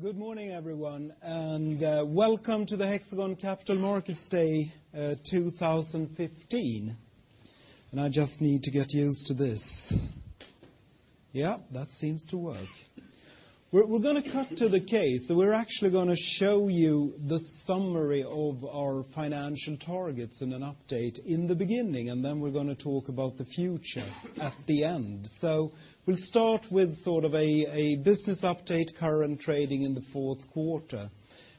Good morning, everyone, and welcome to the Hexagon Capital Markets Day 2015. I just need to get used to this. Yeah, that seems to work. We're going to cut to the case. We're actually going to show you the summary of our financial targets and an update in the beginning. Then we're going to talk about the future at the end. We'll start with sort of a business update, current trading in the fourth quarter.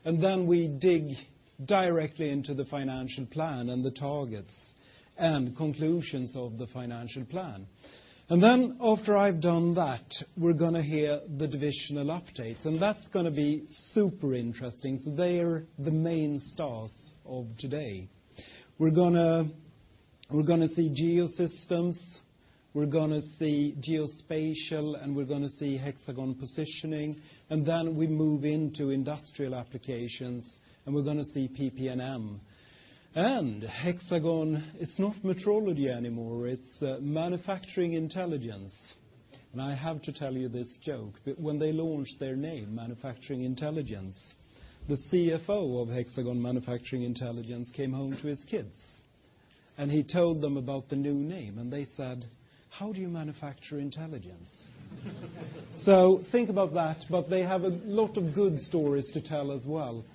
Then we dig directly into the financial plan and the targets and conclusions of the financial plan. After I've done that, we're going to hear the divisional updates, and that's going to be super interesting. They are the main stars of today. We're going to see Geosystems, we're going to see Geospatial, and we're going to see Hexagon Positioning. Then we move into industrial applications, and we're going to see PPM. Hexagon, it's not Metrology anymore, it's Manufacturing Intelligence. I have to tell you this joke, that when they launched their name, Manufacturing Intelligence, the CFO of Hexagon Manufacturing Intelligence came home to his kids, and he told them about the new name. They said, "How do you manufacture intelligence?" Think about that, but they have a lot of good stories to tell as well.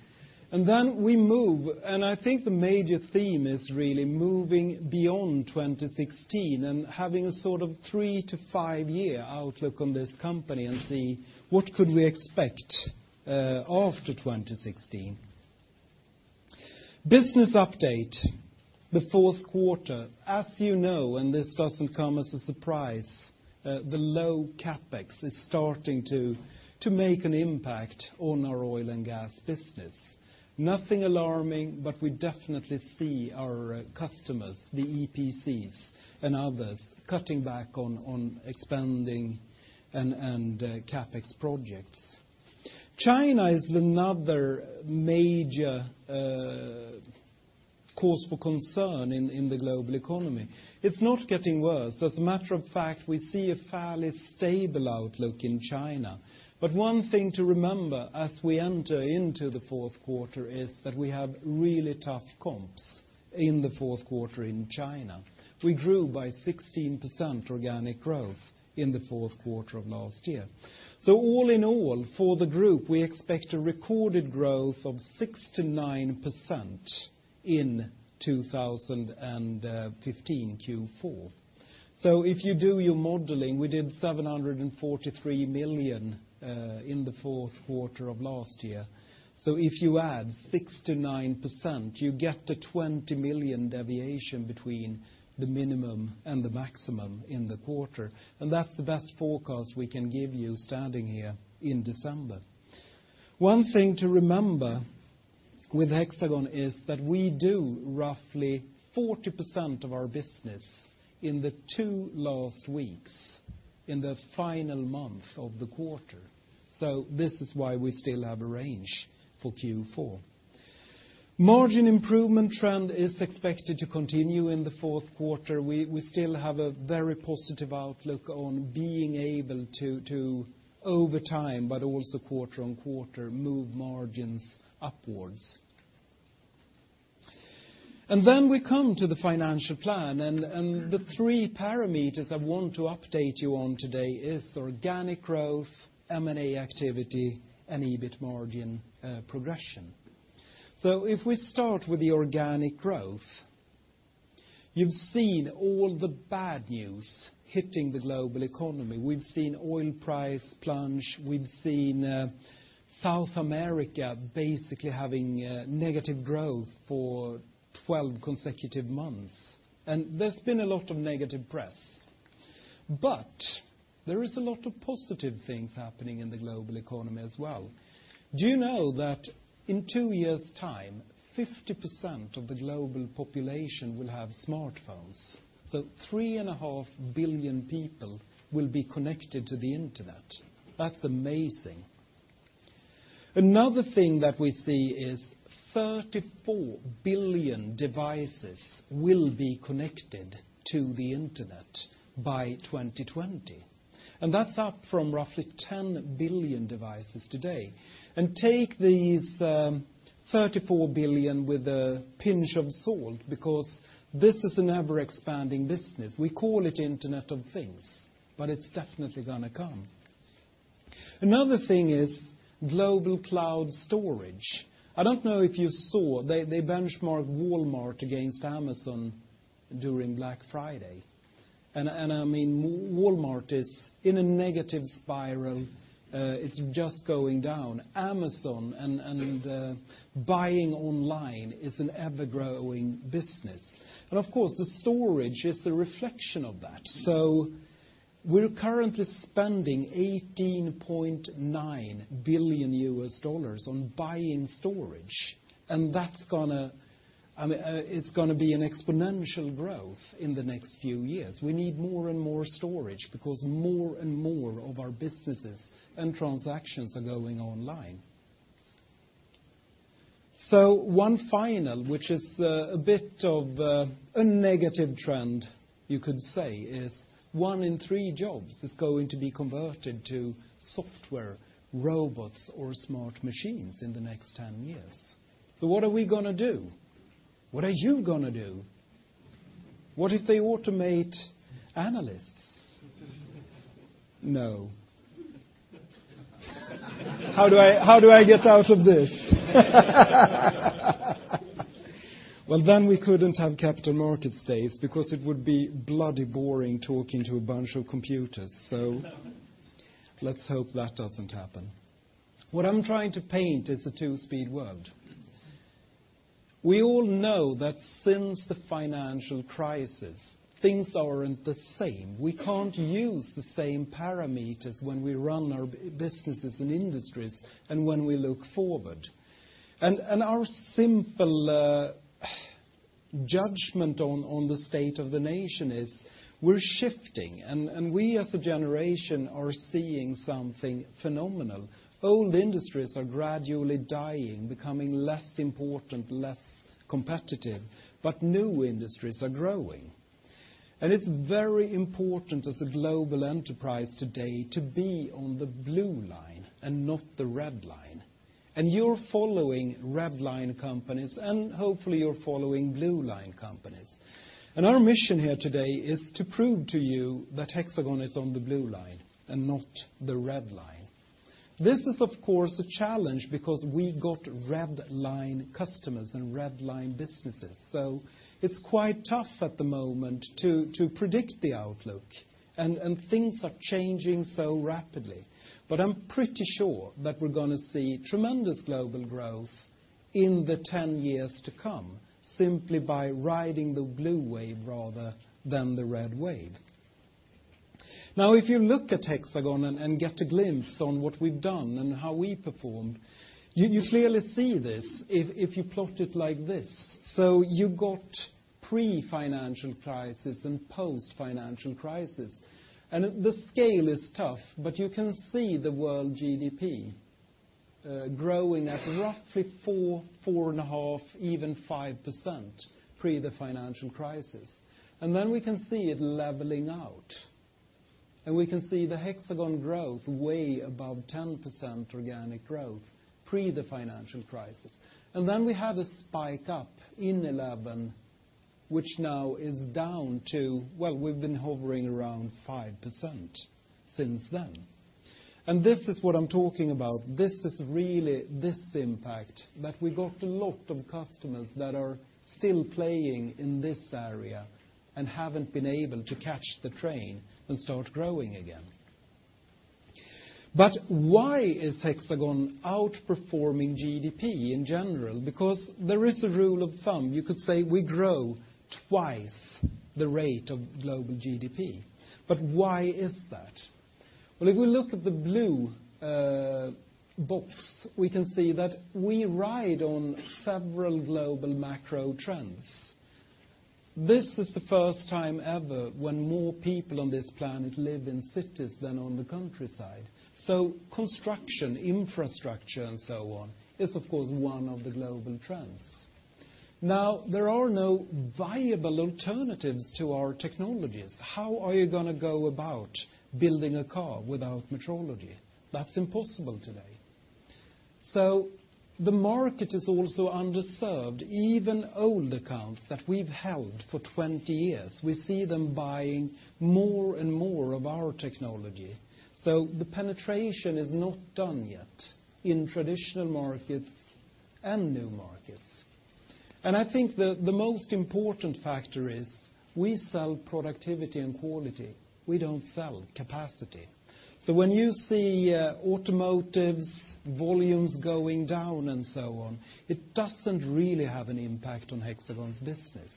Then we move. I think the major theme is really moving beyond 2016 and having a sort of three- to five-year outlook on this company and see what could we expect after 2016. Business update. The fourth quarter, as you know, this doesn't come as a surprise, the low CapEx is starting to make an impact on our oil and gas business. Nothing alarming, but we definitely see our customers, the EPCs and others, cutting back on expanding and CapEx projects. China is another major cause for concern in the global economy. It's not getting worse. As a matter of fact, we see a fairly stable outlook in China. One thing to remember as we enter into the fourth quarter is that we have really tough comps in the fourth quarter in China. We grew by 16% organic growth in the fourth quarter of last year. All in all, for the group, we expect a recorded growth of 6%-9% in 2015 Q4. If you do your modeling, we did 743 million in the fourth quarter of last year. If you add 6%-9%, you get the 20 million deviation between the minimum and the maximum in the quarter, and that's the best forecast we can give you standing here in December. One thing to remember with Hexagon is that we do roughly 40% of our business in the two last weeks, in the final month of the quarter. This is why we still have a range for Q4. Margin improvement trend is expected to continue in the fourth quarter. We still have a very positive outlook on being able to, over time, but also quarter on quarter, move margins upwards. Then we come to the financial plan. The three parameters I want to update you on today is organic growth, M&A activity, and EBIT margin progression. If we start with the organic growth, you've seen all the bad news hitting the global economy. We've seen oil price plunge, we've seen South America basically having negative growth for 12 consecutive months, there's been a lot of negative press. There is a lot of positive things happening in the global economy as well. Do you know that in two years' time, 50% of the global population will have smartphones? 3.5 billion people will be connected to the internet. That's amazing. Another thing that we see is 34 billion devices will be connected to the internet by 2020, that's up from roughly 10 billion devices today. Take these 34 billion with a pinch of salt, because this is an ever-expanding business. We call it Internet of Things, but it's definitely going to come. Another thing is global cloud storage. I don't know if you saw, they benchmarked Walmart against Amazon during Black Friday, Walmart is in a negative spiral. It's just going down. Amazon and buying online is an ever-growing business. Of course, the storage is a reflection of that. We're currently spending $18.9 billion on buying storage, it's going to be an exponential growth in the next few years. We need more and more storage because more and more of our businesses and transactions are going online. One final, which is a bit of a negative trend, you could say, is one in three jobs is going to be converted to software, robots, or smart machines in the next 10 years. What are we going to do? What are you going to do? What if they automate analysts? No. How do I get out of this? We couldn't have Capital Market Days, because it would be bloody boring talking to a bunch of computers, let's hope that doesn't happen. What I'm trying to paint is a two-speed world. We all know that since the financial crisis, things aren't the same. We can't use the same parameters when we run our businesses and industries and when we look forward. Our simple judgment on the state of the nation is we're shifting, we, as a generation, are seeing something phenomenal. Old industries are gradually dying, becoming less important, less competitive. New industries are growing. It's very important as a global enterprise today to be on the blue line and not the red line. You're following red line companies, hopefully, you're following blue line companies. Our mission here today is to prove to you that Hexagon is on the blue line and not the red line. This is, of course, a challenge because we got red line customers and red line businesses. It's quite tough at the moment to predict the outlook, things are changing so rapidly. I'm pretty sure that we're going to see tremendous global growth in the 10 years to come, simply by riding the blue wave rather than the red wave. If you look at Hexagon and get a glimpse on what we've done and how we performed, you clearly see this if you plot it like this. You got pre-financial crisis and post-financial crisis. The scale is tough, but you can see the world GDP growing at roughly 4%, 4.5%, even 5% pre the financial crisis. We can see it leveling out, we can see the Hexagon growth way above 10% organic growth pre the financial crisis. We had a spike up in 2011, which now is down to, well, we've been hovering around 5% since then. This is what I'm talking about. This is really this impact, that we've got a lot of customers that are still playing in this area and haven't been able to catch the train and start growing again. Why is Hexagon outperforming GDP in general? Because there is a rule of thumb. You could say we grow twice the rate of global GDP. Why is that? Well, if we look at the blue box, we can see that we ride on several global macro trends. This is the first time ever when more people on this planet live in cities than on the countryside. Construction, infrastructure, and so on is, of course, one of the global trends. Now, there are no viable alternatives to our technologies. How are you going to go about building a car without metrology? That's impossible today. The market is also underserved. Even old accounts that we've held for 20 years, we see them buying more and more of our technology. The penetration is not done yet in traditional markets and new markets. I think the most important factor is we sell productivity and quality. We don't sell capacity. When you see automotive's volumes going down and so on, it doesn't really have an impact on Hexagon's business.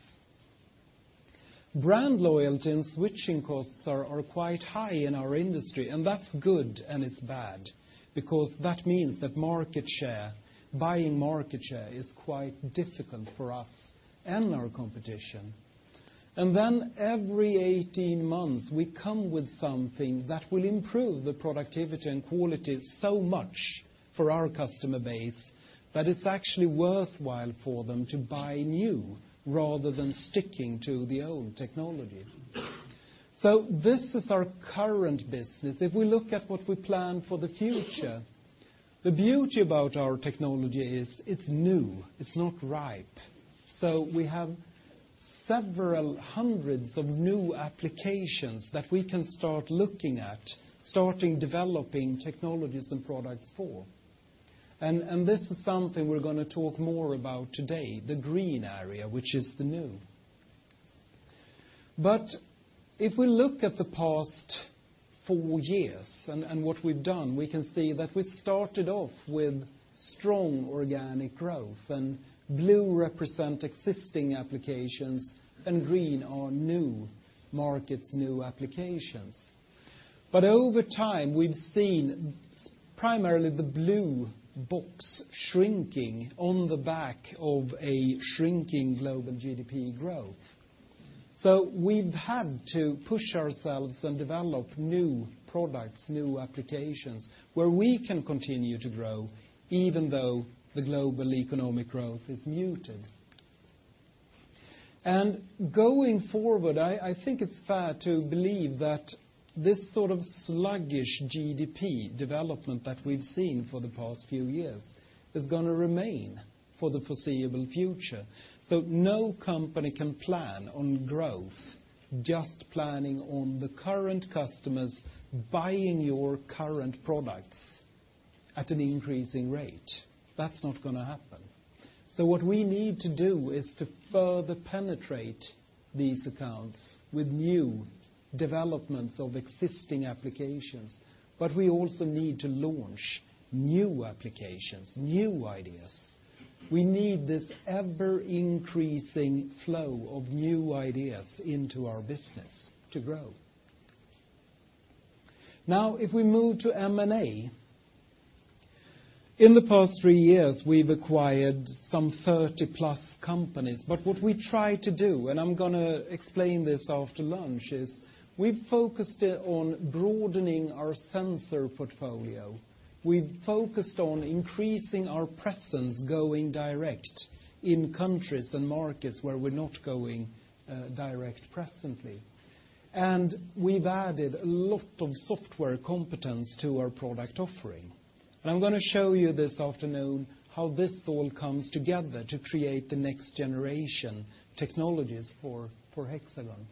Brand loyalty and switching costs are quite high in our industry, and that's good, and it's bad, because that means that buying market share is quite difficult for us and our competition. Every 18 months, we come with something that will improve the productivity and quality so much for our customer base that it's actually worthwhile for them to buy new rather than sticking to the old technology. This is our current business. If we look at what we plan for the future, the beauty about our technology is it's new. It's not ripe. We have several hundreds of new applications that we can start looking at, starting developing technologies and products for. This is something we're going to talk more about today, the green area, which is the new. If we look at the past four years and what we've done, we can see that we started off with strong organic growth, and blue represent existing applications, and green are new markets, new applications. Over time, we've seen primarily the blue box shrinking on the back of a shrinking global GDP growth. We've had to push ourselves and develop new products, new applications, where we can continue to grow even though the global economic growth is muted. Going forward, I think it's fair to believe that this sort of sluggish GDP development that we've seen for the past few years is going to remain for the foreseeable future. No company can plan on growth, just planning on the current customers buying your current products at an increasing rate. That's not going to happen. What we need to do is to further penetrate these accounts with new developments of existing applications. We also need to launch new applications, new ideas. We need this ever increasing flow of new ideas into our business to grow. If we move to M&A. In the past three years, we've acquired some 30+ companies. What we try to do, and I'm going to explain this after lunch, is we've focused it on broadening our sensor portfolio. We've focused on increasing our presence, going direct in countries and markets where we're not going direct presently. We've added a lot of software competence to our product offering. I'm going to show you this afternoon how this all comes together to create the next generation technologies for Hexagon.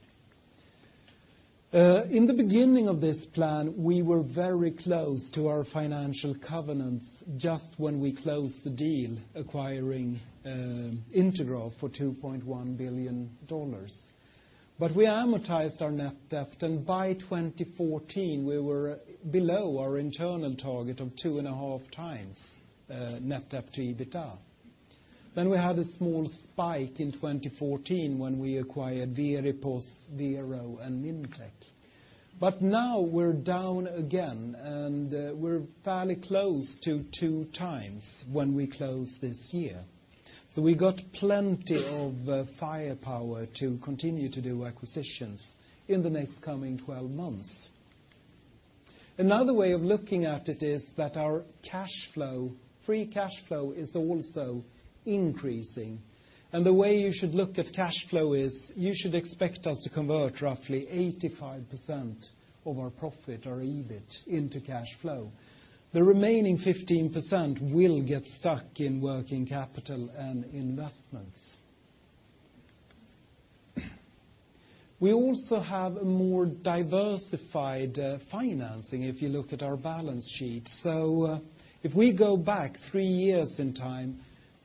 In the beginning of this plan, we were very close to our financial covenants just when we closed the deal acquiring Intergraph for $2.1 billion. We amortized our net debt. By 2014, we were below our internal target of 2.5 times net debt to EBITDA. We had a small spike in 2014 when we acquired Veripos, Vero, and Mintec. Now we're down again. We're fairly close to 2 times when we close this year. We got plenty of firepower to continue to do acquisitions in the next coming 12 months. Another way of looking at it is that our free cash flow is also increasing. The way you should look at cash flow is you should expect us to convert roughly 85% of our profit or EBIT into cash flow. The remaining 15% will get stuck in working capital and investments. We also have a more diversified financing, if you look at our balance sheet. If we go back three years in time,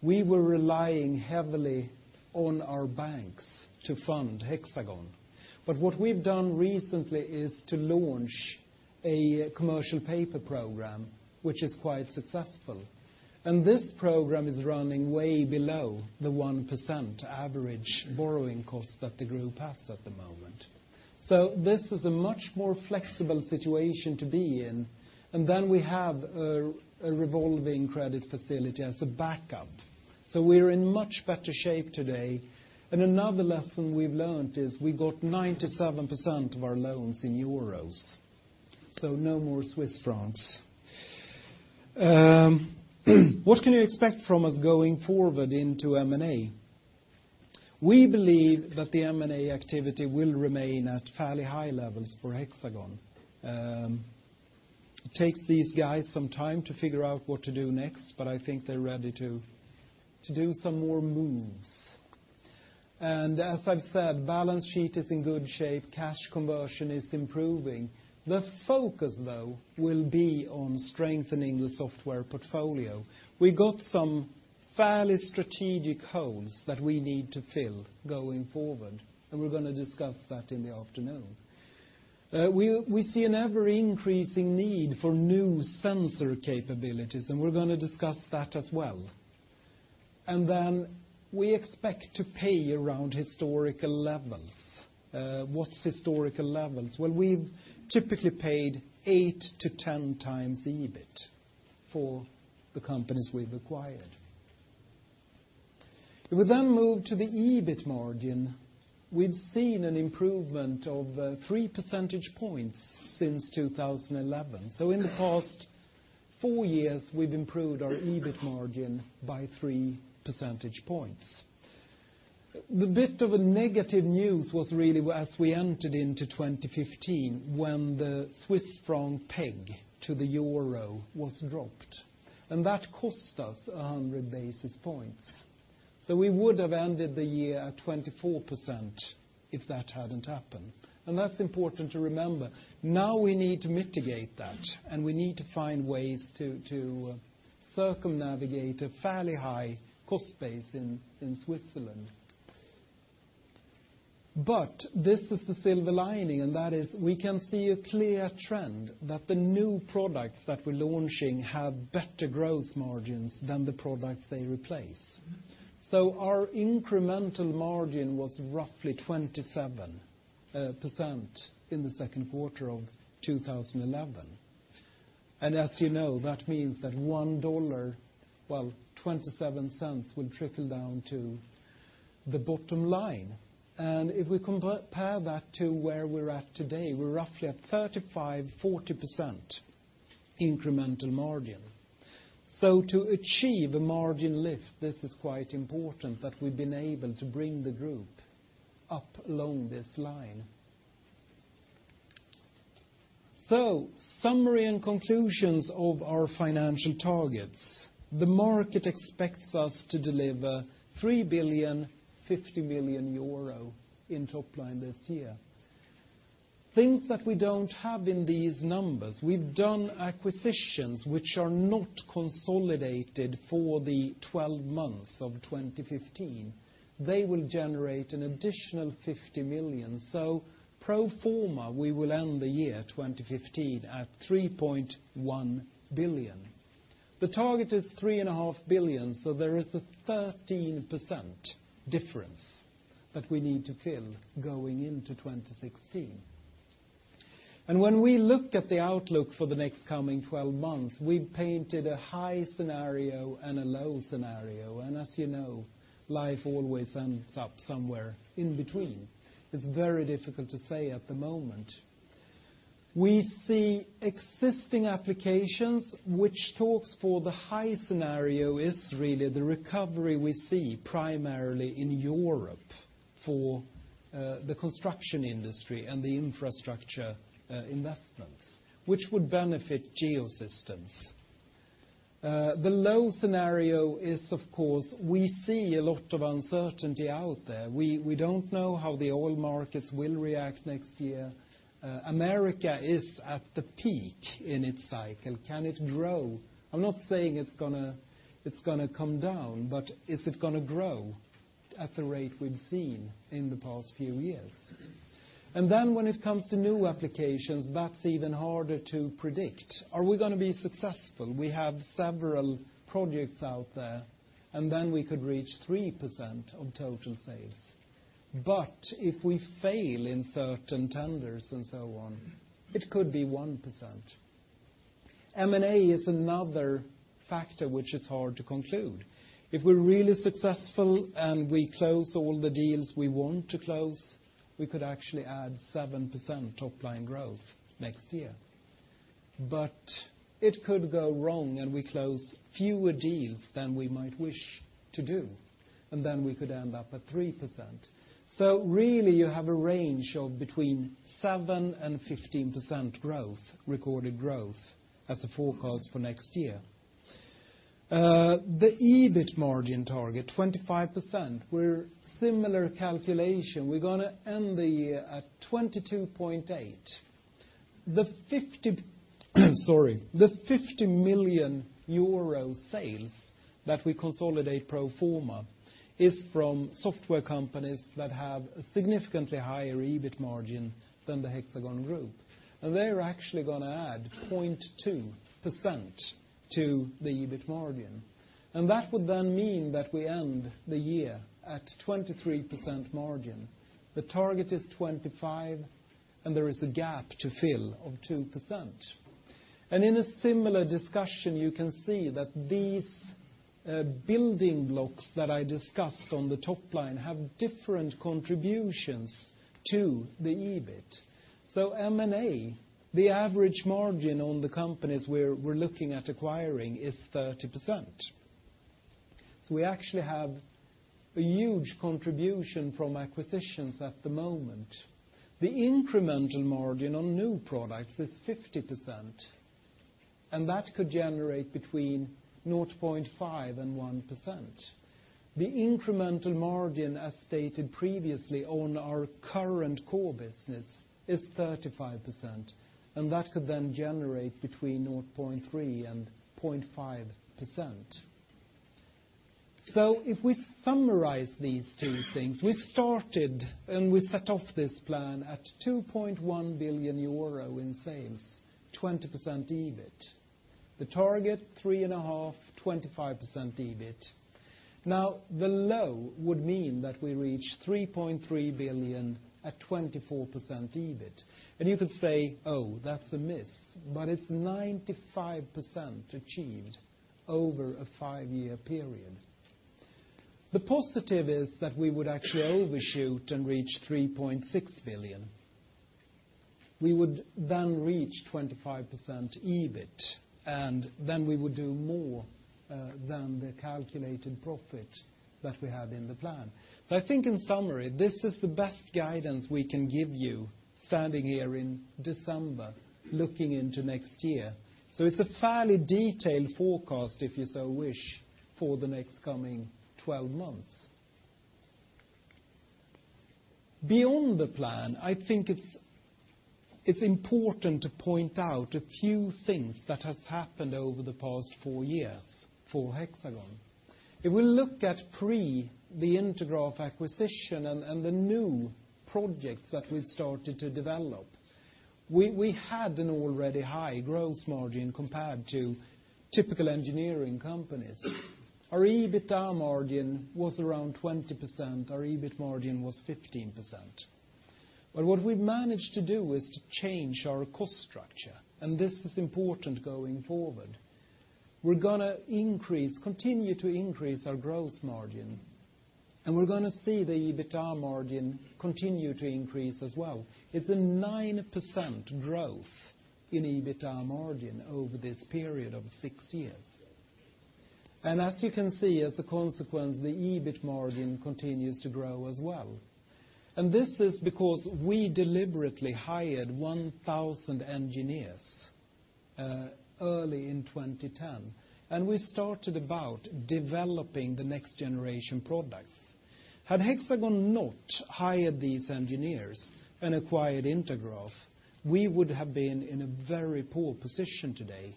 we were relying heavily on our banks to fund Hexagon. What we've done recently is to launch a commercial paper program, which is quite successful. This program is running way below the 1% average borrowing cost that the group has at the moment. This is a much more flexible situation to be in. We have a revolving credit facility as a backup. We're in much better shape today. Another lesson we've learned is we got 97% of our loans in EUR. No more CHF. What can you expect from us going forward into M&A? We believe that the M&A activity will remain at fairly high levels for Hexagon. It takes these guys some time to figure out what to do next. I think they're ready to do some more moves. As I've said, balance sheet is in good shape, cash conversion is improving. The focus, though, will be on strengthening the software portfolio. We got some fairly strategic holes that we need to fill going forward, and we're going to discuss that in the afternoon. We see an ever-increasing need for new sensor capabilities, and we're going to discuss that as well. We expect to pay around historical levels. What's historical levels? We've typically paid 8-10 times EBIT for the companies we've acquired. If we move to the EBIT margin, we've seen an improvement of three percentage points since 2011. In the past four years, we've improved our EBIT margin by 3 percentage points. The bit of negative news was really as we entered into 2015, when the Swiss franc peg to the euro was dropped, and that cost us 100 basis points. We would have ended the year at 24% if that hadn't happened, and that's important to remember. We need to mitigate that, and we need to find ways to circumnavigate a fairly high cost base in Switzerland. This is the silver lining, and that is we can see a clear trend that the new products that we're launching have better gross margins than the products they replace. Our incremental margin was roughly 27% in the second quarter of 2011. As you know, that means that EUR 1, well, 0.27 will trickle down to the bottom line. If we compare that to where we're at today, we're roughly at 35%-40% incremental margin. To achieve a margin lift, this is quite important that we've been able to bring the group up along this line. Summary and conclusions of our financial targets. The market expects us to deliver 3.05 billion in top line this year. Things that we don't have in these numbers, we've done acquisitions which are not consolidated for the 12 months of 2015. They will generate an additional 50 million. Pro forma, we will end the year 2015 at 3.1 billion. The target is 3.5 billion, so there is a 13% difference that we need to fill going into 2016. When we look at the outlook for the next coming 12 months, we've painted a high scenario and a low scenario. As you know, life always ends up somewhere in between. It's very difficult to say at the moment. We see existing applications, which talks for the high scenario is really the recovery we see primarily in Europe for the construction industry and the infrastructure investments, which would benefit Geosystems. The low scenario is, of course, we see a lot of uncertainty out there. We don't know how the oil markets will react next year. The U.S. is at the peak in its cycle. Can it grow? I'm not saying it's going to come down, but is it going to grow at the rate we've seen in the past few years? When it comes to new applications, that's even harder to predict. Are we going to be successful? We have several projects out there, and then we could reach 3% of total sales. If we fail in certain tenders and so on, it could be 1%. M&A is another factor which is hard to conclude. If we're really successful and we close all the deals we want to close, we could actually add 7% top line growth next year. It could go wrong, and we close fewer deals than we might wish to do, and then we could end up at 3%. Really you have a range of between 7% and 15% growth, recorded growth as a forecast for next year. The EBIT margin target, 25%, were similar calculation. We're going to end the year at 22.8%. The 50 million euro sales that we consolidate pro forma is from software companies that have a significantly higher EBIT margin than the Hexagon Group, and they're actually going to add 0.2% to the EBIT margin. That would then mean that we end the year at 23% margin. The target is 25%, and there is a gap to fill of 2%. In a similar discussion, you can see that these building blocks that I discussed on the top line have different contributions to the EBIT. M&A, the average margin on the companies we're looking at acquiring is 30%. We actually have a huge contribution from acquisitions at the moment. The incremental margin on new products is 50%, and that could generate between 0.5% and 1%. The incremental margin, as stated previously on our current core business, is 35%, and that could then generate between 0.3% and 0.5%. If we summarize these two things, we started and we set off this plan at 2.1 billion euro in sales, 20% EBIT. The target, 3.5 billion, 25% EBIT. Now, the low would mean that we reach 3.3 billion at 24% EBIT. You could say, "Oh, that's a miss," but it's 95% achieved over a five-year period. The positive is that we would actually overshoot and reach 3.6 billion. We would then reach 25% EBIT, and then we would do more than the calculated profit that we had in the plan. I think in summary, this is the best guidance we can give you standing here in December, looking into next year. It's a fairly detailed forecast, if you so wish, for the next coming 12 months. Beyond the plan, I think it's important to point out a few things that has happened over the past four years for Hexagon. If we look at pre the Intergraph acquisition and the new projects that we've started to develop, we had an already high gross margin compared to typical engineering companies. Our EBITDA margin was around 20%. Our EBIT margin was 15%. What we've managed to do is to change our cost structure, and this is important going forward. We're going to continue to increase our gross margin, and we're going to see the EBITDA margin continue to increase as well. It's a 9% growth in EBITDA margin over this period of six years. As you can see, as a consequence, the EBIT margin continues to grow as well. This is because we deliberately hired 1,000 engineers early in 2010, and we started about developing the next generation products. Had Hexagon not hired these engineers and acquired Intergraph, we would have been in a very poor position today,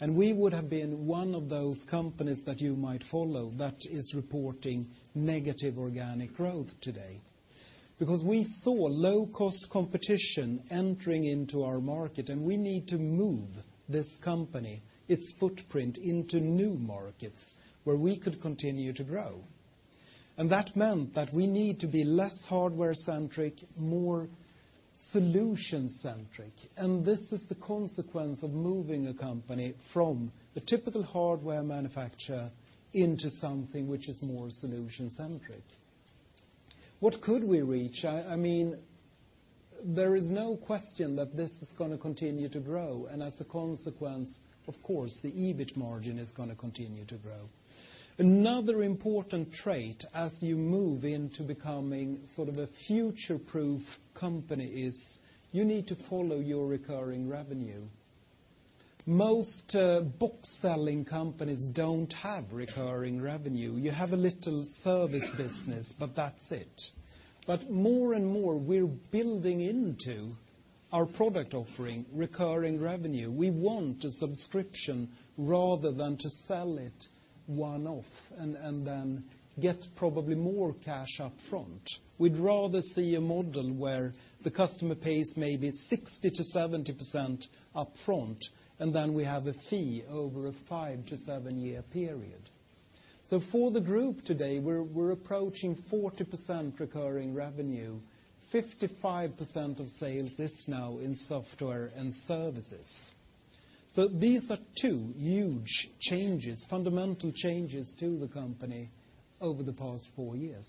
and we would have been one of those companies that you might follow that is reporting negative organic growth today. We saw low-cost competition entering into our market, and we need to move this company, its footprint, into new markets where we could continue to grow. That meant that we need to be less hardware-centric, more solution-centric. This is the consequence of moving a company from the typical hardware manufacturer into something which is more solution-centric. What could we reach? There is no question that this is going to continue to grow. As a consequence, of course, the EBIT margin is going to continue to grow. Another important trait as you move into becoming sort of a future-proof company is you need to follow your recurring revenue. Most book-selling companies don't have recurring revenue. You have a little service business, but that's it. More and more, we're building into our product offering recurring revenue. We want a subscription rather than to sell it one-off, and then get probably more cash up front. We'd rather see a model where the customer pays maybe 60%-70% up front, and then we have a fee over a 5-7-year period. For the group today, we're approaching 40% recurring revenue, 55% of sales is now in software and services. These are two huge changes, fundamental changes to the company over the past 4 years.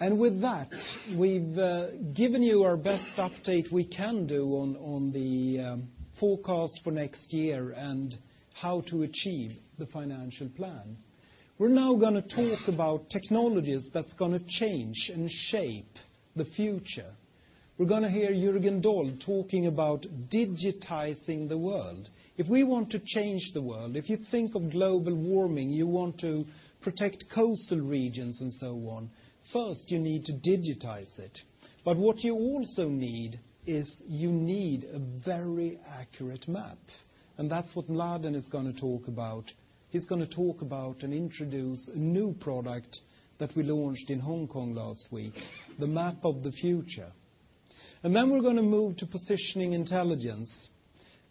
With that, we've given you our best update we can do on the forecast for next year and how to achieve the financial plan. We're now going to talk about technologies that's going to change and shape the future. We're going to hear Jürgen Dold talking about digitizing the world. If we want to change the world, if you think of global warming, you want to protect coastal regions and so on, first, you need to digitize it. What you also need is you need a very accurate map, and that's what Mladen is going to talk about. He's going to talk about and introduce a new product that we launched in Hong Kong last week, the map of the future. Then we're going to move to Positioning Intelligence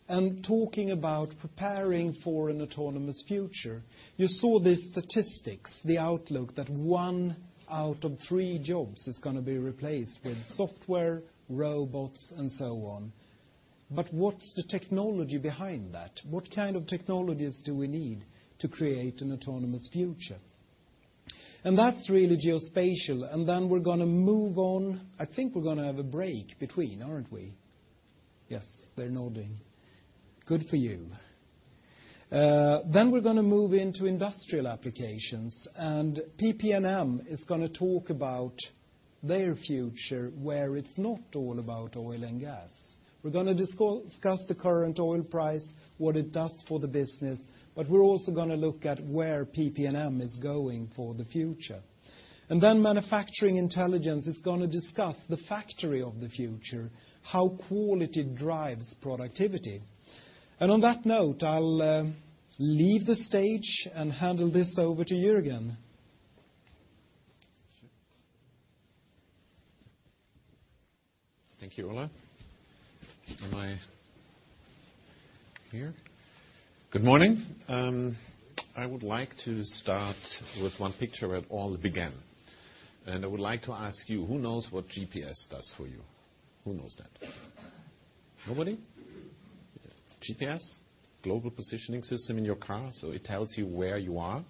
and talking about preparing for an autonomous future. You saw the statistics, the outlook, that one out of three jobs is going to be replaced with software, robots, and so on. What's the technology behind that? What kind of technologies do we need to create an autonomous future? That's really geospatial, then we're going to move on. I think we're going to have a break between, aren't we? Yes, they're nodding. Good for you. Then we're going to move into industrial applications, and PP&M is going to talk about their future, where it's not all about oil and gas. We're going to discuss the current oil price, what it does for the business, but we're also going to look at where PP&M is going for the future. Then Manufacturing Intelligence is going to discuss the factory of the future, how quality drives productivity. On that note, I'll leave the stage and handle this over to Jürgen. Thank you, Ola. Am I here? Good morning. I would like to start with one picture where it all began. I would like to ask you, who knows what GPS does for you? Who knows that? Nobody? GPS, global positioning system in your car, so it tells you where you are.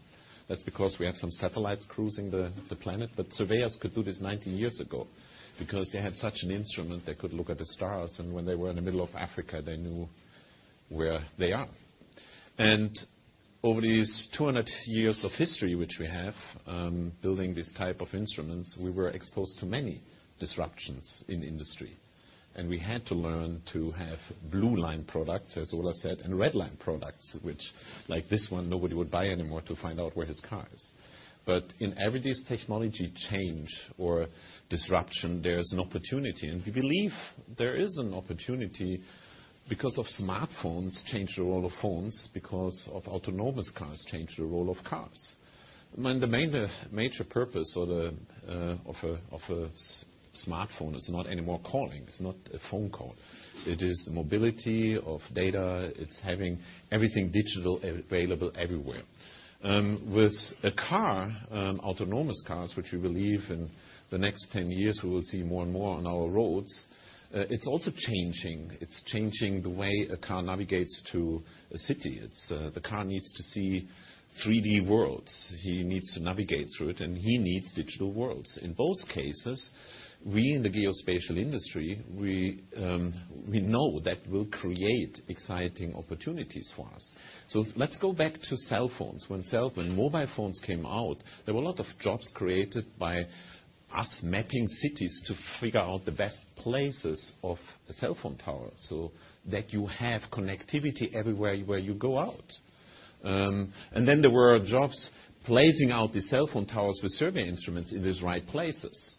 That's because we have some satellites cruising the planet, but surveyors could do this 19 years ago because they had such an instrument. They could look at the stars, and when they were in the middle of Africa, they knew where they are. Over these 200 years of history, which we have, building these type of instruments, we were exposed to many disruptions in industry. We had to learn to have blue line products, as Ola said, and red line products, which like this one, nobody would buy anymore to find out where his car is. In every technology change or disruption, there's an opportunity. We believe there is an opportunity because of smartphones change the role of phones, because of autonomous cars change the role of cars. The main major purpose of a smartphone is not anymore calling. It's not a phone call. It is mobility of data. It's having everything digital available everywhere. With a car, autonomous cars, which we believe in the next 10 years, we will see more and more on our roads, it's also changing. It's changing the way a car navigates to a city. The car needs to see 3D worlds. He needs to navigate through it, and he needs digital worlds. In both cases, we in the geospatial industry, we know that will create exciting opportunities for us. Let's go back to cell phones. When mobile phones came out, there were a lot of jobs created by us mapping cities to figure out the best places of a cell phone tower, so that you have connectivity everywhere where you go out. Then there were jobs placing out the cell phone towers with survey instruments in these right places.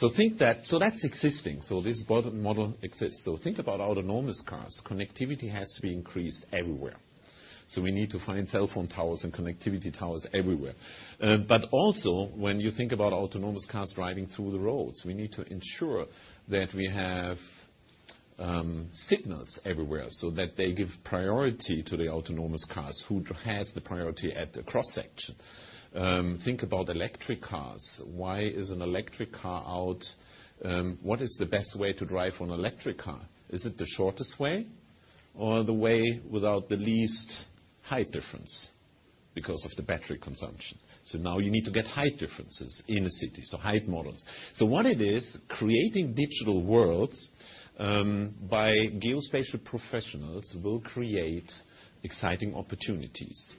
That's existing. This bottom model exists. Think about autonomous cars. Connectivity has to be increased everywhere. We need to find cell phone towers and connectivity towers everywhere. Also when you think about autonomous cars driving through the roads, we need to ensure that we have signals everywhere so that they give priority to the autonomous cars, who has the priority at the cross section? Think about electric cars. Why is an electric car out? What is the best way to drive an electric car? Is it the shortest way or the way without the least height difference because of the battery consumption? Now you need to get height differences in a city, so height models. What it is, creating digital worlds, by geospatial professionals will create exciting opportunities.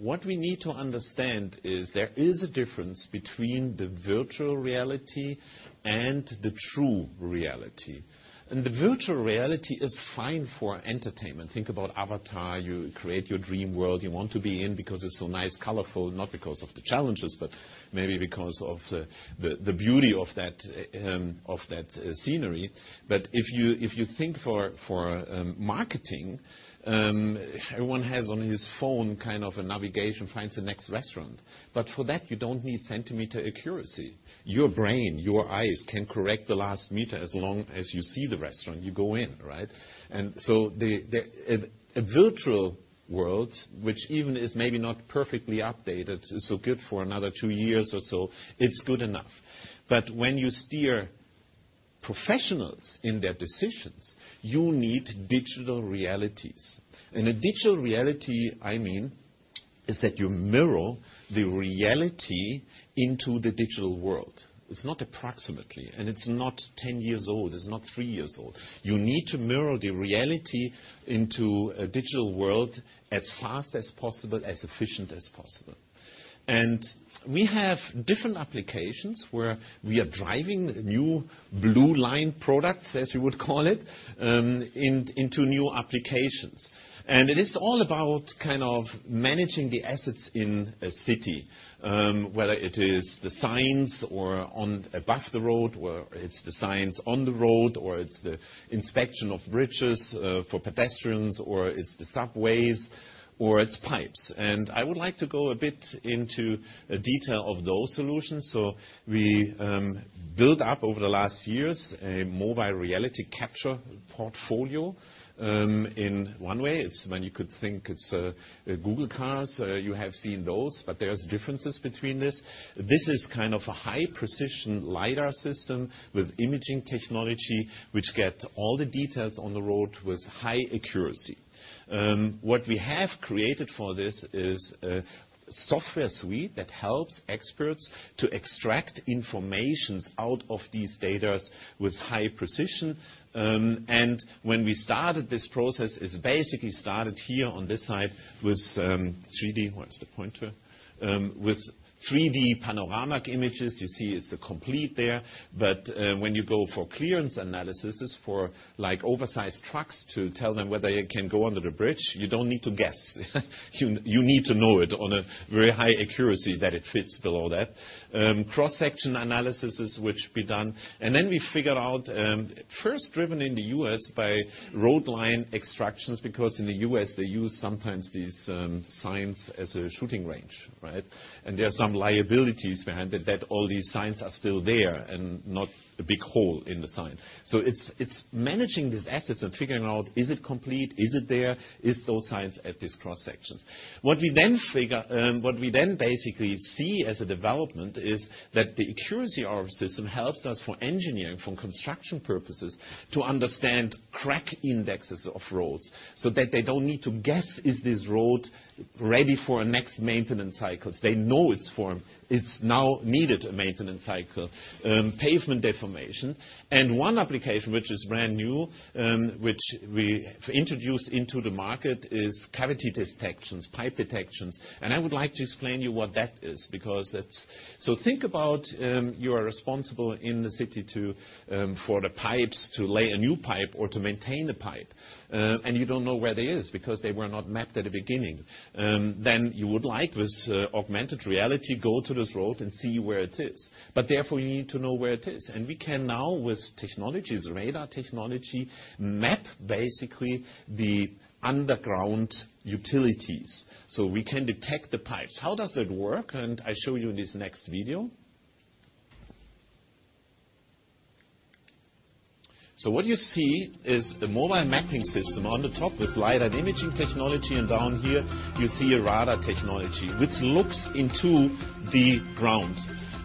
What we need to understand is there is a difference between the virtual reality and the true reality, and the virtual reality is fine for entertainment. Think about "Avatar". You create your dream world you want to be in because it's so nice, colorful, not because of the challenges, but maybe because of the beauty of that scenery. If you think for marketing, everyone has on his phone a navigation, finds the next restaurant. For that, you don't need centimeter accuracy. Your brain, your eyes can correct the last meter. As long as you see the restaurant, you go in, right? A virtual world, which even is maybe not perfectly updated, is so good for another two years or so, it's good enough. When you steer professionals in their decisions, you need digital realities. A digital reality, I mean, is that you mirror the reality into the digital world. It's not approximately, and it's not 10 years old. It's not three years old. You need to mirror the reality into a digital world as fast as possible, as efficient as possible. We have different applications where we are driving new blue line products, as you would call it, into new applications. It is all about managing the assets in a city, whether it is the signs or on above the road, or it's the signs on the road, or it's the inspection of bridges, for pedestrians, or it's the subways or it's pipes. I would like to go a bit into detail of those solutions. We built up over the last years, a mobile reality capture portfolio. In one way, it's when you could think it's Google cars, you have seen those, but there are differences between this. This is a high-precision lidar system with imaging technology, which gets all the details on the road with high accuracy. What we have created for this is a software suite that helps experts to extract information out of these data with high precision. When we started this process, it's basically started here on this side with 3D, where's the pointer? With 3D panoramic images. You see it's complete there. When you go for clearance analysis for oversized trucks to tell them whether they can go under the bridge, you don't need to guess. You need to know it on a very high accuracy that it fits below that. Cross-section analysis which we done. Then we figured out, first driven in the U.S. by road line extractions, because in the U.S. they use sometimes these signs as a shooting range, right? There are some liabilities behind it that all these signs are still there and not a big hole in the sign. It's managing these assets and figuring out, is it complete, is it there, is those signs at these cross sections? What we then basically see as a development is that the accuracy of our system helps us for engineering, for construction purposes, to understand crack indexes of roads so that they don't need to guess, is this road ready for a next maintenance cycles. They know it's now needed a maintenance cycle. Pavement deformation. One application which is brand new, which we introduced into the market is cavity detections, pipe detections. I would like to explain you what that is. Think about, you are responsible in the city for the pipes to lay a new pipe or to maintain a pipe. You don't know where they is because they were not mapped at the beginning. Then you would like, with augmented reality, go to this road and see where it is, but therefore you need to know where it is. We can now with technologies, radar technology, map basically the underground utilities so we can detect the pipes. How does it work? I show you this next video. What you see is the mobile mapping system on the top with lidar and imaging technology, and down here you see a radar technology, which looks into the ground.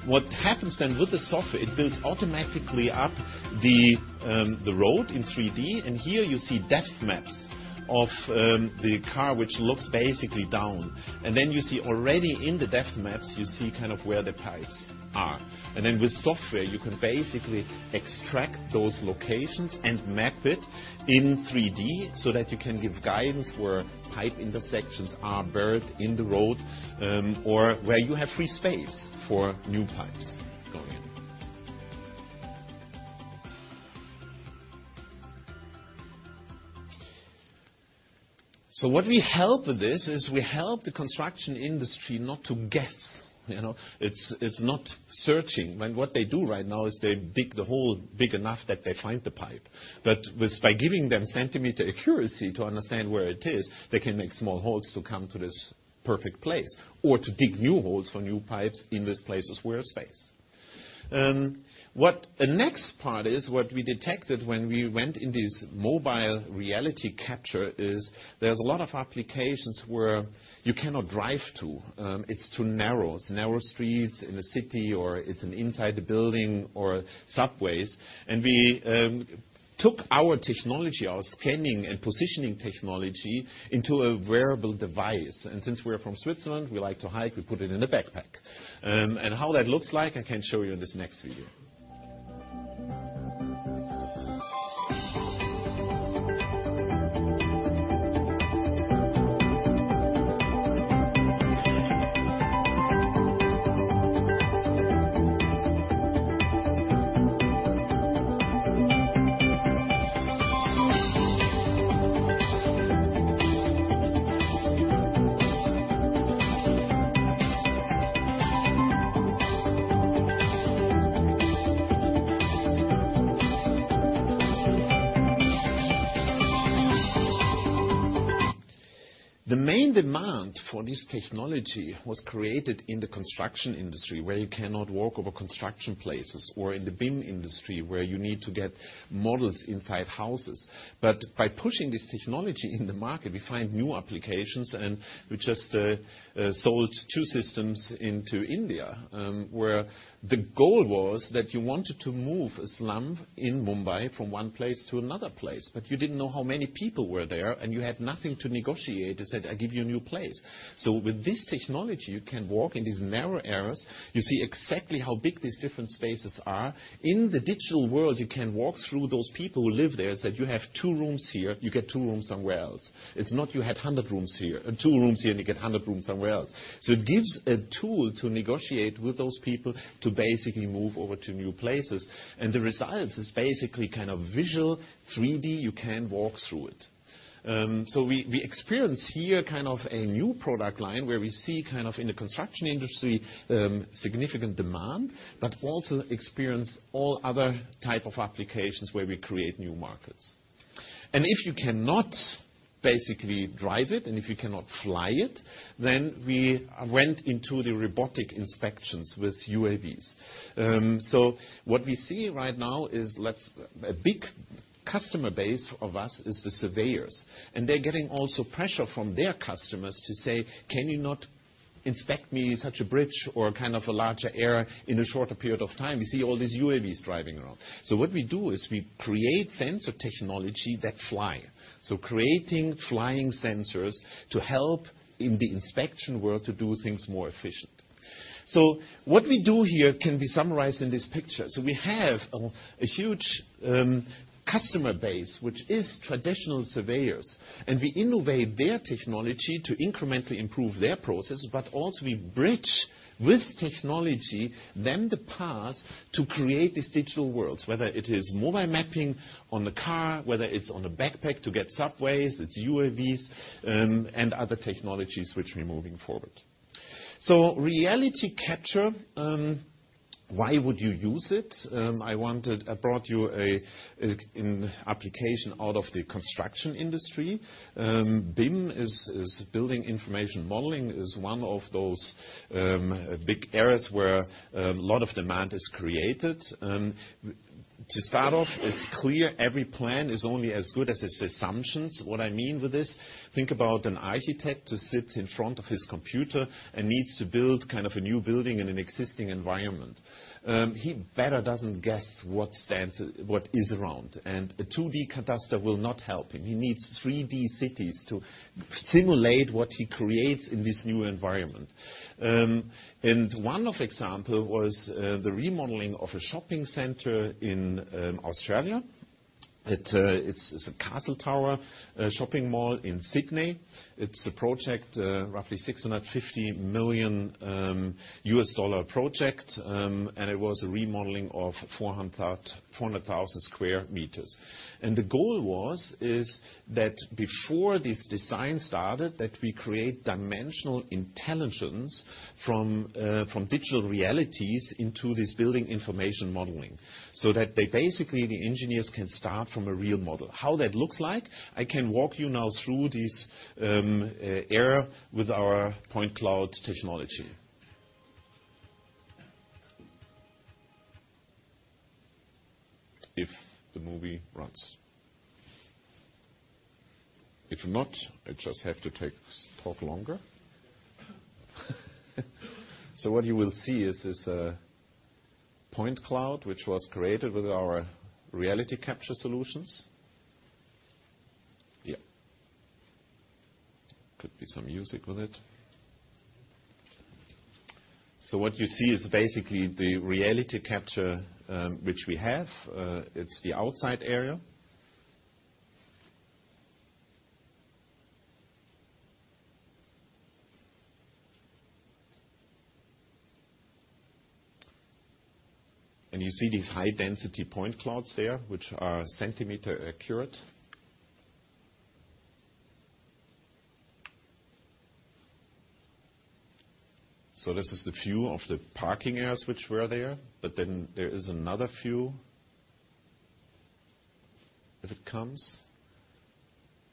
What happens then with the software, it builds automatically up the road in 3D. Here you see depth maps of the car, which looks basically down. Then you see already in the depth maps, you see where the pipes are. Then with software, you can basically extract those locations and map it in 3D, so that you can give guidance where pipe intersections are buried in the road, or where you have free space for new pipes going in. What we help with this is we help the construction industry not to guess. It's not searching, what they do right now is they dig the hole big enough that they find the pipe. By giving them centimeter accuracy to understand where it is, they can make small holes to come to this perfect place, or to dig new holes for new pipes in these places where there's space. The next part is, what we detected when we went in this mobile reality capture is there's a lot of applications where you cannot drive to. It's too narrow, it's narrow streets in the city, or it's inside the building or subways. We took our technology, our scanning and positioning technology, into a wearable device. Since we're from Switzerland, we like to hike, we put it in a backpack. How that looks like, I can show you in this next video. The main demand for this technology was created in the construction industry, where you cannot walk over construction places, or in the BIM industry, where you need to get models inside houses. By pushing this technology in the market, we find new applications, and we just sold two systems into India, where the goal was that you wanted to move a slum in Mumbai from one place to another place, but you didn't know how many people were there, and you had nothing to negotiate. They said, "I give you a new place." With this technology, you can walk in these narrow areas, you see exactly how big these different spaces are. In the digital world, you can walk through those people who live there and say, "You have two rooms here, you get two rooms somewhere else." It's not you had two rooms here and you get 100 rooms somewhere else. It gives a tool to negotiate with those people to basically move over to new places. The result is basically visual 3D, you can walk through it. We experience here a new product line where we see in the construction industry, significant demand, but also experience all other type of applications where we create new markets. If you cannot basically drive it, and if you cannot fly it, then we went into the robotic inspections with UAVs. What we see right now is a big customer base of us is the surveyors. They're getting also pressure from their customers to say, "Can you not inspect me such a bridge or a larger area in a shorter period of time?" You see all these UAVs driving around. What we do is we create sensor technology that fly. Creating flying sensors to help in the inspection work to do things more efficient. What we do here can be summarized in this picture. We have a huge customer base, which is traditional surveyors. We innovate their technology to incrementally improve their processes, but also we bridge with technology, then the path to create these digital worlds, whether it is mobile mapping on the car, whether it's on a backpack to get subways, it's UAVs, and other technologies which we're moving forward. Reality capture, why would you use it? I brought you an application out of the construction industry. BIM is building information modeling, is one of those big areas where a lot of demand is created. To start off, it's clear every plan is only as good as its assumptions. What I mean with this, think about an architect who sits in front of his computer and needs to build a new building in an existing environment. He better doesn't guess what is around. A 2D cadastre will not help him. He needs 3D cities to simulate what he creates in this new environment. One of example was the remodeling of a shopping center in Australia. It's a Castle Towers shopping mall in Sydney. It's a project, roughly a EUR 650 million project, and it was a remodeling of 400,000 sq m. The goal was, is that before this design started, that we create dimensional intelligence from digital realities into this building information modeling. That they basically, the engineers can start from a real model. How that looks like, I can walk you now through this area with our point cloud technology. If the movie runs. If not, I just have to talk longer. What you will see is this point cloud, which was created with our reality capture solutions. Yeah. Could be some music with it. What you see is basically the reality capture, which we have. It's the outside area. You see these high-density point clouds there, which are centimeter accurate. This is the view of the parking areas which were there is another view, if it comes,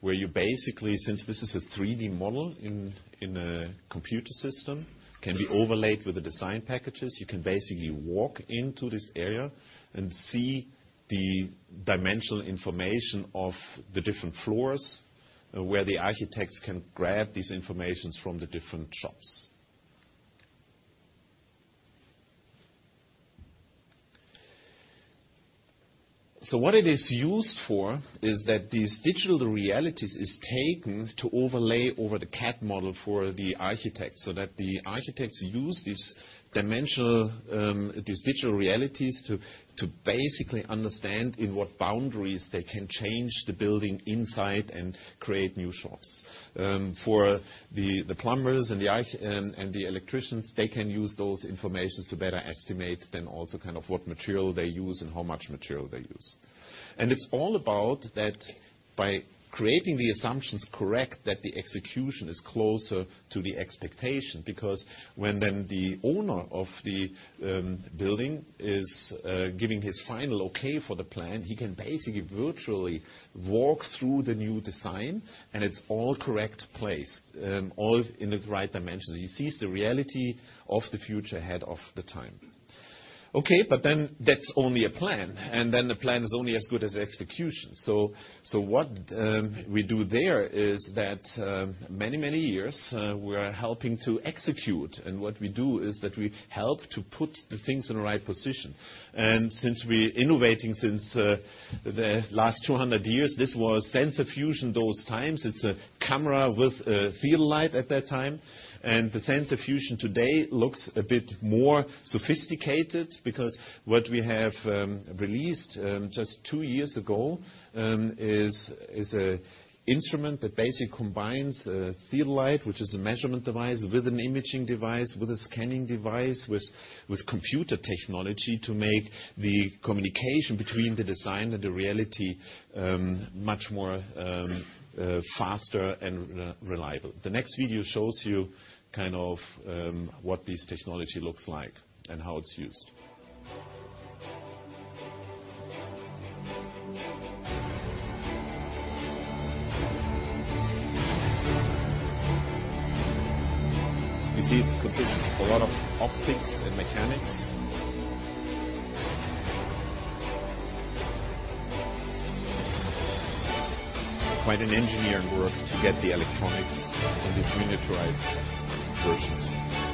where you basically, since this is a 3D model in a computer system, can be overlaid with the design packages. You can basically walk into this area and see the dimensional information of the different floors, where the architects can grab this information from the different shops. What it is used for is that these digital realities is taken to overlay over the CAD model for the architect, so that the architects use these digital realities to basically understand in what boundaries they can change the building inside and create new shops. For the plumbers and the electricians, they can use those informations to better estimate then also what material they use and how much material they use. It's all about that by creating the assumptions correct, that the execution is closer to the expectation, because when then the owner of the building is giving his final okay for the plan, he can basically virtually walk through the new design, it's all correct place, all in the right dimension. He sees the reality of the future ahead of the time. That's only a plan, the plan is only as good as the execution. What we do there is that many, many years, we're helping to execute. What we do is that we help to put the things in the right position. Since we're innovating since the last 200 years, this was sensor fusion those times. It's a camera with a theodolite at that time. The sensor fusion today looks a bit more sophisticated because what we have released just two years ago is an instrument that basically combines a theodolite, which is a measurement device, with an imaging device, with a scanning device, with computer technology to make the communication between the design and the reality much more faster and reliable. The next video shows you what this technology looks like and how it's used. You see it consists of a lot of optics and mechanics. Quite an engineering work to get the electronics in these miniaturized versions.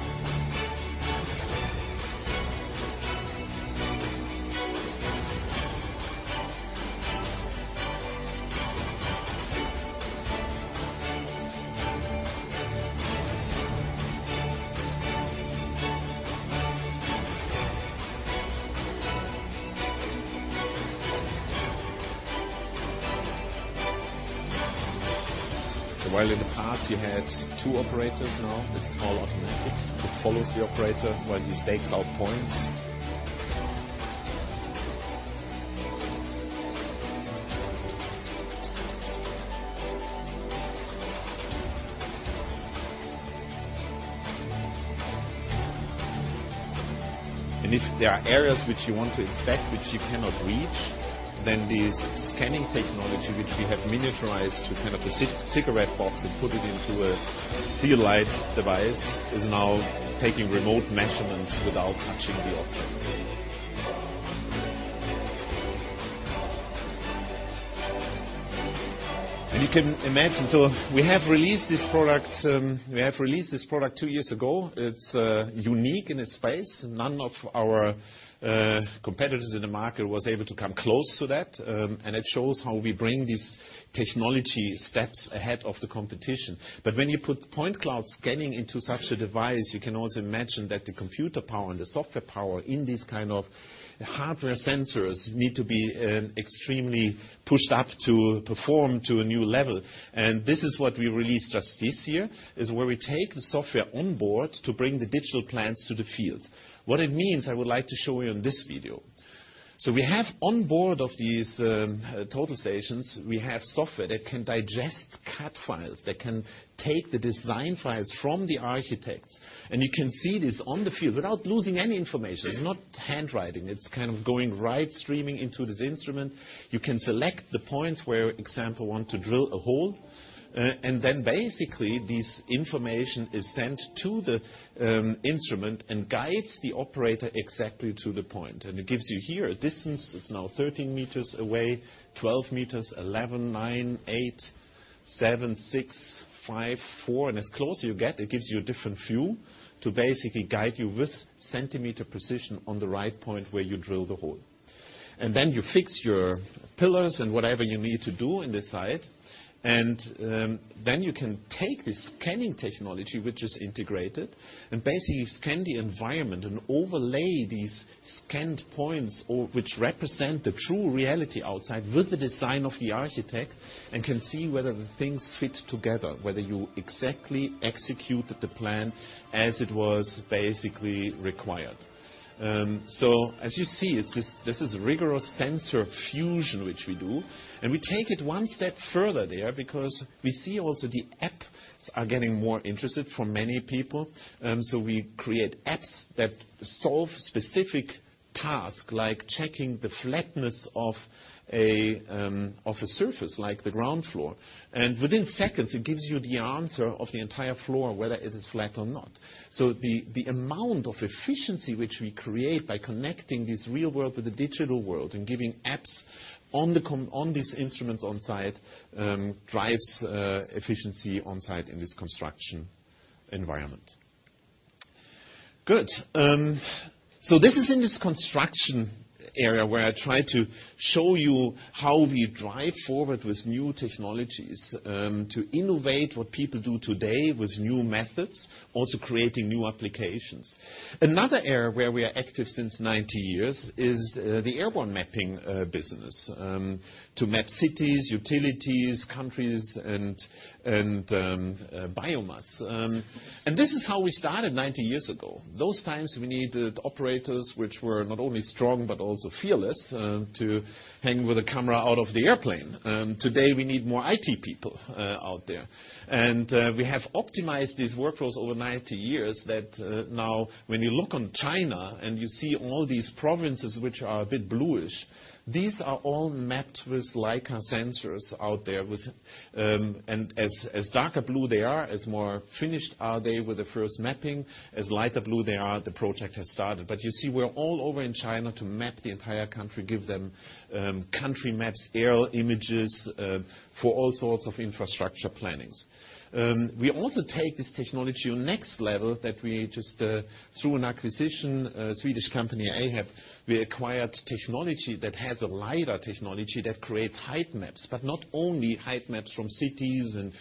While in the past you had two operators, now it's all automatic. It follows the operator while he stakes out points. If there are areas which you want to inspect which you cannot reach, then this scanning technology, which we have miniaturized to a cigarette box and put it into a theodolite device, is now taking remote measurements without touching the object. You can imagine, we have released this product two years ago. It's unique in its space. None of our competitors in the market was able to come close to that, and it shows how we bring these technology steps ahead of the competition. When you put point cloud scanning into such a device, you can also imagine that the computer power and the software power in these kind of hardware sensors need to be extremely pushed up to perform to a new level. This is what we released just this year, is where we take the software on board to bring the digital plans to the fields. What it means, I would like to show you in this video. We have on board of these total stations, we have software that can digest CAD files, that can take the design files from the architects. You can see this on the field without losing any information. It's not handwriting. It's going right streaming into this instrument. You can select the points where, example, want to drill a hole. Then basically, this information is sent to the instrument and guides the operator exactly to the point. It gives you here a distance. It's now 13 meters away, 12 meters, 11, nine, eight, seven, six, five, four, and as close as you get, it gives you a different view to basically guide you with centimeter precision on the right point where you drill the hole. Then you fix your pillars and whatever you need to do in the site. Then you can take the scanning technology, which is integrated, and basically scan the environment and overlay these scanned points, which represent the true reality outside, with the design of the architect, and can see whether the things fit together, whether you exactly executed the plan as it was basically required. As you see, this is rigorous sensor fusion, which we do, and we take it one step further there because we see also the apps are getting more interesting for many people. We create apps that solve specific tasks, like checking the flatness of a surface, like the ground floor. Within seconds, it gives you the answer of the entire floor, whether it is flat or not. The amount of efficiency which we create by connecting this real world with the digital world and giving apps on these instruments on-site, drives efficiency on-site in this construction environment. Good. This is in this construction area, where I try to show you how we drive forward with new technologies to innovate what people do today with new methods, also creating new applications. Another area where we are active since 90 years is the airborne mapping business, to map cities, utilities, countries, and biomass. This is how we started 90 years ago. Those times, we needed operators which were not only strong but also fearless to hang with a camera out of the airplane. Today, we need more IT people out there. We have optimized these workflows over 90 years that now when you look on China and you see all these provinces which are a bit bluish, these are all mapped with Leica sensors out there. As darker blue they are, as more finished are they with the first mapping. As lighter blue they are, the project has started. You see, we're all over in China to map the entire country, give them country maps, aerial images, for all sorts of infrastructure plannings. We also take this technology to the next level that we just, through an acquisition, a Swedish company, AHAB, we acquired technology that has a lidar technology that creates height maps. Not only height maps from cities and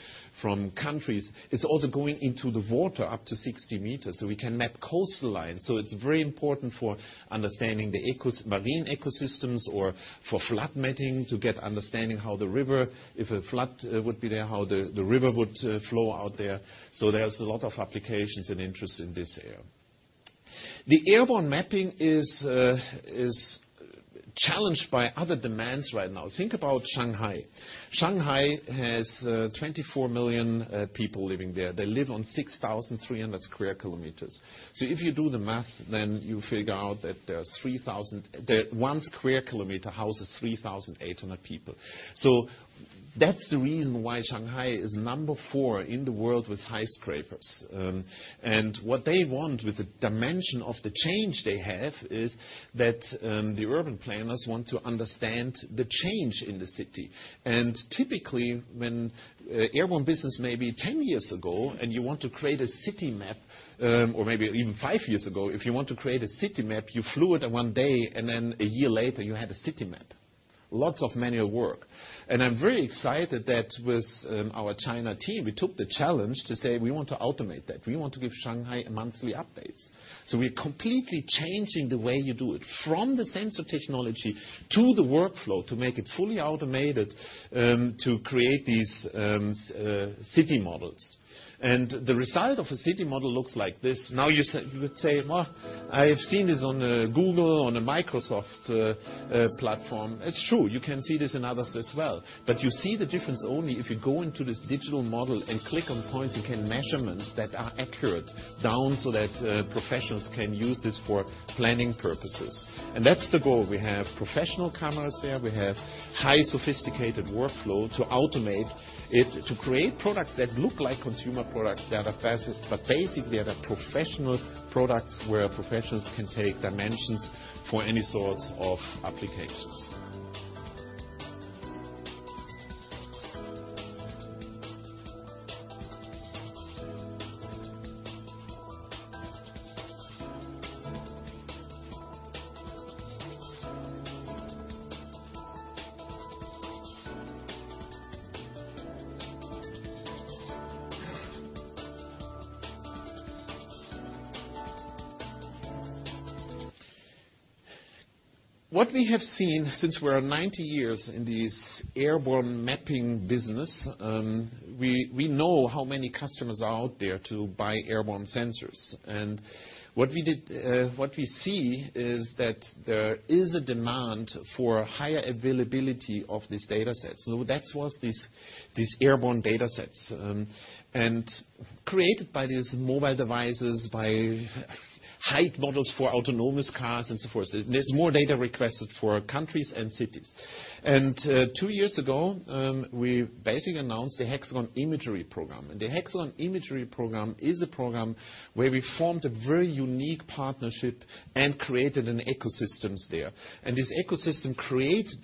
from countries, it's also going into the water up to 60 meters, we can map coastlines. It's very important for understanding the marine ecosystems or for flood mapping to get understanding how the river, if a flood would be there, how the river would flow out there. There's a lot of applications and interest in this area. The airborne mapping is challenged by other demands right now. Think about Shanghai. Shanghai has 24 million people living there. They live on 6,300 square kilometers. If you do the math, then you figure out that one square kilometer houses 3,800 people. That's the reason why Shanghai is number 4 in the world with skyscrapers. What they want with the dimension of the change they have is that the urban planners want to understand the change in the city. Typically, when airborne business maybe 10 years ago, and you want to create a city map, or maybe even five years ago, if you want to create a city map, you flew it in one day, a year later, you had a city map. Lots of manual work. I'm very excited that with our China team, we took the challenge to say we want to automate that. We want to give Shanghai monthly updates. We're completely changing the way you do it from the sensor technology to the workflow to make it fully automated to create these city models. The result of a city model looks like this. Now, you would say, "Well, I have seen this on a Google, on a Microsoft platform." It's true. You can see this in others as well. You see the difference only if you go into this digital model and click on points, you get measurements that are accurate down so that professionals can use this for planning purposes. That's the goal. We have professional cameras there. We have highly sophisticated workflow to automate it, to create products that look like consumer products, but basically are the professional products where professionals can take dimensions for any sorts of applications. What we have seen since we are 90 years in this airborne mapping business, we know how many customers are out there to buy airborne sensors. What we see is that there is a demand for higher availability of these datasets. That was these airborne datasets created by these mobile devices, by height models for autonomous cars and so forth. There's more data requested for countries and cities. Two years ago, we basically announced the Hexagon Imagery Program. The Hexagon Imagery Program is a program where we formed a very unique partnership and created an ecosystem there. This ecosystem creates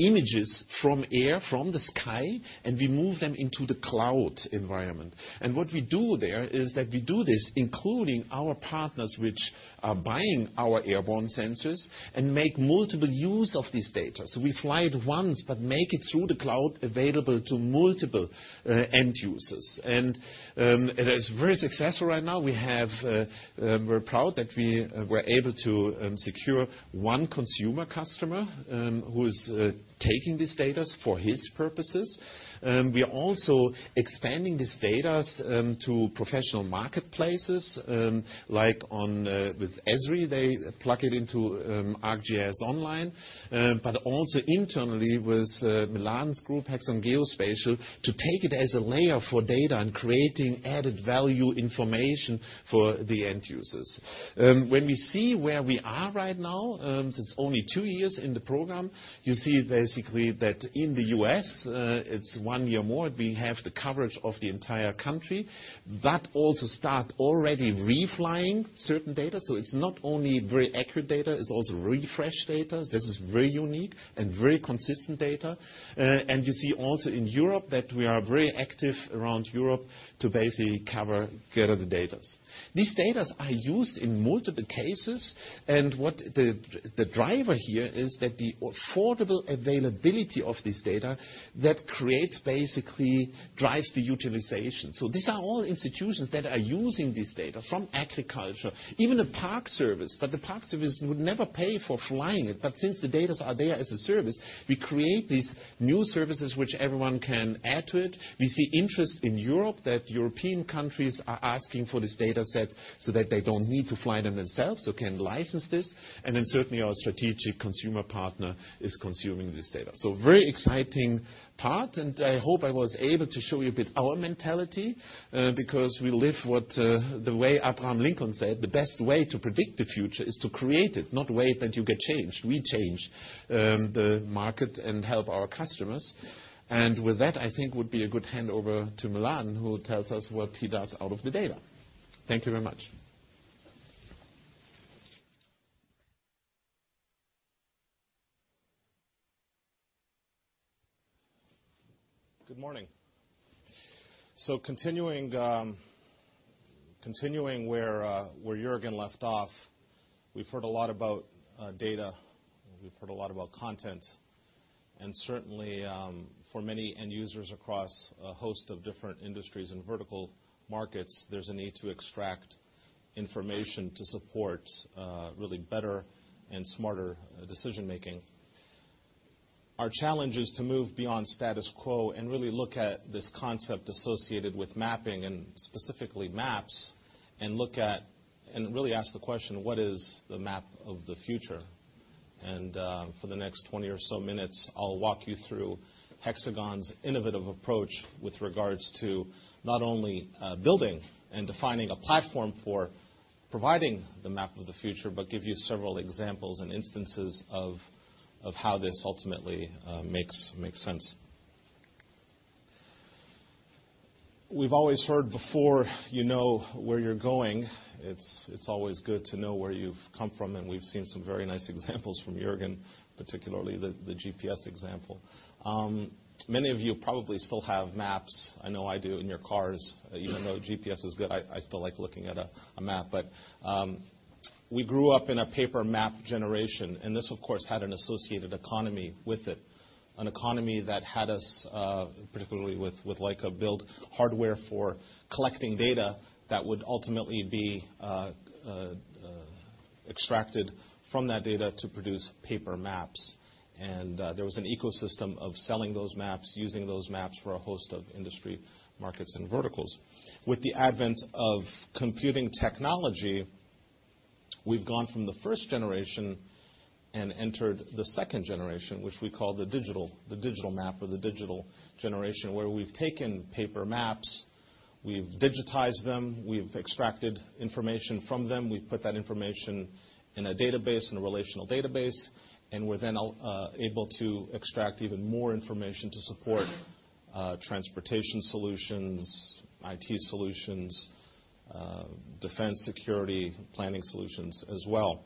images from air, from the sky, and we move them into the cloud environment. What we do there is that we do this including our partners, which are buying our airborne sensors and make multiple use of this data. We fly it once, but make it through the cloud available to multiple end users. It is very successful right now. We're proud that we were able to secure one consumer customer who is taking this data for his purposes. We are also expanding this data to professional marketplaces, like with Esri, they plug it into ArcGIS Online. Also internally with Mladen's group, Hexagon Geospatial, to take it as a layer for data and creating added value information for the end users. When we see where we are right now, since only two years in the program, you see basically that in the U.S., it's one year more. We have the coverage of the entire country, but also start already reflying certain data. It's not only very accurate data, it's also refreshed data. This is very unique and very consistent data. You see also in Europe that we are very active around Europe to basically cover, gather the data. These data are used in multiple cases, and what the driver here is that the affordable availability of this data, that creates basically drives the utilization. These are all institutions that are using this data, from agriculture, even a park service, the park service would never pay for flying it. Since the data are there as a service, we create these new services, which everyone can add to it. We see interest in Europe that European countries are asking for this dataset so that they don't need to fly them themselves or can license this. Then certainly our strategic consumer partner is consuming this data. Very exciting part, and I hope I was able to show you a bit our mentality, because we live what, the way Abraham Lincoln said, "The best way to predict the future is to create it, not wait that you get changed." We change the market and help our customers. With that, I think would be a good handover to Mladen, who tells us what he does out of the data. Thank you very much. Good morning. Continuing where Jürgen left off, we've heard a lot about data, we've heard a lot about content, certainly, for many end users across a host of different industries and vertical markets, there's a need to extract information to support really better and smarter decision making. Our challenge is to move beyond status quo and really look at this concept associated with mapping and specifically maps, look at, really ask the question, what is the map of the future? For the next 20 or so minutes, I'll walk you through Hexagon's innovative approach with regards to not only building and defining a platform for providing the map of the future, but give you several examples and instances of how this ultimately makes sense. We've always heard before you know where you're going, it's always good to know where you've come from, we've seen some very nice examples from Jürgen, particularly the GPS example. Many of you probably still have maps, I know I do, in your cars. Even though GPS is good, I still like looking at a map. We grew up in a paper map generation, this, of course, had an associated economy with it. An economy that had us, particularly with Leica, build hardware for collecting data that would ultimately be extracted from that data to produce paper maps. There was an ecosystem of selling those maps, using those maps for a host of industry markets and verticals. With the advent of computing technology, we've gone from the first generation entered the second generation, which we call the digital map or the digital generation, where we've taken paper maps, we've digitized them, we've extracted information from them. We've put that information in a database, in a relational database, we're then able to extract even more information to support transportation solutions, IT solutions, defense, security, planning solutions as well.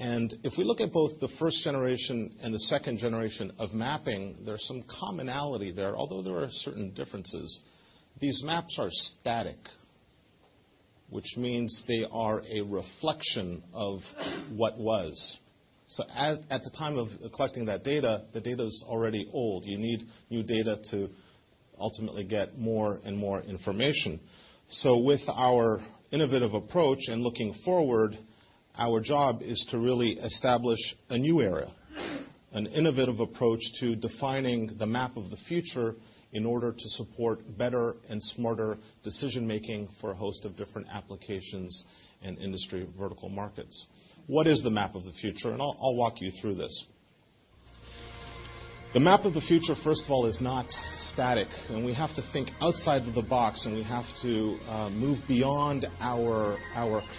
If we look at both the first generation the second generation of mapping, there's some commonality there, although there are certain differences. These maps are static, which means they are a reflection of what was. At the time of collecting that data, the data's already old. You need new data to ultimately get more and more information. With our innovative approach and looking forward, our job is to really establish a new era, an innovative approach to defining the map of the future in order to support better and smarter decision making for a host of different applications and industry vertical markets. What is the map of the future? I'll walk you through this. The map of the future, first of all, is not static, and we have to think outside of the box, and we have to move beyond our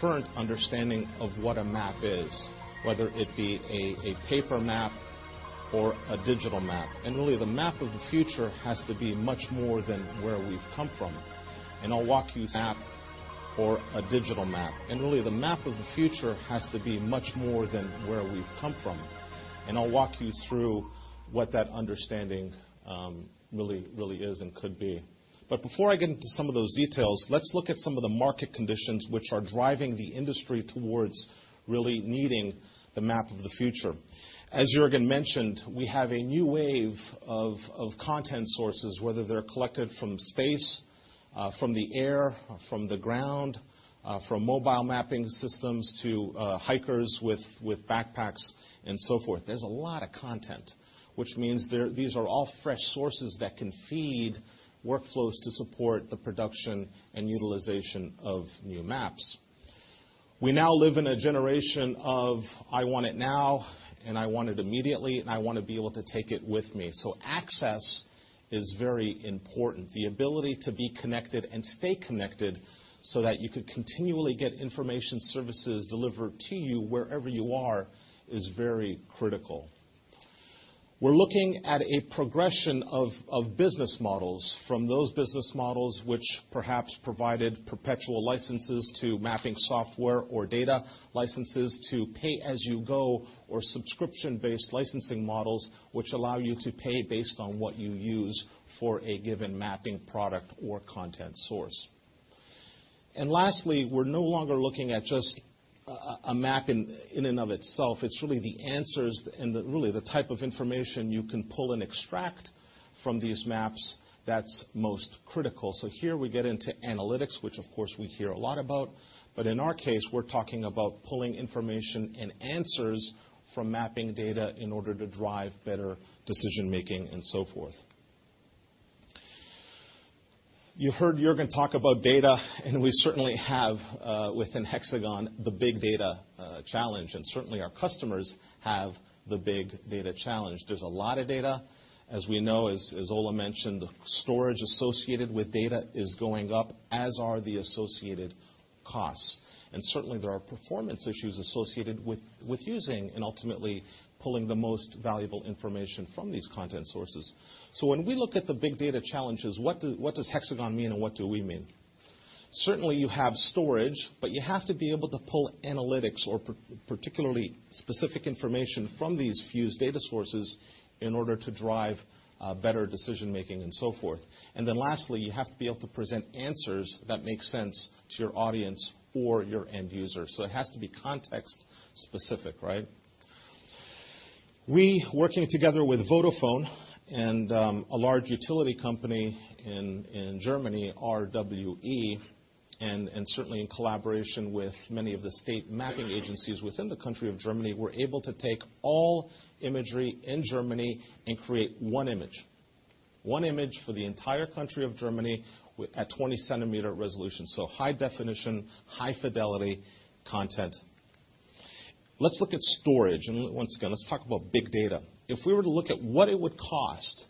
current understanding of what a map is, whether it be a paper map or a digital map. Really, the map of the future has to be much more than where we've come from. I'll walk you through what that understanding really is and could be. Before I get into some of those details, let's look at some of the market conditions which are driving the industry towards really needing the map of the future. As Jürgen mentioned, we have a new wave of content sources, whether they're collected from space, from the air, from the ground, from mobile mapping systems to hikers with backpacks and so forth. There's a lot of content, which means these are all fresh sources that can feed workflows to support the production and utilization of new maps. We now live in a generation of, I want it now, and I want it immediately, and I want to be able to take it with me. Access is very important. The ability to be connected and stay connected so that you could continually get information services delivered to you wherever you are is very critical. We're looking at a progression of business models. From those business models which perhaps provided perpetual licenses to mapping software or data licenses to pay-as-you-go or subscription-based licensing models, which allow you to pay based on what you use for a given mapping product or content source. Lastly, we're no longer looking at just a map in and of itself. It's really the answers and really the type of information you can pull and extract from these maps that's most critical. Here we get into analytics, which of course, we hear a lot about. In our case, we're talking about pulling information and answers from mapping data in order to drive better decision making and so forth. You heard Jürgen talk about data, and we certainly have, within Hexagon, the big data challenge, and certainly our customers have the big data challenge. There's a lot of data. As we know, as Ola mentioned, storage associated with data is going up, as are the associated costs. Certainly, there are performance issues associated with using and ultimately pulling the most valuable information from these content sources. When we look at the big data challenges, what does Hexagon mean and what do we mean? Certainly, you have storage, but you have to be able to pull analytics or particularly specific information from these fused data sources in order to drive better decision making and so forth. Lastly, you have to be able to present answers that make sense to your audience or your end user. It has to be context specific, right? We, working together with Vodafone and a large utility company in Germany, RWE, and certainly in collaboration with many of the state mapping agencies within the country of Germany, were able to take all imagery in Germany and create one image. One image for the entire country of Germany at 20 centimeter resolution. High definition, high fidelity content. Let's look at storage. Once again, let's talk about big data. If we were to look at what it would cost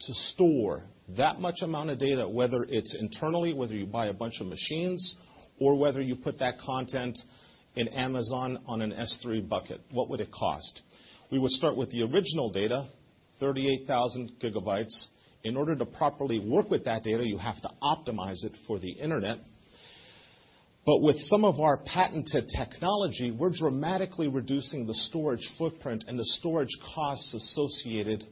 to store that much amount of data, whether it's internally, whether you buy a bunch of machines or whether you put that content in Amazon on an S3 bucket. What would it cost? We would start with the original data, 38,000 gigabytes. In order to properly work with that data, you have to optimize it for the internet. With some of our patented technology, we're dramatically reducing the storage footprint and the storage costs associated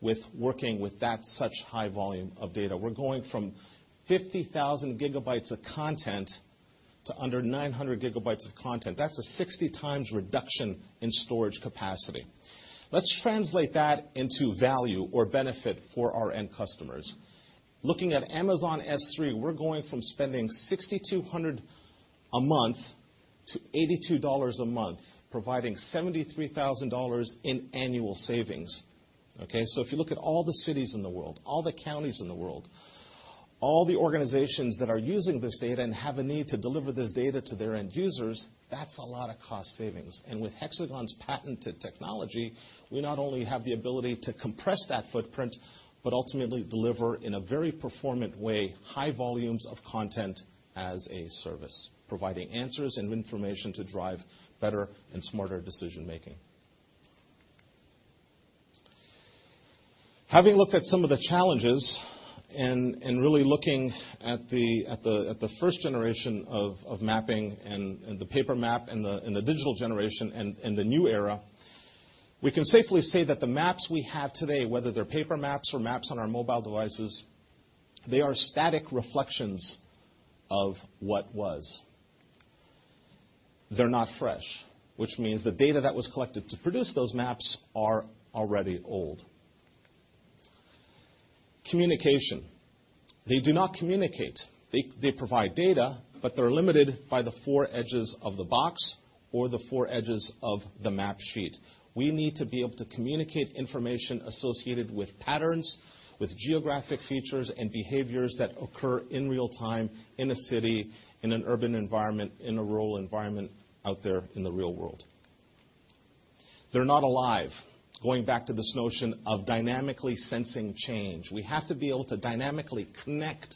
with working with that such high volume of data. We're going from 50,000 gigabytes of content to under 900 gigabytes of content. That's a 60 times reduction in storage capacity. Let's translate that into value or benefit for our end customers. Looking at Amazon S3, we're going from spending 6,200 a month to EUR 82 a month, providing EUR 73,000 in annual savings. Okay. If you look at all the cities in the world, all the counties in the world, all the organizations that are using this data and have a need to deliver this data to their end users, that's a lot of cost savings. With Hexagon's patented technology, we not only have the ability to compress that footprint, but ultimately deliver in a very performant way, high volumes of content as a service. Providing answers and information to drive better and smarter decision making. Having looked at some of the challenges and really looking at the first generation of mapping and the paper map and the digital generation and the new era. We can safely say that the maps we have today, whether they're paper maps or maps on our mobile devices, they are static reflections of what was. They're not fresh, which means the data that was collected to produce those maps are already old. Communication. They do not communicate. They provide data, but they're limited by the four edges of the box or the four edges of the map sheet. We need to be able to communicate information associated with patterns, with geographic features and behaviors that occur in real time in a city, in an urban environment, in a rural environment out there in the real world. They're not alive. Going back to this notion of dynamically sensing change. We have to be able to dynamically connect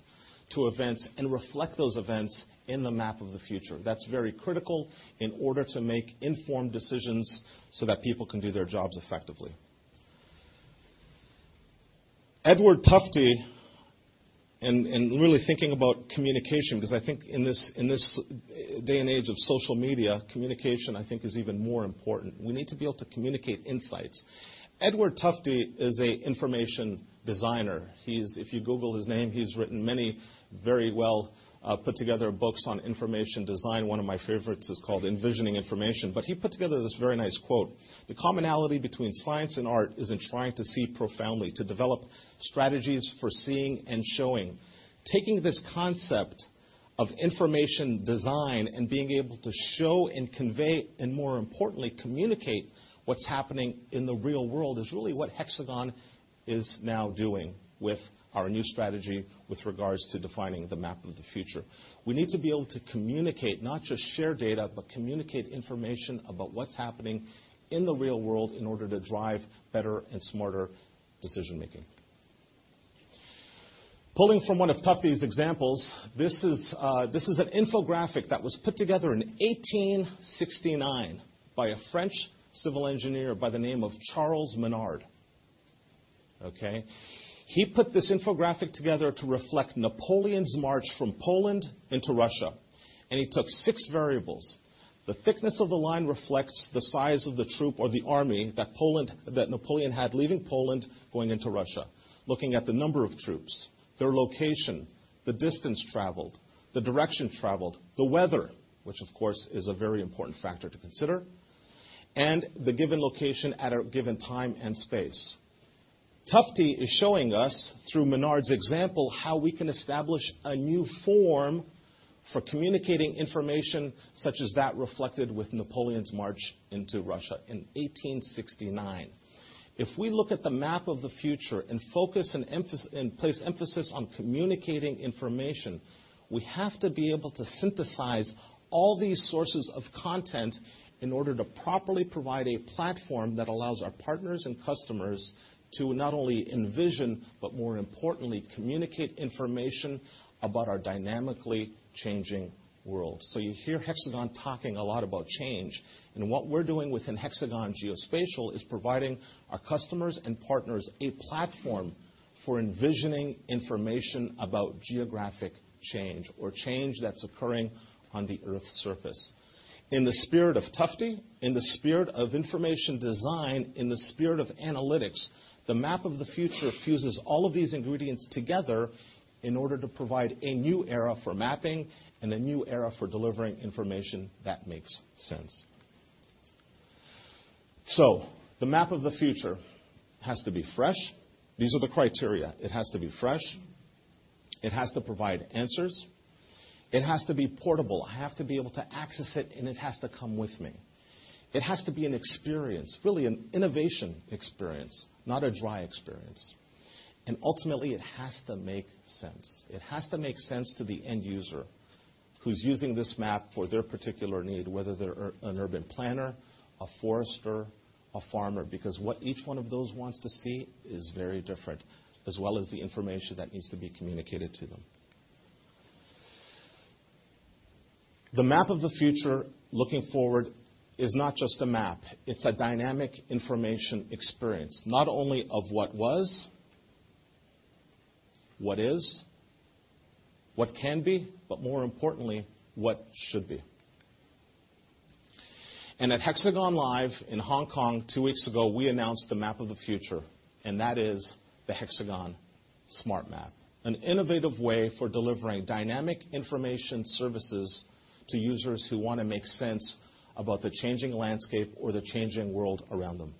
to events and reflect those events in the map of the future. That's very critical in order to make informed decisions so that people can do their jobs effectively. Edward Tufte and really thinking about communication, because I think in this day and age of social media, communication, I think is even more important. We need to be able to communicate insights. Edward Tufte is an information designer. If you Google his name, he's written many very well put together books on information design. One of my favorites is called "Envisioning Information." He put together this very nice quote, "The commonality between science and art is in trying to see profoundly, to develop strategies for seeing and showing." Taking this concept of information design and being able to show and convey, and more importantly, communicate what's happening in the real world, is really what Hexagon is now doing with our new strategy with regards to defining the map of the future. We need to be able to communicate, not just share data, but communicate information about what's happening in the real world in order to drive better and smarter decision-making. Pulling from one of Tufte's examples, this is an infographic that was put together in 1869 by a French civil engineer by the name of Charles Minard. Okay? He put this infographic together to reflect Napoleon's march from Poland into Russia. He took six variables. The thickness of the line reflects the size of the troop or the army that Napoleon had leaving Poland going into Russia. Looking at the number of troops, their location, the distance traveled, the direction traveled, the weather, which of course, is a very important factor to consider, and the given location at a given time and space. Tufte is showing us through Minard's example, how we can establish a new form for communicating information such as that reflected with Napoleon's march into Russia in 1869. If we look at the map of the future and place emphasis on communicating information, we have to be able to synthesize all these sources of content in order to properly provide a platform that allows our partners and customers to not only envision, but more importantly, communicate information about our dynamically changing world. You hear Hexagon talking a lot about change. What we're doing within Hexagon Geospatial is providing our customers and partners a platform for envisioning information about geographic change or change that's occurring on the Earth's surface. In the spirit of Tufte, in the spirit of information design, in the spirit of analytics, the map of the future fuses all of these ingredients together in order to provide a new era for mapping and a new era for delivering information that makes sense. The map of the future has to be fresh. These are the criteria. It has to be fresh. It has to provide answers. It has to be portable. I have to be able to access it, and it has to come with me. It has to be an experience, really an innovation experience, not a dry experience. Ultimately, it has to make sense. It has to make sense to the end user who's using this map for their particular need, whether they're an urban planner, a forester, a farmer, because what each one of those wants to see is very different, as well as the information that needs to be communicated to them. The map of the future looking forward is not just a map. It's a dynamic information experience not only of what was, what is, what can be, but more importantly, what should be. At HxGN LIVE in Hong Kong two weeks ago, we announced the map of the future, and that is the Hexagon Smart M.App, an innovative way for delivering dynamic information services to users who want to make sense about the changing landscape or the changing world around them.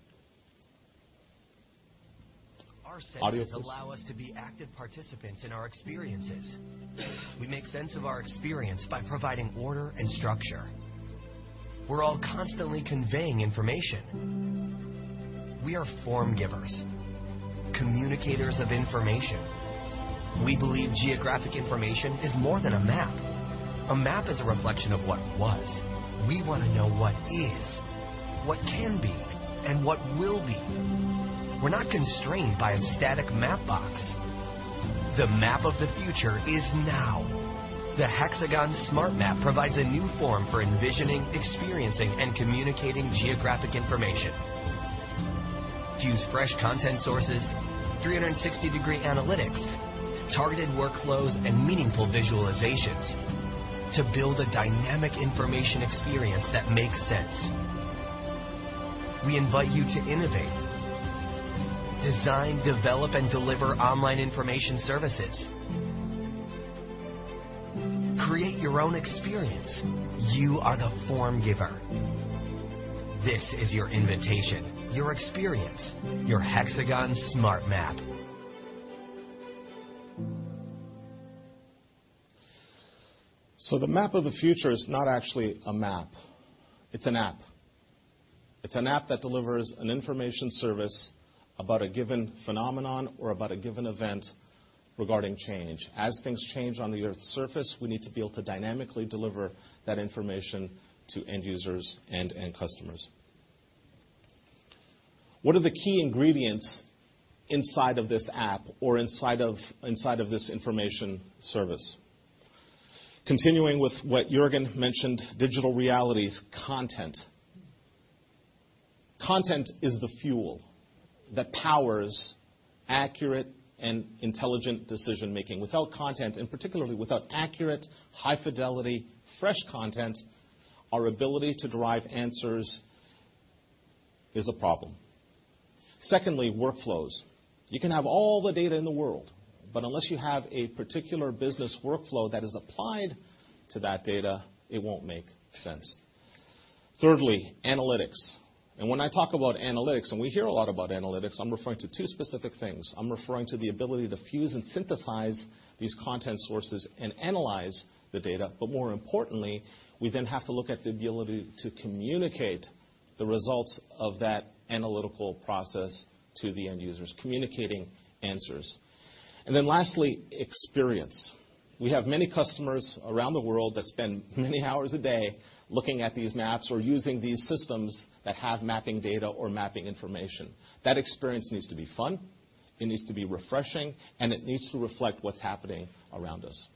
Audio please. Our senses allow us to be active participants in our experiences. We make sense of our experience by providing order and structure. We're all constantly conveying information. We are form givers, communicators of information. We believe geographic information is more than a map. A map is a reflection of what was. We want to know what is, what can be, and what will be. We're not constrained by a static map box. The map of the future is now. The Hexagon Smart M.App provides a new form for envisioning, experiencing, and communicating geographic information. Fuse fresh content sources, 360-degree analytics, targeted workflows, and meaningful visualizations to build a dynamic information experience that makes sense. We invite you to innovate, design, develop, and deliver online information services. Create your own experience. You are the form giver. This is your invitation, your experience, your Hexagon Smart M.App. The map of the future is not actually a map. It's an app. It's an app that delivers an information service about a given phenomenon or about a given event regarding change. As things change on the Earth's surface, we need to be able to dynamically deliver that information to end users and end customers. What are the key ingredients inside of this app or inside of this information service? Continuing with what Jürgen mentioned, digital realities content. Content is the fuel that powers accurate and intelligent decision-making. Without content, and particularly without accurate, high-fidelity, fresh content, our ability to derive answers is a problem. Secondly, workflows. You can have all the data in the world, but unless you have a particular business workflow that is applied to that data, it won't make sense. Thirdly, analytics. When I talk about analytics, and we hear a lot about analytics, I'm referring to two specific things. I'm referring to the ability to fuse and synthesize these content sources and analyze the data, but more importantly, we then have to look at the ability to communicate the results of that analytical process to the end users, communicating answers. Lastly, experience. We have many customers around the world that spend many hours a day looking at these maps or using these systems that have mapping data or mapping information. That experience needs to be fun, it needs to be refreshing, and it needs to reflect what's happening around us.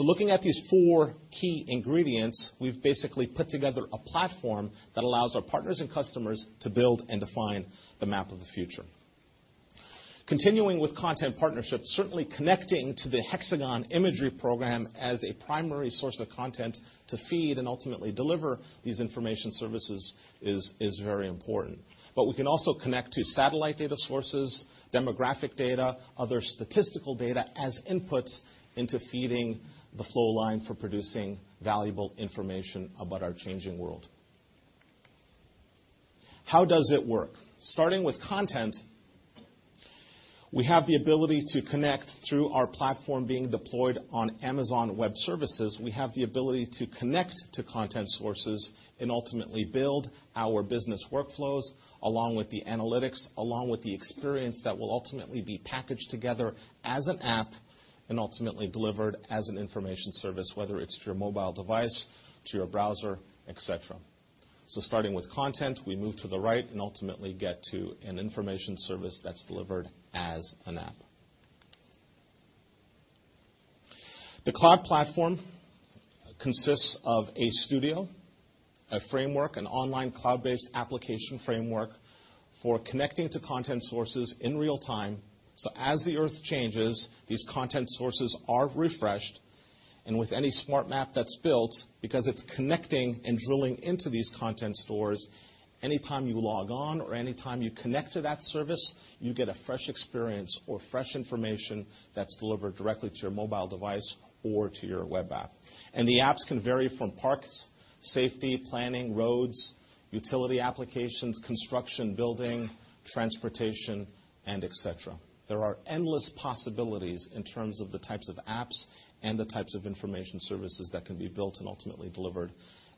Looking at these four key ingredients, we've basically put together a platform that allows our partners and customers to build and define the map of the future. Continuing with content partnerships, certainly connecting to the Hexagon Imagery Program as a primary source of content to feed and ultimately deliver these information services is very important. We can also connect to satellite data sources, demographic data, other statistical data as inputs into feeding the flow line for producing valuable information about our changing world. How does it work? Starting with content, we have the ability to connect through our platform being deployed on Amazon Web Services. We have the ability to connect to content sources and ultimately build our business workflows, along with the analytics, along with the experience that will ultimately be packaged together as an app and ultimately delivered as an information service, whether it's to your mobile device, to your browser, et cetera. Starting with content, we move to the right and ultimately get to an information service that's delivered as an app. The cloud platform consists of a studio, a framework, an online cloud-based application framework for connecting to content sources in real time. As the Earth changes, these content sources are refreshed, and with any smart map that's built, because it's connecting and drilling into these content stores, any time you log on or any time you connect to that service, you get a fresh experience or fresh information that's delivered directly to your mobile device or to your web app. The apps can vary from parks, safety, planning, roads, utility applications, construction, building, transportation, and et cetera. There are endless possibilities in terms of the types of apps and the types of information services that can be built and ultimately delivered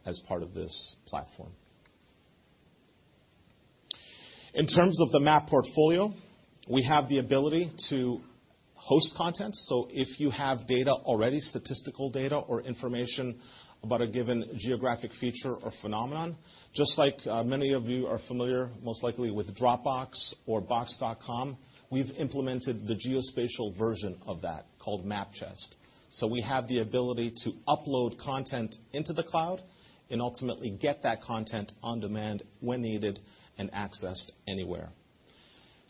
as part of this platform. In terms of the map portfolio, we have the ability to host content. If you have data already, statistical data or information about a given geographic feature or phenomenon, just like many of you are familiar, most likely, with Dropbox or box.com, we've implemented the geospatial version of that called Map Chest. We have the ability to upload content into the cloud and ultimately get that content on demand when needed and accessed anywhere.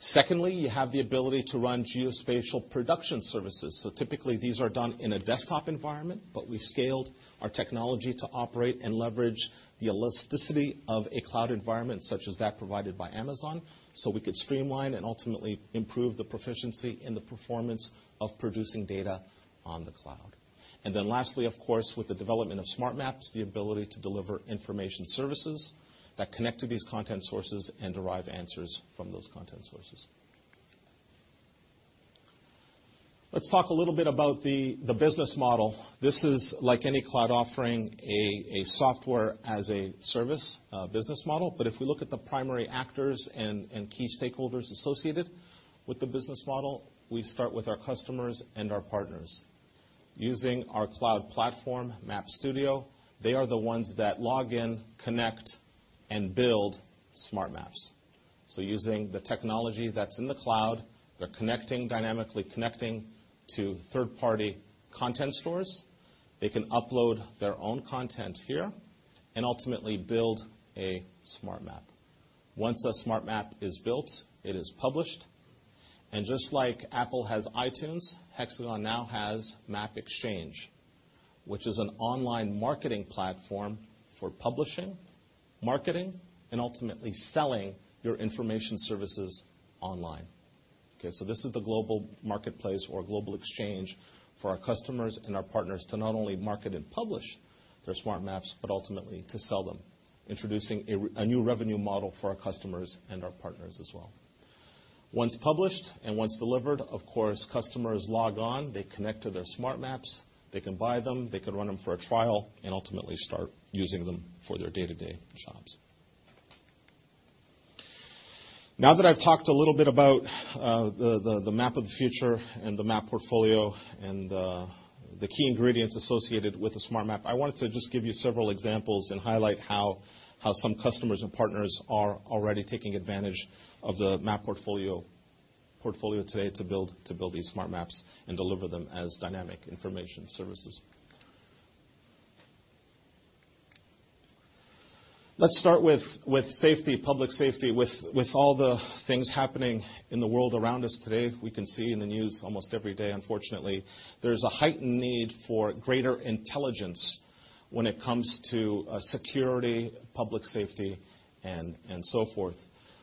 Secondly, you have the ability to run geospatial production services. Typically, these are done in a desktop environment, but we've scaled our technology to operate and leverage the elasticity of a cloud environment such as that provided by Amazon, so we could streamline and ultimately improve the proficiency and the performance of producing data on the cloud. Lastly, of course, with the development of smart maps, the ability to deliver information services that connect to these content sources and derive answers from those content sources. Let's talk a little bit about the business model. This is, like any cloud offering, a software-as-a-service business model. If we look at the primary actors and key stakeholders associated with the business model, we start with our customers and our partners. Using our cloud platform, Map Studio, they are the ones that log in, connect, and build smart maps. Using the technology that's in the cloud, they're dynamically connecting to third-party content stores. They can upload their own content here and ultimately build a smart map. Once a smart map is built, it is published. Just like Apple has iTunes, Hexagon now has Map Exchange, which is an online marketing platform for publishing, marketing, and ultimately selling your information services online. This is the global marketplace or global exchange for our customers and our partners to not only market and publish their smart maps, but ultimately to sell them, introducing a new revenue model for our customers and our partners as well. Once published and once delivered, of course, customers log on, they connect to their smart maps, they can buy them, they could run them for a trial, and ultimately start using them for their day-to-day jobs. That I've talked a little bit about the map of the future and the map portfolio and the key ingredients associated with a smart map, I wanted to just give you several examples and highlight how some customers and partners are already taking advantage of the map portfolio today to build these smart maps and deliver them as dynamic information services. Let's start with public safety. With all the things happening in the world around us today, we can see in the news almost every day, unfortunately, there's a heightened need for greater intelligence when it comes to security, public safety, and so forth.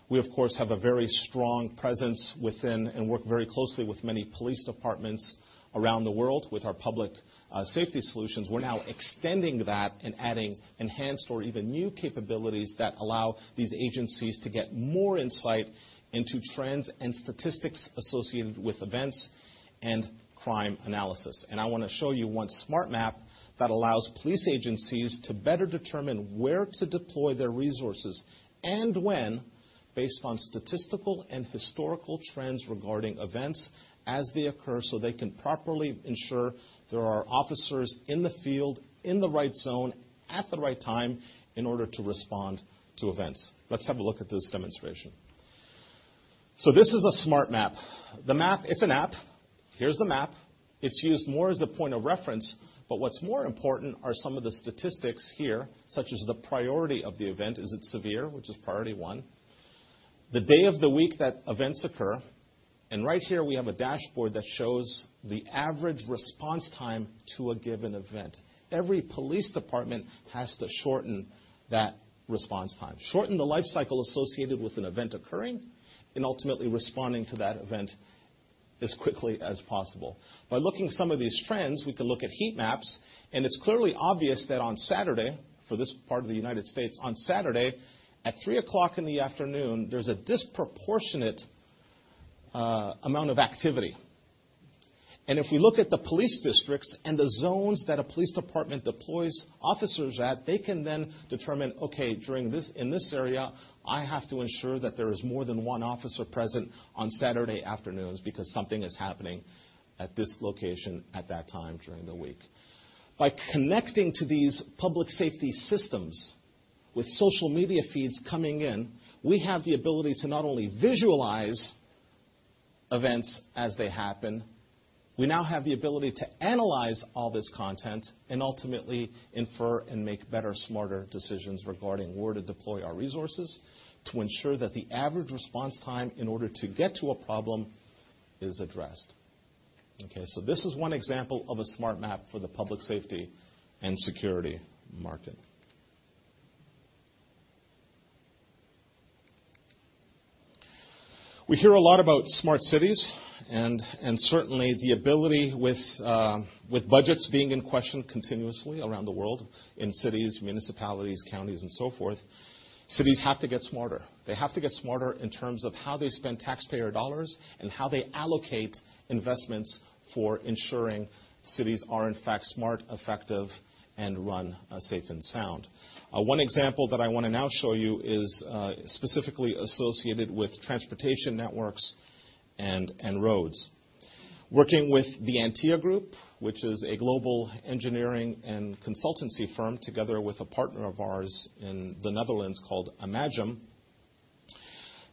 We, of course, have a very strong presence within and work very closely with many police departments around the world with our public safety solutions. We're now extending that and adding enhanced or even new capabilities that allow these agencies to get more insight into trends and statistics associated with events and crime analysis. I want to show you one smart map that allows police agencies to better determine where to deploy their resources and when, based on statistical and historical trends regarding events as they occur, so they can properly ensure there are officers in the field, in the right zone, at the right time in order to respond to events. Let's have a look at this demonstration. This is a smart map. It's an app. Here's the map. It's used more as a point of reference, but what's more important are some of the statistics here, such as the priority of the event. Is it severe, which is priority 1? The day of the week that events occur, right here we have a dashboard that shows the average response time to a given event. Every police department has to shorten that response time, shorten the life cycle associated with an event occurring, and ultimately responding to that event as quickly as possible. By looking some of these trends, we can look at heat maps, and it's clearly obvious that on Saturday, for this part of the U.S., on Saturday at 3:00 P.M. in the afternoon, there's a disproportionate amount of activity. If we look at the police districts and the zones that a police department deploys officers at, they can then determine, in this area, I have to ensure that there is more than one officer present on Saturday afternoons because something is happening at this location at that time during the week. By connecting to these public safety systems with social media feeds coming in, we have the ability to not only visualize events as they happen, we now have the ability to analyze all this content and ultimately infer and make better, smarter decisions regarding where to deploy our resources to ensure that the average response time in order to get to a problem is addressed. This is one example of a smart map for the public safety and security market. We hear a lot about smart cities and certainly the ability with budgets being in question continuously around the world in cities, municipalities, counties, and so forth. Cities have to get smarter. They have to get smarter in terms of how they spend taxpayer dollars and how they allocate investments for ensuring cities are in fact smart, effective, and run safe and sound. One example that I want to now show you is specifically associated with transportation networks and roads. Working with the Antea Group, which is a global engineering and consultancy firm, together with a partner of ours in the Netherlands called Imagem.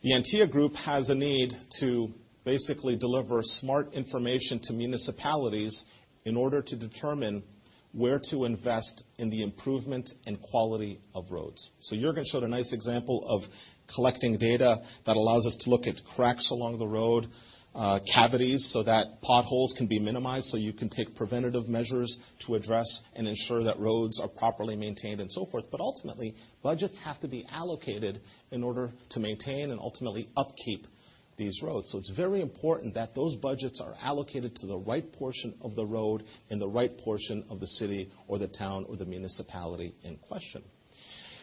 The Antea Group has a need to basically deliver smart information to municipalities in order to determine where to invest in the improvement and quality of roads. Jürgen showed a nice example of collecting data that allows us to look at cracks along the road, cavities so that potholes can be minimized so you can take preventative measures to address and ensure that roads are properly maintained and so forth. Ultimately, budgets have to be allocated in order to maintain and ultimately upkeep these roads. It's very important that those budgets are allocated to the right portion of the road in the right portion of the city or the town or the municipality in question.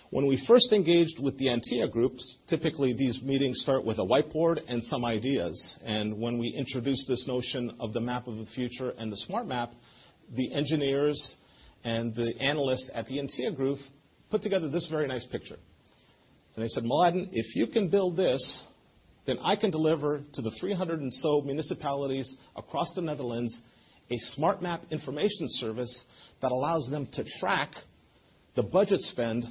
When we first engaged with the Antea Group, typically these meetings start with a whiteboard and some ideas. When we introduced this notion of the map of the future and the smart map, the engineers and the analysts at the Antea Group put together this very nice picture. They said, "Mladen, if you can build this, then I can deliver to the 300 and so municipalities across the Netherlands a smart map information service that allows them to track the budget spend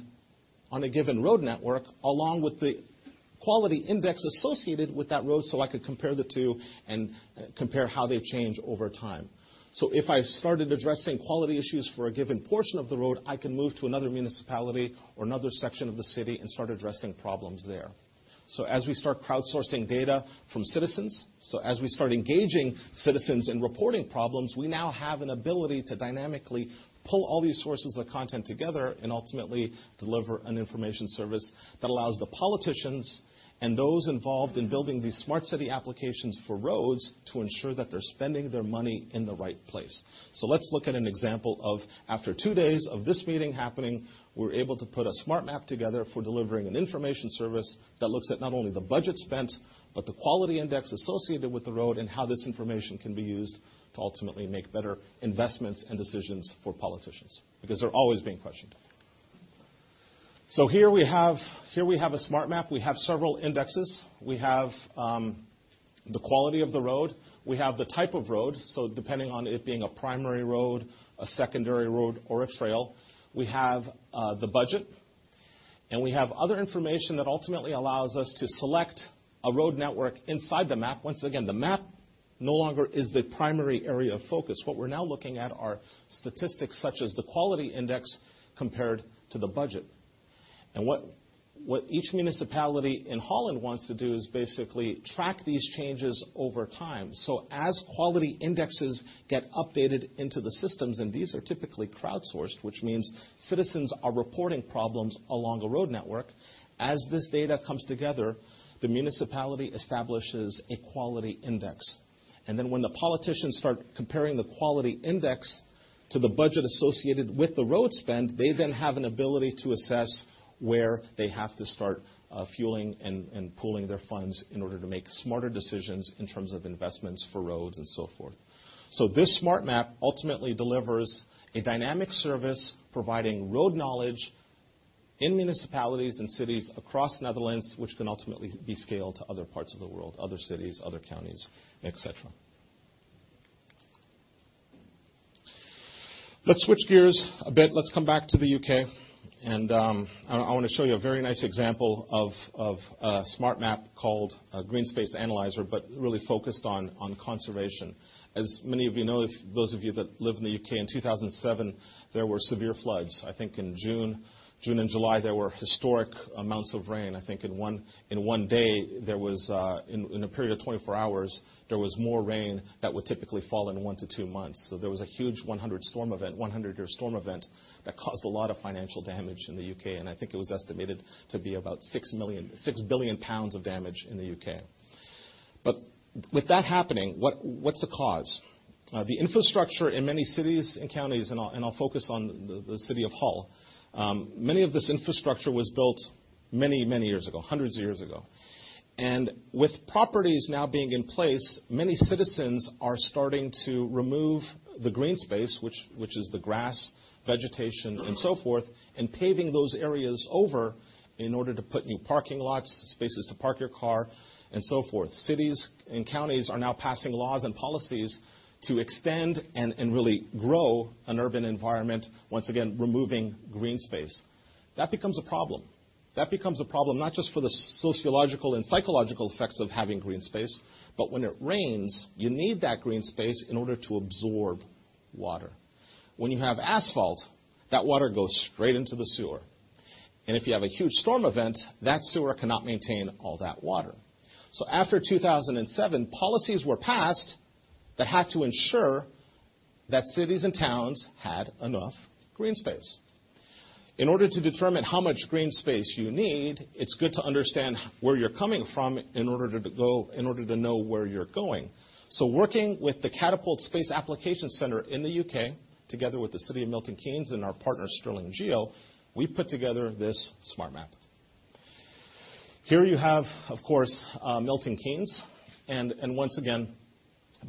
on a given road network, along with the quality index associated with that road so I could compare the two and compare how they change over time." If I started addressing quality issues for a given portion of the road, I can move to another municipality or another section of the city and start addressing problems there. As we start crowdsourcing data from citizens, engaging citizens in reporting problems, we now have an ability to dynamically pull all these sources of content together and ultimately deliver an information service that allows the politicians and those involved in building these smart city applications for roads to ensure that they're spending their money in the right place. Let's look at an example of after two days of this meeting happening, we're able to put a smart map together for delivering an information service that looks at not only the budget spent, but the quality index associated with the road and how this information can be used to ultimately make better investments and decisions for politicians, because they're always being questioned. Here we have a smart map. We have several indexes. We have the quality of the road. We have the type of road, so depending on it being a primary road, a secondary road, or a trail. We have the budget. We have other information that ultimately allows us to select a road network inside the map. Once again, the map no longer is the primary area of focus. What we're now looking at are statistics such as the quality index compared to the budget. What each municipality in the Netherlands wants to do is basically track these changes over time. As quality indexes get updated into the systems, and these are typically crowdsourced, which means citizens are reporting problems along a road network. As this data comes together, the municipality establishes a quality index. When the politicians start comparing the quality index to the budget associated with the road spend, they then have an ability to assess where they have to start fueling and pooling their funds in order to make smarter decisions in terms of investments for roads and so forth. This smart map ultimately delivers a dynamic service providing road knowledge in municipalities and cities across the Netherlands, which can ultimately be scaled to other parts of the world, other cities, other counties, et cetera. Let's switch gears a bit. Let's come back to the U.K., and I want to show you a very nice example of a smart map called Green Space Analyzer, but really focused on conservation. As many of you know, those of you that lived in the U.K. in 2007, there were severe floods. I think in June and July, there were historic amounts of rain. I think in one day, in a period of 24 hours, there was more rain than would typically fall in one to two months. There was a huge 100-year storm event that caused a lot of financial damage in the U.K., and I think it was estimated to be about 6 billion pounds of damage in the U.K. With that happening, what's the cause? The infrastructure in many cities and counties, and I'll focus on the city of Hull. Much of this infrastructure was built many years ago, hundreds of years ago. With properties now being in place, many citizens are starting to remove the green space, which is the grass, vegetation, and so forth, and paving those areas over in order to put new parking lots, spaces to park your car, and so forth. Cities and counties are now passing laws and policies to extend and really grow an urban environment, once again, removing green space. That becomes a problem. That becomes a problem not just for the sociological and psychological effects of having green space, but when it rains, you need that green space in order to absorb water. When you have asphalt, that water goes straight into the sewer. If you have a huge storm event, that sewer cannot maintain all that water. After 2007, policies were passed that had to ensure that cities and towns had enough green space. In order to determine how much green space you need, it's good to understand where you're coming from in order to know where you're going. Working with the Catapult Space Application Center in the U.K., together with the city of Milton Keynes and our partner, Sterling Geo, we put together this smart map. Here you have, of course, Milton Keynes, and once again,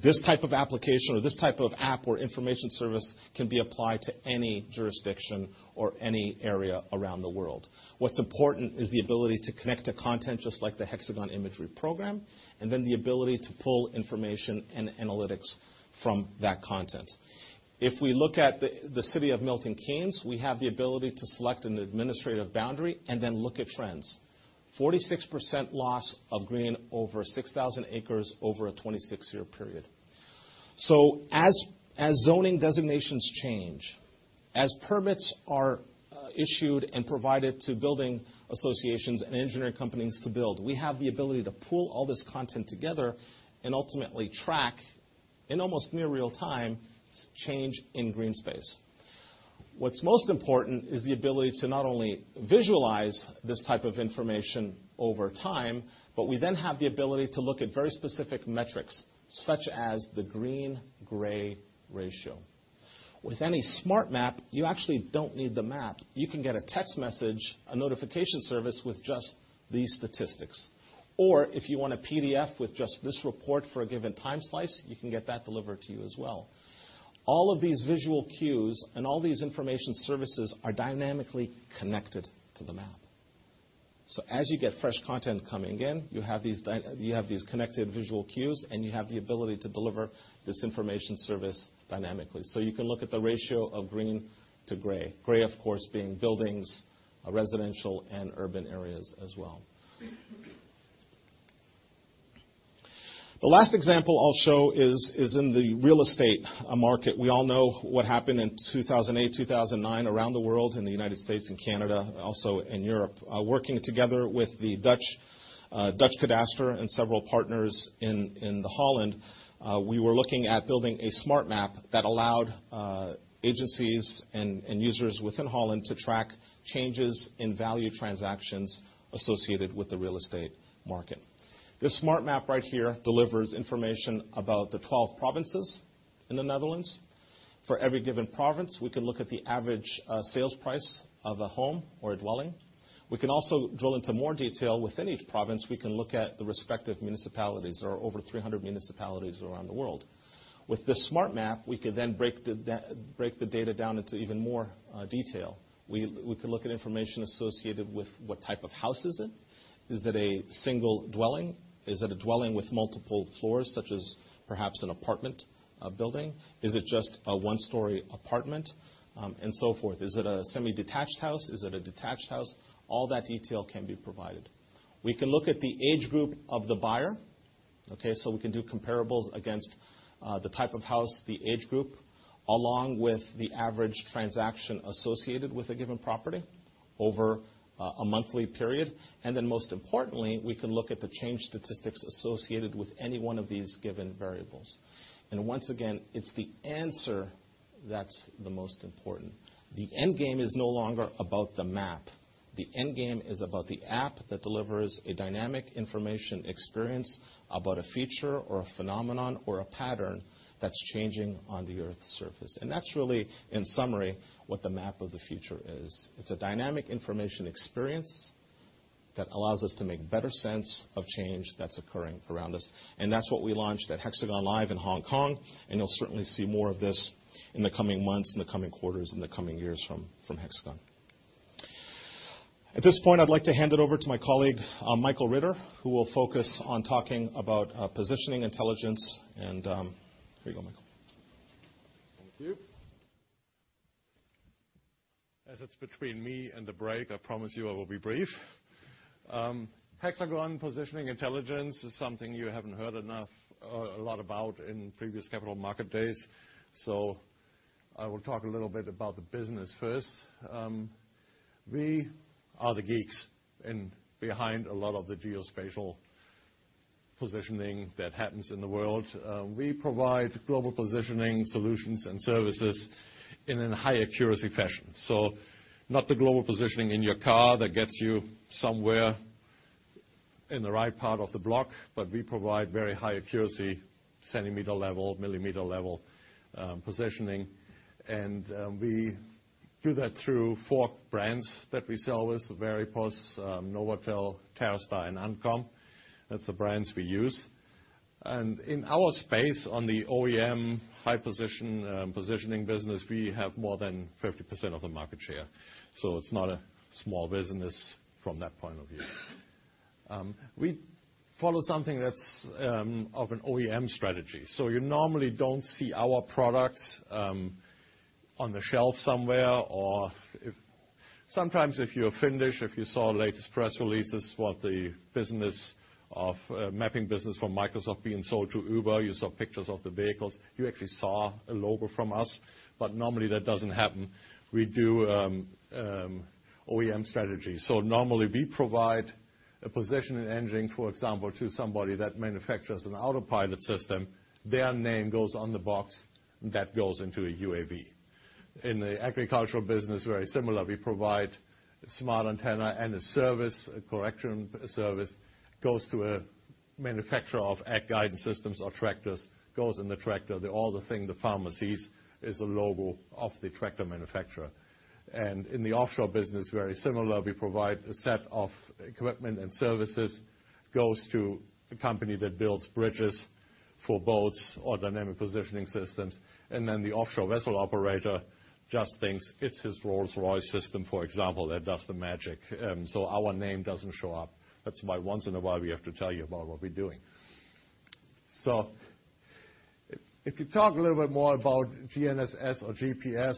this type of application or this type of app or information service can be applied to any jurisdiction or any area around the world. What's important is the ability to connect to content just like the Hexagon Imagery Program, and then the ability to pull information and analytics from that content. If we look at the city of Milton Keynes, we have the ability to select an administrative boundary and then look at trends. 46% loss of green over 6,000 acres over a 26-year period. As zoning designations change, as permits are issued and provided to building associations and engineering companies to build, we have the ability to pull all this content together and ultimately track, in almost near real-time, change in green space. What's most important is the ability to not only visualize this type of information over time, but we then have the ability to look at very specific metrics, such as the green-gray ratio. With any smart map, you actually don't need the map. You can get a text message, a notification service with just these statistics. If you want a PDF with just this report for a given time slice, you can get that delivered to you as well. All of these visual cues and all these information services are dynamically connected to the map. As you get fresh content coming in, you have these connected visual cues, and you have the ability to deliver this information service dynamically. You can look at the ratio of green to gray. Gray, of course, being buildings, residential, and urban areas as well. The last example I'll show is in the real estate market. We all know what happened in 2008, 2009 around the world, in the U.S. and Canada, also in Europe. Working together with the Dutch Cadastre and several partners in Holland, we were looking at building a smart map that allowed agencies and users within Holland to track changes in value transactions associated with the real estate market. This smart map right here delivers information about the 12 provinces in the Netherlands. For every given province, we can look at the average sales price of a home or a dwelling. We can also drill into more detail within each province. We can look at the respective municipalities. There are over 300 municipalities around the world. With this smart map, we can then break the data down into even more detail. We can look at information associated with what type of house is it. Is it a single dwelling? Is it a dwelling with multiple floors, such as perhaps an apartment building? Is it just a one-story apartment? So forth. Is it a semi-detached house? Is it a detached house? All that detail can be provided. We can look at the age group of the buyer. Okay, so we can do comparables against the type of house, the age group, along with the average transaction associated with a given property over a monthly period. Most importantly, we can look at the change statistics associated with any one of these given variables. Once again, it's the answer that's the most important. The end game is no longer about the map. The end game is about the app that delivers a dynamic information experience about a feature or a phenomenon or a pattern that's changing on the Earth's surface. That's really, in summary, what the map of the future is. It's a dynamic information experience that allows us to make better sense of change that's occurring around us, and that's what we launched at HxGN LIVE in Hong Kong, and you'll certainly see more of this in the coming months, in the coming quarters, in the coming years from Hexagon. At this point, I'd like to hand it over to my colleague, Michael Ritter, who will focus on talking about positioning intelligence and Here you go, Michael. Thank you. As it's between me and the break, I promise you I will be brief. Hexagon Positioning Intelligence is something you haven't heard a lot about in previous capital market days, so I will talk a little bit about the business first. We are the geeks behind a lot of the geospatial positioning that happens in the world. We provide global positioning solutions and services in a high-accuracy fashion. So not the global positioning in your car that gets you somewhere in the right part of the block, but we provide very high accuracy, centimeter level, millimeter level positioning. We do that through four brands that we sell with: Veripos, NovAtel, TerraStar, and Antcom. That's the brands we use. In our space on the OEM high positioning business, we have more than 50% of the market share. It's not a small business from that point of view. We follow something that's of an OEM strategy. You normally don't see our products on the shelf somewhere or sometimes if you're Finnish, if you saw latest press releases, what the mapping business from Microsoft being sold to Uber, you saw pictures of the vehicles. You actually saw a logo from us, but normally that doesn't happen. We do OEM strategy. Normally we provide a positioning engine, for example, to somebody that manufactures an autopilot system. Their name goes on the box, that goes into a UAV. In the agricultural business, very similar. We provide a smart antenna and a service, a correction service, goes to a manufacturer of ag guidance systems or tractors, goes in the tractor. All the thing the farmer sees is a logo of the tractor manufacturer. In the offshore business, very similar. We provide a set of equipment and services, goes to a company that builds bridges for boats or dynamic positioning systems. Then the offshore vessel operator just thinks it's his Rolls-Royce system, for example, that does the magic. Our name doesn't show up. That's why once in a while we have to tell you about what we're doing. If you talk a little bit more about GNSS or GPS.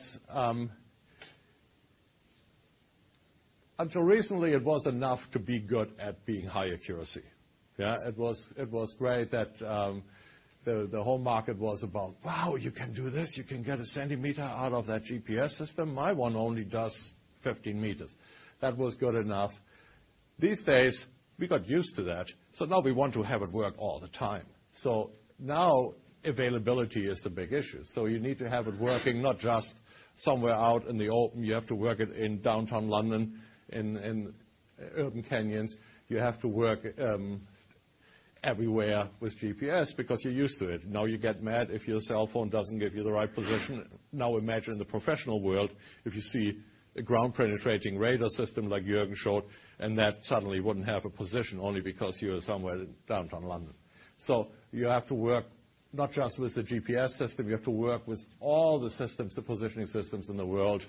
Until recently, it was enough to be good at being high accuracy. Yeah, it was great that the whole market was about, "Wow, you can do this? You can get a centimeter out of that GPS system. My one only does 15 meters." That was good enough. These days, we got used to that, now we want to have it work all the time. Now availability is a big issue. You need to have it working not just somewhere out in the open. You have to work it in downtown London, in urban canyons. You have to work everywhere with GPS because you're used to it. Now you get mad if your cell phone doesn't give you the right position. Now imagine in the professional world, if you see a ground-penetrating radar system, like Jürgen showed, and that suddenly wouldn't have a position only because you're somewhere in downtown London. You have to work not just with the GPS system, you have to work with all the systems, the positioning systems in the world,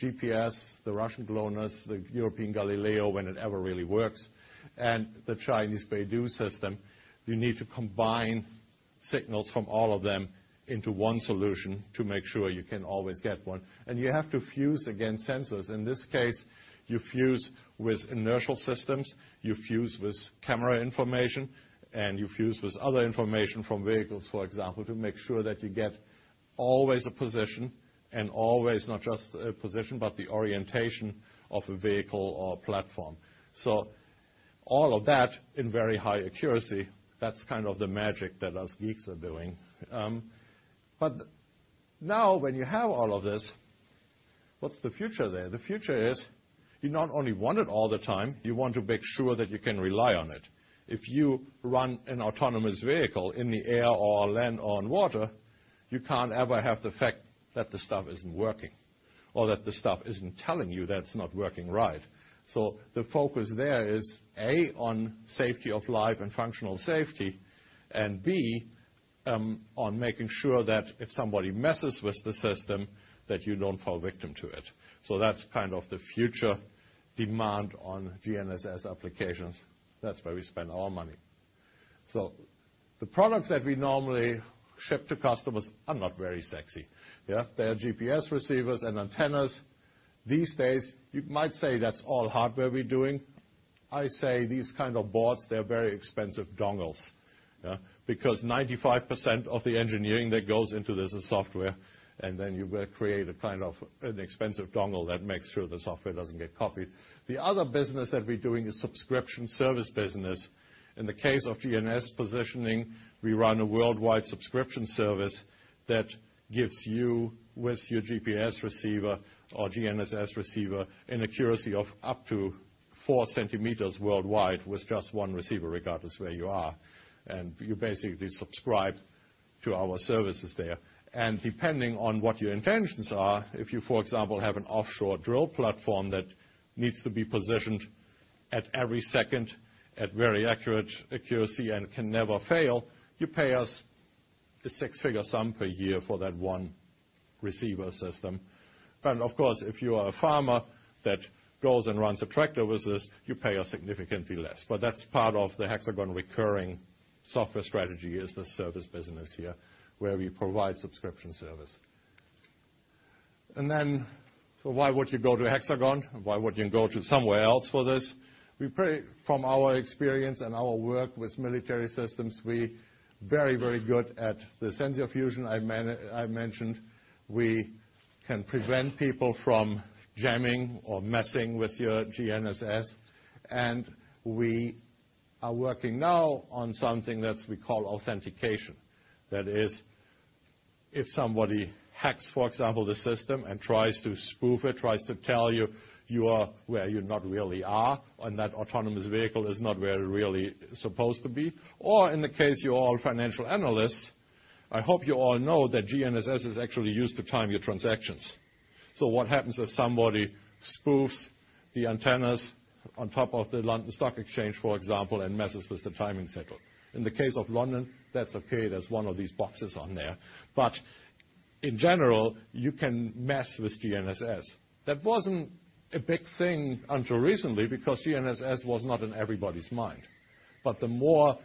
GPS, the Russian GLONASS, the European Galileo, when it ever really works, and the Chinese BeiDou system. You need to combine signals from all of them into one solution to make sure you can always get one. You have to fuse against sensors. In this case, you fuse with inertial systems, you fuse with camera information, and you fuse with other information from vehicles, for example, to make sure that you get always a position and always not just a position, but the orientation of a vehicle or a platform. All of that in very high accuracy, that's kind of the magic that us geeks are doing. Now when you have all of this, what's the future there? The future is you not only want it all the time, you want to make sure that you can rely on it. If you run an autonomous vehicle in the air or land on water, you can't ever have the fact that the stuff isn't working or that the stuff isn't telling you that it's not working right. The focus there is, A, on safety of life and functional safety, B, on making sure that if somebody messes with the system, that you don't fall victim to it. That's kind of the future demand on GNSS applications. That's where we spend our money. The products that we normally ship to customers are not very sexy. Yeah. They are GPS receivers and antennas. These days, you might say that's all hardware we're doing. I say these kind of boards, they're very expensive dongles. Because 95% of the engineering that goes into this is software, and then you will create a kind of an expensive dongle that makes sure the software doesn't get copied. The other business that we're doing is subscription service business. In the case of GNSS positioning, we run a worldwide subscription service that gives you, with your GPS receiver or GNSS receiver, an accuracy of up to 4 centimeters worldwide with just one receiver, regardless where you are. You basically subscribe to our services there. Depending on what your intentions are, if you, for example, have an offshore drill platform that needs to be positioned at every second at very accurate accuracy and can never fail, you pay us a six-figure sum per year for that one receiver system. Of course, if you are a farmer that goes and runs a tractor with this, you pay us significantly less. That's part of the Hexagon recurring software strategy, is the service business here, where we provide subscription service. Why would you go to Hexagon? Why would you go to somewhere else for this? From our experience and our work with military systems, we are very, very good at the sensor fusion I mentioned. We can prevent people from jamming or messing with your GNSS, we are working now on something that we call authentication. That is, if somebody hacks, for example, the system and tries to spoof it, tries to tell you are where you not really are, and that autonomous vehicle is not where it really is supposed to be. In the case you all financial analysts, I hope you all know that GNSS is actually used to time your transactions. What happens if somebody spoofs the antennas on top of the London Stock Exchange, for example, and messes with the timing signal? In the case of London, that's okay, there's one of these boxes on there. In general, you can mess with GNSS. That wasn't a big thing until recently, because GNSS was not in everybody's mind. The more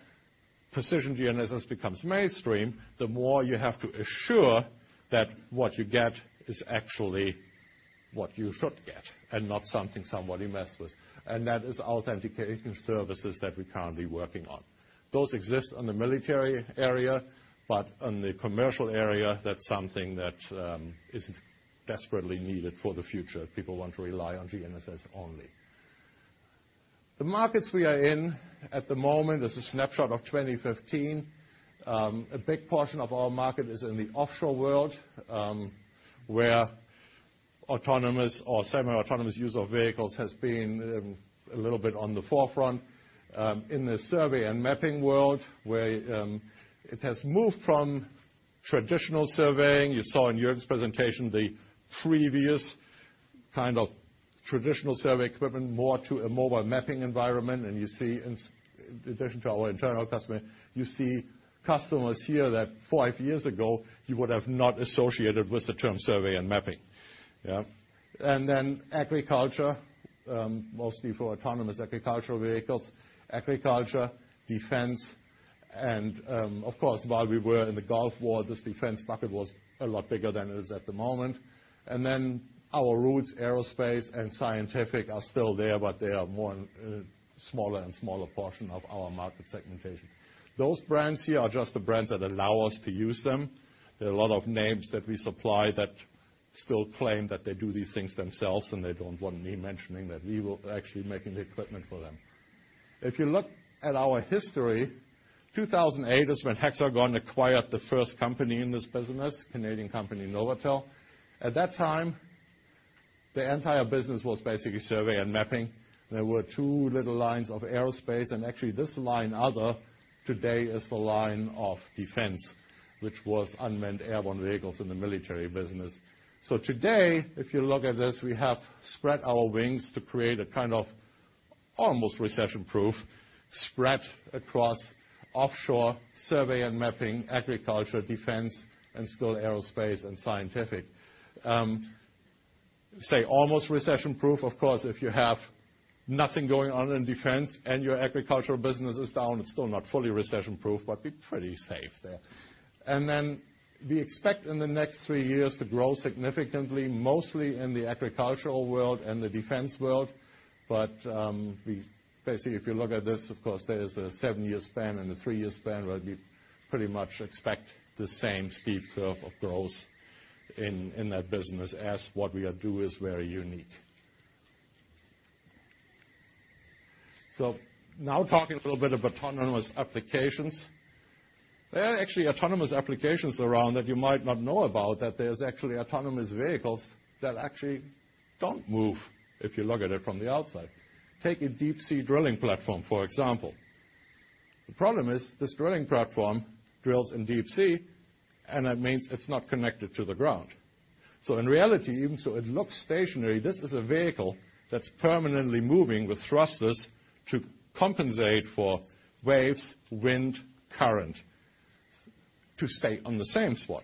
precision GNSS becomes mainstream, the more you have to assure that what you get is actually what you should get and not something somebody messed with. That is authentication services that we're currently working on. Those exist on the military area, on the commercial area, that's something that is desperately needed for the future if people want to rely on GNSS only. The markets we are in at the moment, there's a snapshot of 2015. A big portion of our market is in the offshore world, where autonomous or semi-autonomous use of vehicles has been a little bit on the forefront. In the survey and mapping world, where it has moved from traditional surveying. You saw in Jürgen's presentation the previous kind of traditional survey equipment, more to a mobile mapping environment. You see in addition to our internal customer, you see customers here that five years ago you would have not associated with the term survey and mapping. Agriculture, mostly for autonomous agricultural vehicles. Agriculture, defense, and of course, while we were in the Gulf War, this defense bucket was a lot bigger than it is at the moment. Our roots, aerospace and scientific are still there, but they are more smaller and smaller portion of our market segmentation. Those brands here are just the brands that allow us to use them. There are a lot of names that we supply that still claim that they do these things themselves, and they don't want me mentioning that we were actually making the equipment for them. If you look at our history, 2008 is when Hexagon acquired the first company in this business, Canadian company, NovAtel. At that time, the entire business was basically survey and mapping, and there were two little lines of aerospace. Actually, this line other today is the line of defense, which was unmanned airborne vehicles in the military business. Today, if you look at this, we have spread our wings to create a kind of almost recession-proof spread across offshore survey and mapping, agriculture, defense, and still aerospace and scientific. Say almost recession-proof. Of course, if you have nothing going on in defense and your agricultural business is down, it's still not fully recession-proof, but we're pretty safe there. We expect in the next three years to grow significantly, mostly in the agricultural world and the defense world. Basically, if you look at this, of course, there is a seven-year span and a three-year span where we pretty much expect the same steep curve of growth in that business as what we do is very unique. Now talking a little bit of autonomous applications. There are actually autonomous applications around that you might not know about, that there's actually autonomous vehicles that actually don't move if you look at it from the outside. Take a deep sea drilling platform, for example. The problem is this drilling platform drills in deep sea, and that means it's not connected to the ground. In reality, even so it looks stationary, this is a vehicle that's permanently moving with thrusters to compensate for waves, wind, current to stay on the same spot.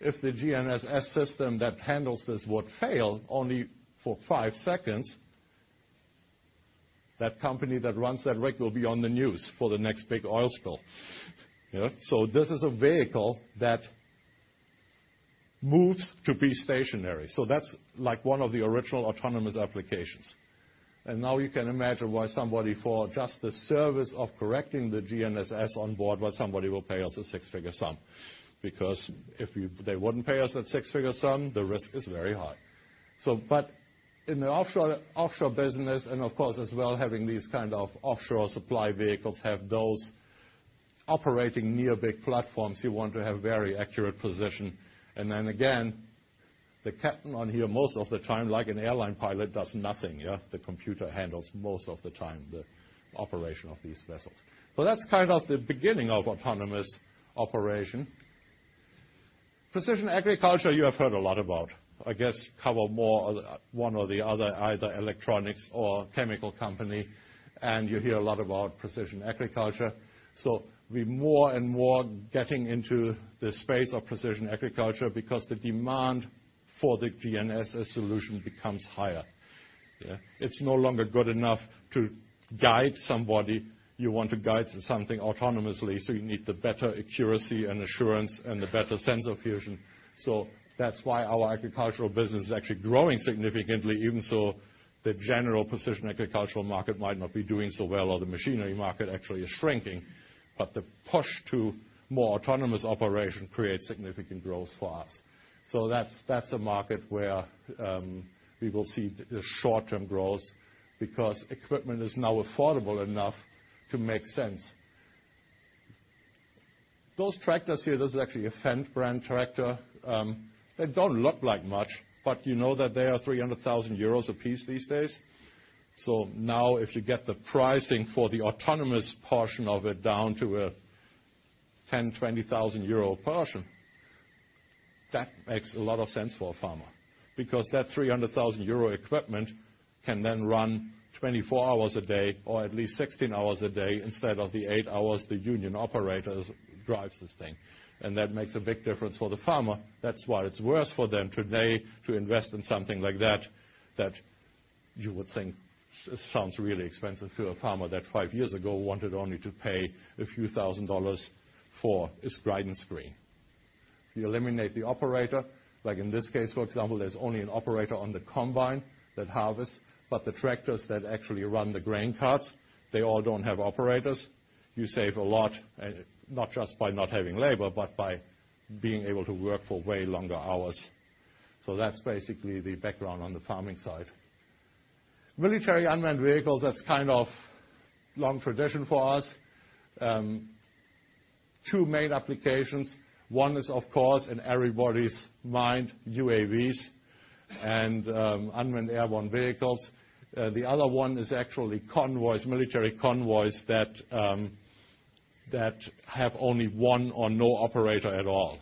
If the GNSS system that handles this would fail only for five seconds, that company that runs that rig will be on the news for the next big oil spill. This is a vehicle that moves to be stationary. That's one of the original autonomous applications, and now you can imagine why somebody for just the service of correcting the GNSS on board, why somebody will pay us a six-figure sum. Because if they wouldn't pay us that six-figure sum, the risk is very high. In the offshore business, and of course, as well, having these kind of offshore supply vehicles have those operating near big platforms, you want to have very accurate position. Then again, the captain on here, most of the time, like an airline pilot, does nothing. The computer handles most of the time the operation of these vessels. That's the beginning of autonomous operation. Precision agriculture, you have heard a lot about. I guess cover more one or the other, either electronics or chemical company, and you hear a lot about Precision agriculture. We're more and more getting into the space of Precision agriculture because the demand for the GNSS solution becomes higher. It's no longer good enough to guide somebody. You want to guide something autonomously, so you need the better accuracy and assurance and the better sensor fusion. That's why our agricultural business is actually growing significantly, even so the general Precision agricultural market might not be doing so well, or the machinery market actually is shrinking. The push to more autonomous operation creates significant growth for us. That's a market where we will see short-term growth because equipment is now affordable enough to make sense. Those tractors here, this is actually a Fendt brand tractor. They don't look like much, but you know that they are 300,000 euros apiece these days. Now if you get the pricing for the autonomous portion of it down to a 10,000, 20,000 euro portion, that makes a lot of sense for a farmer because that 300,000 euro equipment can then run 24 hours a day, or at least 16 hours a day instead of the eight hours the union operator drives this thing, and that makes a big difference for the farmer. That's why it's worse for them today to invest in something like that you would think sounds really expensive to a farmer that five years ago wanted only to pay a few thousand dollars for his guidance screen. You eliminate the operator, like in this case, for example, there's only an operator on the combine that harvests, but the tractors that actually run the grain carts, they all don't have operators. You save a lot, not just by not having labor, but by being able to work for way longer hours. That's basically the background on the farming side. Military unmanned vehicles, that's long tradition for us. Two main applications. One is, of course, in everybody's mind, UAVs and unmanned airborne vehicles. The other one is actually convoys, military convoys that have only one or no operator at all,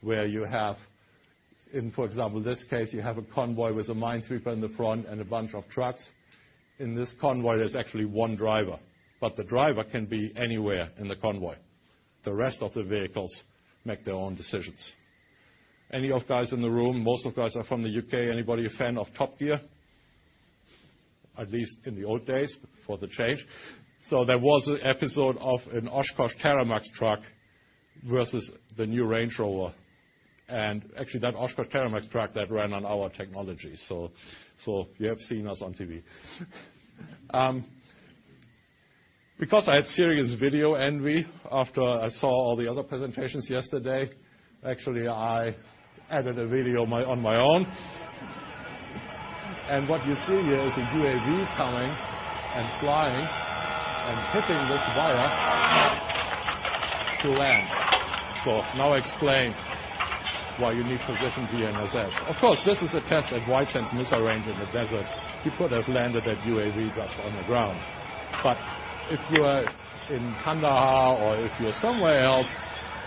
where you have in, for example, this case, you have a convoy with a minesweeper in the front and a bunch of trucks. In this convoy, there's actually one driver. The driver can be anywhere in the convoy. The rest of the vehicles make their own decisions. Any of you guys in the room, most of you guys are from the U.K., anybody a fan of "Top Gear"? At least in the old days before the change. There was an episode of an Oshkosh TerraMax truck versus the new Range Rover, and actually, that Oshkosh TerraMax truck, that ran on our technology. You have seen us on TV. I had serious video envy after I saw all the other presentations yesterday, actually, I added a video on my own. What you see here is a UAV coming and flying and hitting this wire to land. Now explain why you need position GNSS. Of course, this is a test at White Sands Missile Range in the desert. You could have landed that UAV just on the ground. If you are in Kandahar or if you're somewhere else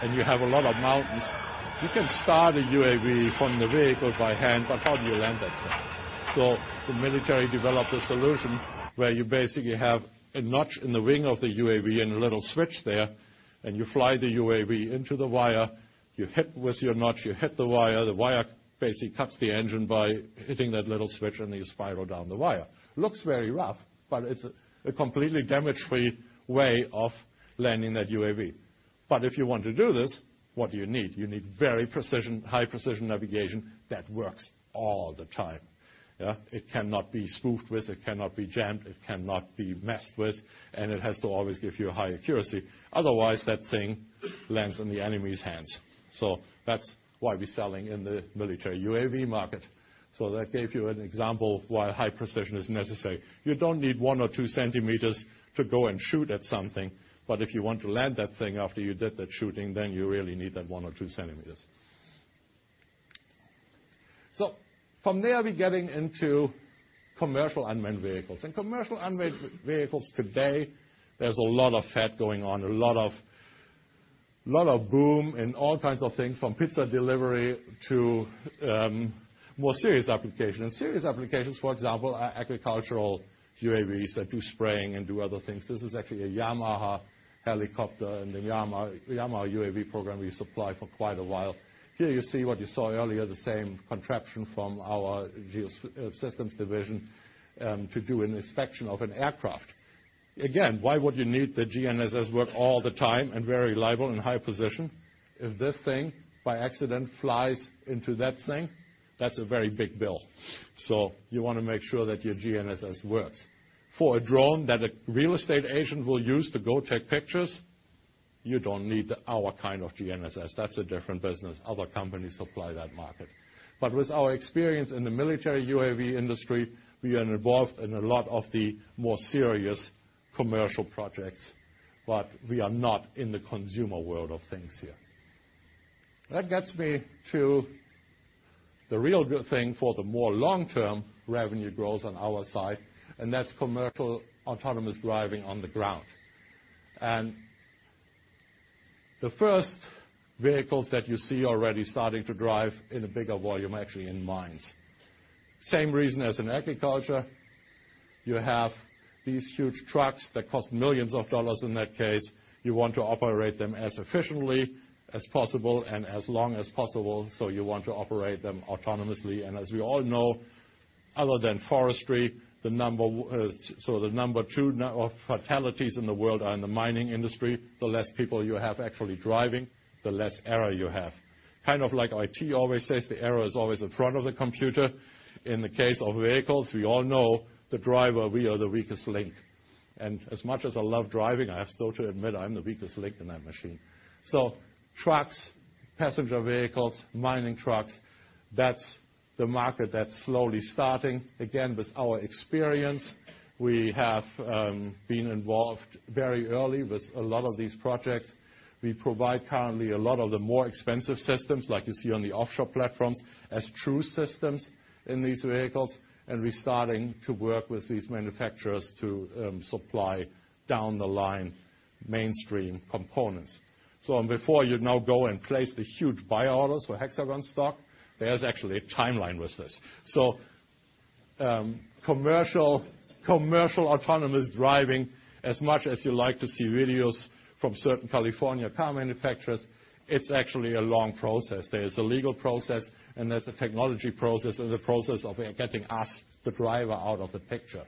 and you have a lot of mountains, you can start a UAV from the vehicle by hand, how do you land that thing? The military developed a solution where you basically have a notch in the wing of the UAV and a little switch there, and you fly the UAV into the wire. You hit with your notch, you hit the wire. The wire basically cuts the engine by hitting that little switch, and you spiral down the wire. Looks very rough, but it's a completely damage-free way of landing that UAV. If you want to do this, what do you need? You need very high-precision navigation that works all the time. It cannot be spoofed with, it cannot be jammed, it cannot be messed with, and it has to always give you high accuracy. Otherwise, that thing lands in the enemy's hands. That's why we're selling in the military UAV market. That gave you an example why high precision is necessary. You don't need one or two centimeters to go and shoot at something, but if you want to land that thing after you did that shooting, then you really need that one or two centimeters. From there, we're getting into commercial unmanned vehicles. Commercial unmanned vehicles today, there's a lot of fad going on, a lot of boom in all kinds of things, from pizza delivery to more serious applications. Serious applications, for example, are agricultural UAVs that do spraying and do other things. This is actually a Yamaha helicopter and a Yamaha UAV program we supply for quite a while. Here you see what you saw earlier, the same contraption from our Geosystems division, to do an inspection of an aircraft. Again, why would you need the GNSS work all the time and very reliable in high position? If this thing by accident flies into that thing, that's a very big bill. You want to make sure that your GNSS works. For a drone that a real estate agent will use to go take pictures, you don't need our kind of GNSS. That's a different business. Other companies supply that market. With our experience in the military UAV industry, we are involved in a lot of the more serious commercial projects, but we are not in the consumer world of things here. That gets me to the real good thing for the more long-term revenue growth on our side, and that's commercial autonomous driving on the ground. The first vehicles that you see already starting to drive in a bigger volume, actually in mines. Same reason as in agriculture. You have these huge trucks that cost millions of dollars, in that case. You want to operate them as efficiently as possible and as long as possible, so you want to operate them autonomously. As we all know, other than forestry, the number 2 of fatalities in the world are in the mining industry. The less people you have actually driving, the less error you have. Kind of like IT always says, the error is always in front of the computer. In the case of vehicles, we all know the driver, we are the weakest link. As much as I love driving, I have still to admit I'm the weakest link in that machine. Trucks, passenger vehicles, mining trucks, that's the market that's slowly starting. Again, with our experience, we have been involved very early with a lot of these projects. We provide currently a lot of the more expensive systems, like you see on the offshore platforms, as true systems in these vehicles. We're starting to work with these manufacturers to supply down the line mainstream components. Before you now go and place the huge buy orders for Hexagon stock, there's actually a timeline with this. Commercial autonomous driving, as much as you like to see videos from certain California car manufacturers, it's actually a long process. There's a legal process and there's a technology process and the process of getting us, the driver, out of the picture.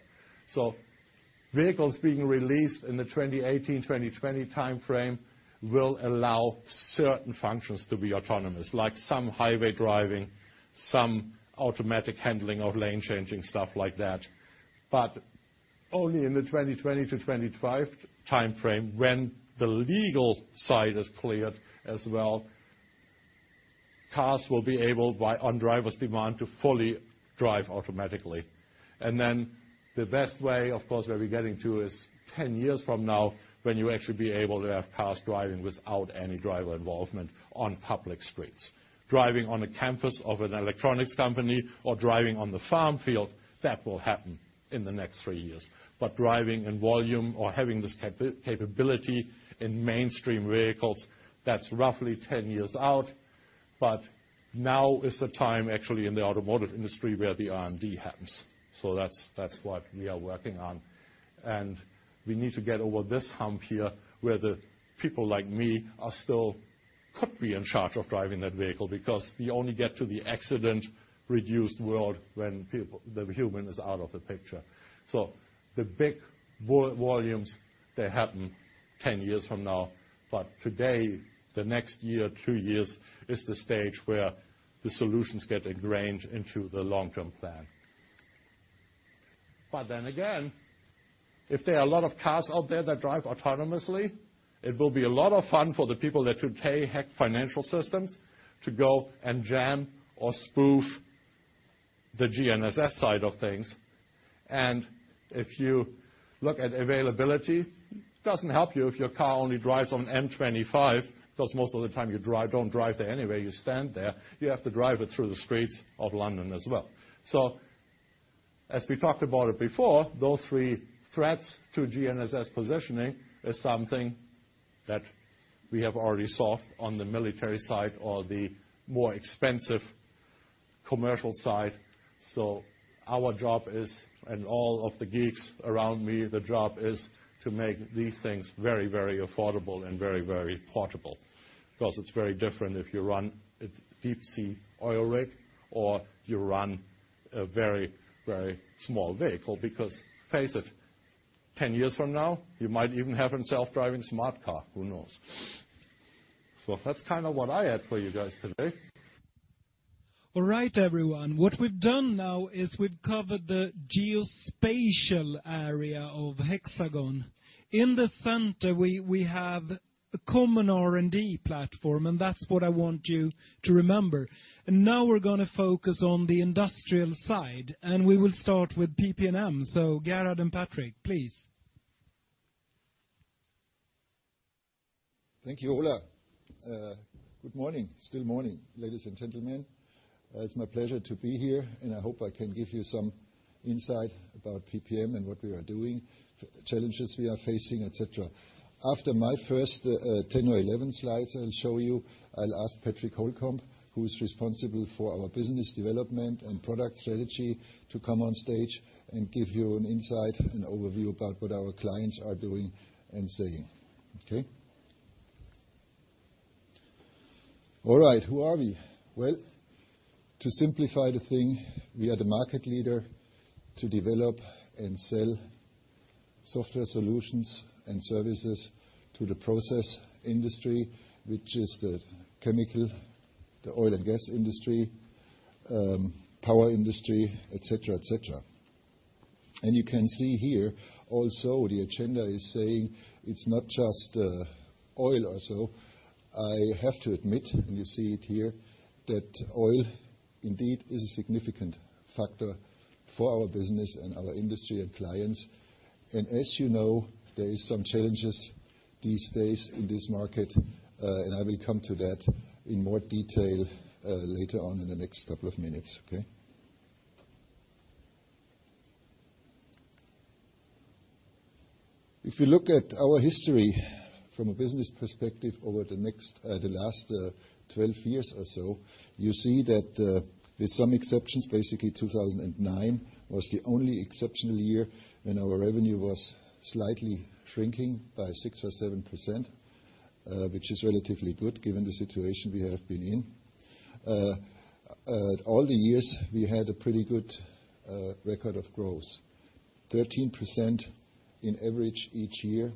Vehicles being released in the 2018, 2020 timeframe will allow certain functions to be autonomous, like some highway driving, some automatic handling of lane changing, stuff like that. Only in the 2020-2025 timeframe when the legal side is cleared as well, cars will be able, on driver's demand, to fully drive automatically. Then the best way, of course, where we're getting to is 10 years from now, when you actually be able to have cars driving without any driver involvement on public streets. Driving on a campus of an electronics company or driving on the farm field, that will happen in the next three years. Driving in volume or having this capability in mainstream vehicles, that's roughly 10 years out. Now is the time actually in the automotive industry where the R&D happens. That's what we are working on. We need to get over this hump here where the people like me could be in charge of driving that vehicle, because you only get to the accident-reduced world when the human is out of the picture. The big volumes, they happen 10 years from now, but today, the next year, two years, is the stage where the solutions get ingrained into the long-term plan. Again, if there are a lot of cars out there that drive autonomously, it will be a lot of fun for the people that today hack financial systems to go and jam or spoof the GNSS side of things. If you look at availability, doesn't help you if your car only drives on M25, because most of the time you don't drive there anyway. You stand there. You have to drive it through the streets of London as well. As we talked about it before, those three threats to GNSS positioning is something that we have already solved on the military side or the more expensive commercial side. Our job is, and all of the geeks around me, the job is to make these things very, very affordable and very, very portable. Because it's very different if you run a deep sea oil rig or you run a very, very small vehicle. Because face it, 10 years from now, you might even have a self-driving smart car. Who knows? That's what I had for you guys today. All right, everyone. What we've done now is we've covered the geospatial area of Hexagon. In the center, we have a common R&D platform, that's what I want you to remember. Now we're going to focus on the industrial side, and we will start with PP&M. Gerhard and Patrick, please. Thank you, Ola. Good morning. Still morning, ladies and gentlemen. It's my pleasure to be here, I hope I can give you some insight about PPM and what we are doing, challenges we are facing, et cetera. After my first 10 or 11 slides I'll show you, I'll ask Patrick Holcombe, who's responsible for our business development and product strategy, to come on stage and give you an insight and overview about what our clients are doing and saying. Okay? All right, who are we? Well, to simplify the thing, we are the market leader to develop and sell software solutions and services to the process industry, which is the chemical, the oil and gas industry, power industry, et cetera. You can see here also the agenda is saying it's not just oil or so. I have to admit, you see it here, that oil indeed is a significant factor for our business and our industry and clients. As you know, there is some challenges these days in this market, I will come to that in more detail later on in the next couple of minutes. Okay? If you look at our history from a business perspective over the last 12 years or so, you see that with some exceptions, basically 2009 was the only exceptional year when our revenue was slightly shrinking by 6% or 7%, which is relatively good given the situation we have been in. All the years, we had a pretty good record of growth, 13% in average each year,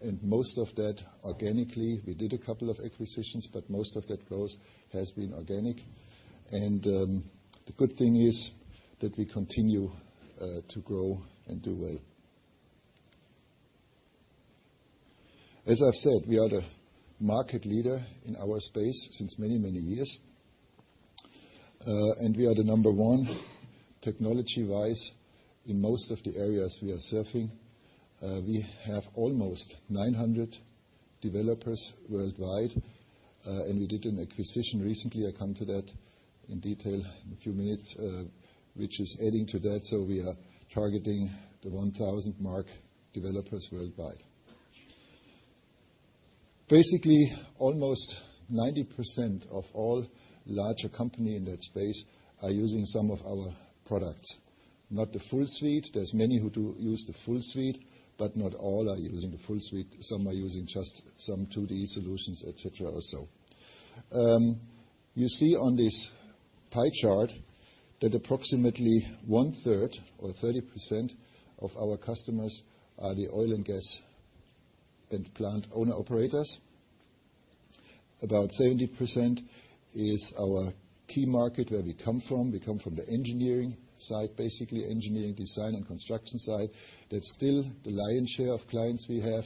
and most of that organically. We did a couple of acquisitions, but most of that growth has been organic. The good thing is that we continue to grow and do well. As I've said, we are the market leader in our space since many, many years. We are the number one technology-wise in most of the areas we are serving. We have almost 900 developers worldwide. We did an acquisition recently, I come to that in detail in a few minutes, which is adding to that. We are targeting the 1,000-mark developers worldwide. Almost 90% of all larger companies in that space are using some of our products. Not the full suite. There's many who do use the full suite, but not all are using the full suite. Some are using just some 2D solutions, et cetera. You see on this pie chart that approximately one third or 30% of our customers are the oil and gas and plant owner operators. About 70% is our key market where we come from. We come from the engineering side. Engineering design and construction side. That's still the lion's share of clients we have.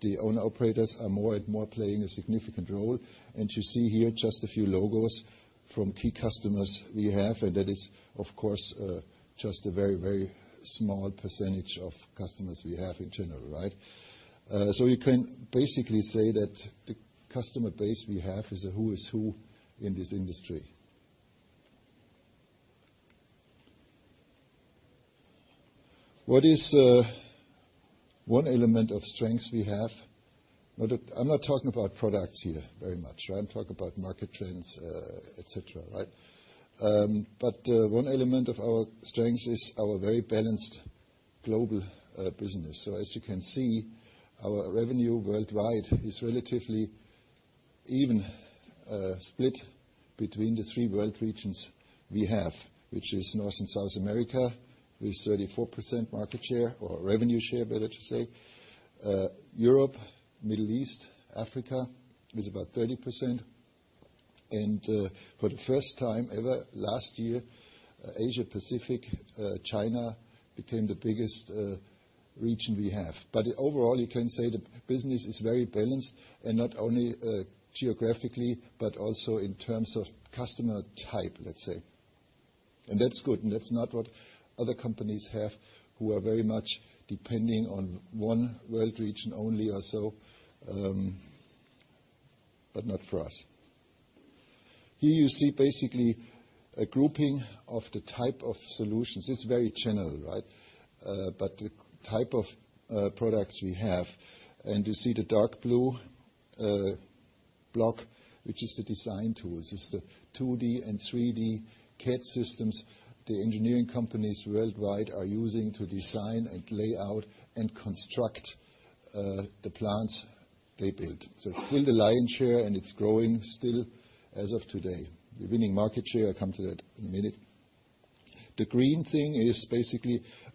The owner operators are more and more playing a significant role. You see here just a few logos from key customers we have. That is, of course, just a very small percentage of customers we have in general. Right? You can say that the customer base we have is a who's who in this industry. What is one element of strength we have? I'm not talking about products here very much. I'm talking about market trends, et cetera. Right? One element of our strength is our very balanced global business. As you can see, our revenue worldwide is relatively even split between the three world regions we have, which is North and South America, with 34% market share or revenue share, better to say. Europe, Middle East, Africa is about 30%. For the first time ever, last year, Asia-Pacific, China became the biggest region we have. Overall, you can say the business is very balanced and not only geographically, but also in terms of customer type, let's say. That's good. That's not what other companies have who are very much depending on one world region only, but not for us. Here you see a grouping of the type of solutions. It's very general, but the type of products we have. You see the dark blue block, which is the design tools. It's the 2D and 3D CAD systems the engineering companies worldwide are using to design and lay out and construct the plants they build. It's still the lion's share, and it's growing still as of today. We're winning market share. I come to that in a minute. The green thing is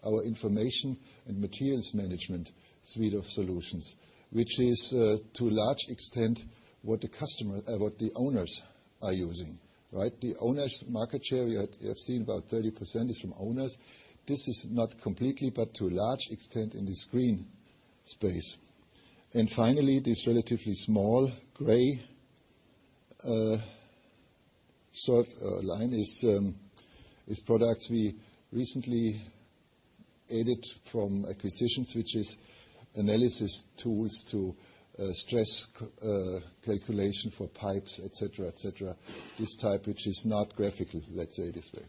our information and materials management suite of solutions, which is to a large extent what the owners are using. Right? The owners' market share, we have seen about 30% is from owners. This is not completely, but to a large extent in this green space. Finally, this relatively small gray line is products we recently added from acquisitions, which is analysis tools to stress calculation for pipes, et cetera. This type which is not graphical, let's say it this way.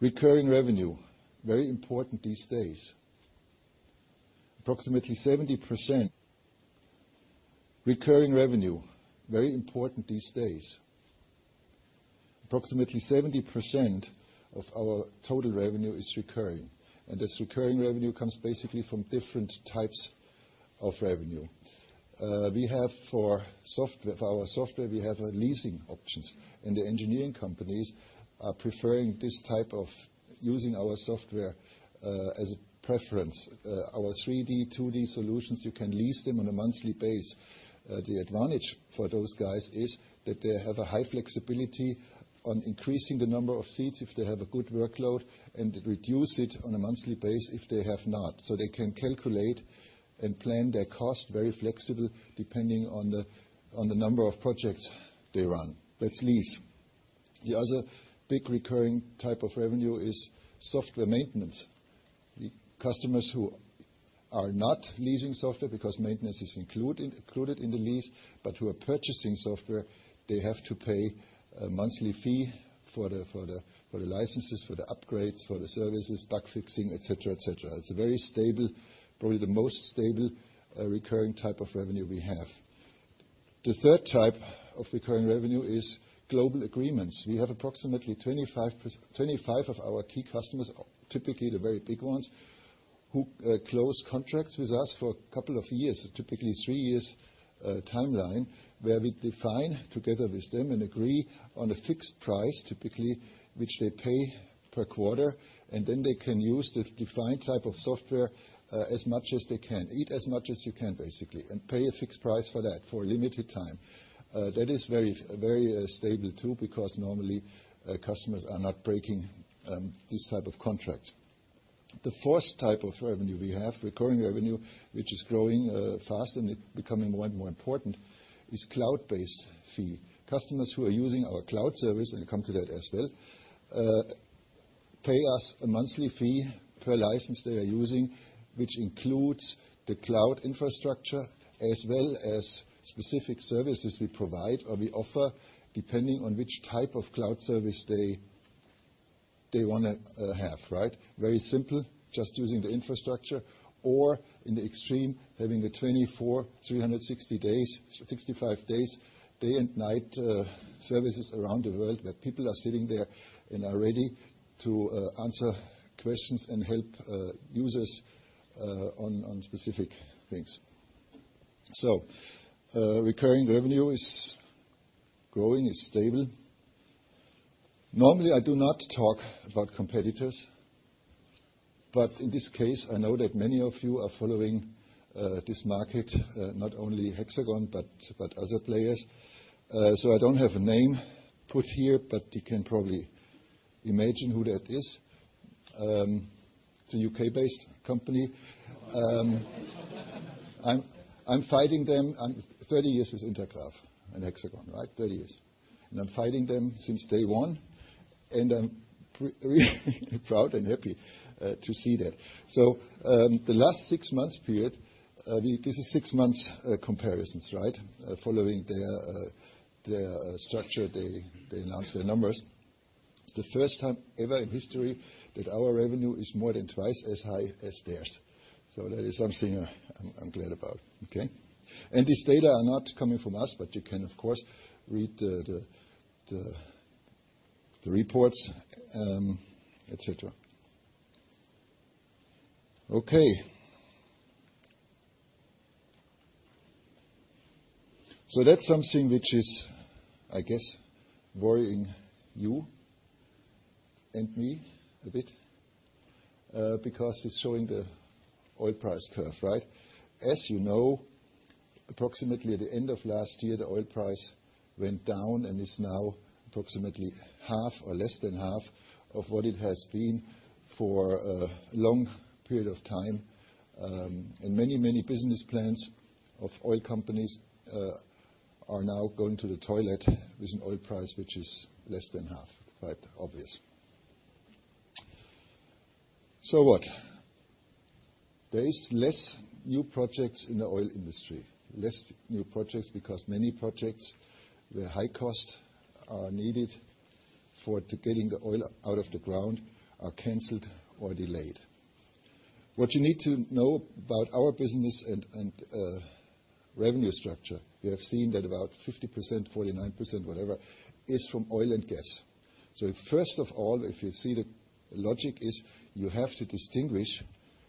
Recurring revenue, very important these days. Approximately 70% of our total revenue is recurring, and this recurring revenue comes from different types of revenue. For our software, we have leasing options. The engineering companies are preferring this type of using our software as a preference. Our 3D, 2D solutions, you can lease them on a monthly base. The advantage for those guys is that they have a high flexibility on increasing the number of seats if they have a good workload and reduce it on a monthly base if they have not. They can calculate and plan their cost very flexible depending on the number of projects they run. That's lease. The other big recurring type of revenue is software maintenance. Customers who are not leasing software because maintenance is included in the lease, but who are purchasing software, they have to pay a monthly fee for the licenses, for the upgrades, for the services, bug fixing, et cetera. It's a very stable, probably the most stable recurring type of revenue we have. The 3rd type of recurring revenue is global agreements. We have approximately 25 of our key customers, typically the very big ones, who close contracts with us for a couple of years, typically three years timeline, where we define together with them and agree on a fixed price, typically, which they pay per quarter, and then they can use the defined type of software as much as they can. Eat as much as you can, basically, and pay a fixed price for that for a limited time. That is very stable too, because normally customers are not breaking this type of contract. The 4th type of revenue we have, recurring revenue, which is growing fast and it becoming more and more important, is cloud-based fee. Customers who are using our cloud service, and I'll come to that as well, pay us a monthly fee per license they are using, which includes the cloud infrastructure as well as specific services we provide or we offer, depending on which type of cloud service they want to have. Very simple, just using the infrastructure or, in the extreme, having the 24, 365 days, day and night services around the world where people are sitting there and are ready to answer questions and help users on specific things. Recurring revenue is growing, is stable. Normally, I do not talk about competitors, but in this case, I know that many of you are following this market, not only Hexagon, but other players. I don't have a name put here, but you can probably imagine who that is. It's a U.K.-based company. I'm fighting them 30 years with Intergraph and Hexagon. 30 years. I'm fighting them since day one, and I'm proud and happy to see that. The last six months period, this is six months comparisons. Following their structure, they announce their numbers. It's the first time ever in history that our revenue is more than twice as high as theirs. That is something I'm glad about. Okay. This data are not coming from us, but you can, of course, read the reports, et cetera. Okay. That's something which is, I guess, worrying you and me a bit, because it's showing the oil price curve. As you know, approximately at the end of last year, the oil price went down and is now approximately half or less than half of what it has been for a long period of time. Many business plans of oil companies are now going to the toilet with an oil price which is less than half. It's quite obvious. What? There is less new projects in the oil industry. Less new projects because many projects, the high cost are needed for to getting the oil out of the ground are canceled or delayed. What you need to know about our business and revenue structure, you have seen that about 50%, 49%, whatever, is from oil and gas. First of all, if you see the logic is you have to distinguish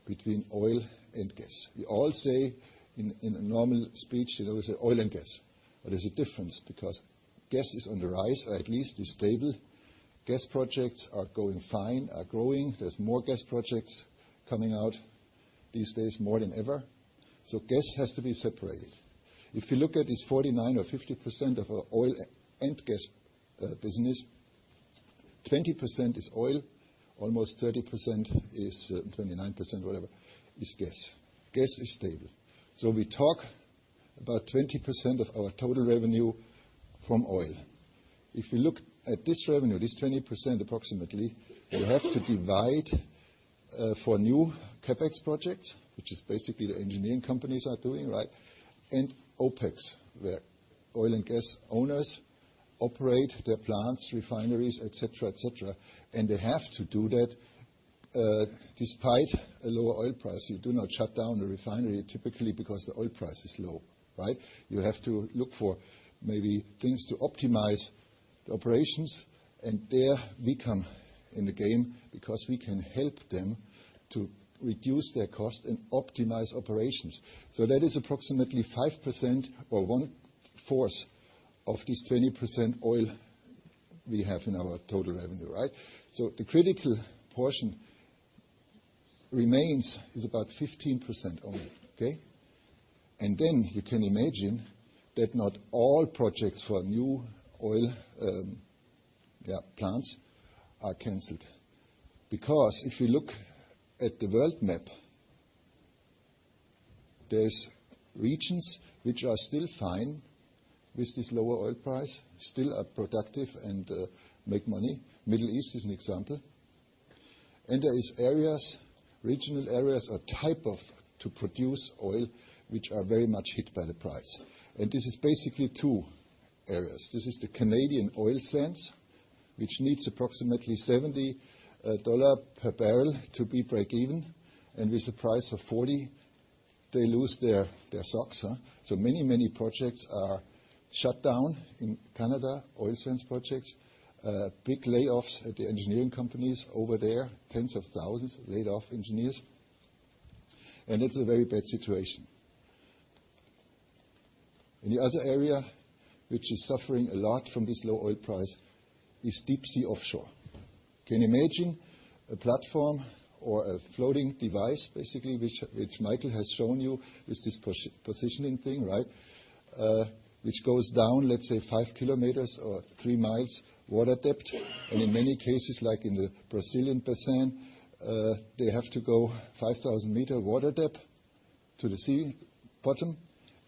between oil and gas. We all say in a normal speech, we say oil and gas. There's a difference because gas is on the rise, or at least is stable. Gas projects are going fine, are growing. There's more gas projects coming out these days, more than ever. Gas has to be separated. If you look at this 49% or 50% of our oil and gas business, 20% is oil, almost 30%, 29%, whatever, is gas. Gas is stable. We talk about 20% of our total revenue from oil. If you look at this revenue, this 20% approximately, you have to divide for new CapEx projects, which is basically the engineering companies are doing. OpEx, where oil and gas owners operate their plants, refineries, et cetera. Despite a lower oil price, you do not shut down a refinery typically because the oil price is low, right? You have to look for maybe things to optimize the operations and there we come in the game because we can help them to reduce their cost and optimize operations. That is approximately 5% or one-fourth of this 20% oil we have in our total revenue, right? The critical portion remains is about 15% oil, okay? Then you can imagine that not all projects for new oil plants are canceled. If you look at the world map, there's regions which are still fine with this lower oil price, still are productive and make money. Middle East is an example. There is areas, regional areas or type of, to produce oil, which are very much hit by the price. This is basically two areas. This is the Canadian oil sands, which needs approximately EUR 70 per barrel to be break even. With the price of 40, they lose their socks. Many, many projects are shut down in Canada, oil sands projects. Big layoffs at the engineering companies over there, tens of thousands laid off engineers. It's a very bad situation. The other area which is suffering a lot from this low oil price is deep sea offshore. You can imagine a platform or a floating device, basically, which Michael has shown you, is this positioning thing, which goes down, let's say 5 km or 3 miles water depth. In many cases, like in the Brazilian basin, they have to go 5,000 meter water depth to the sea bottom,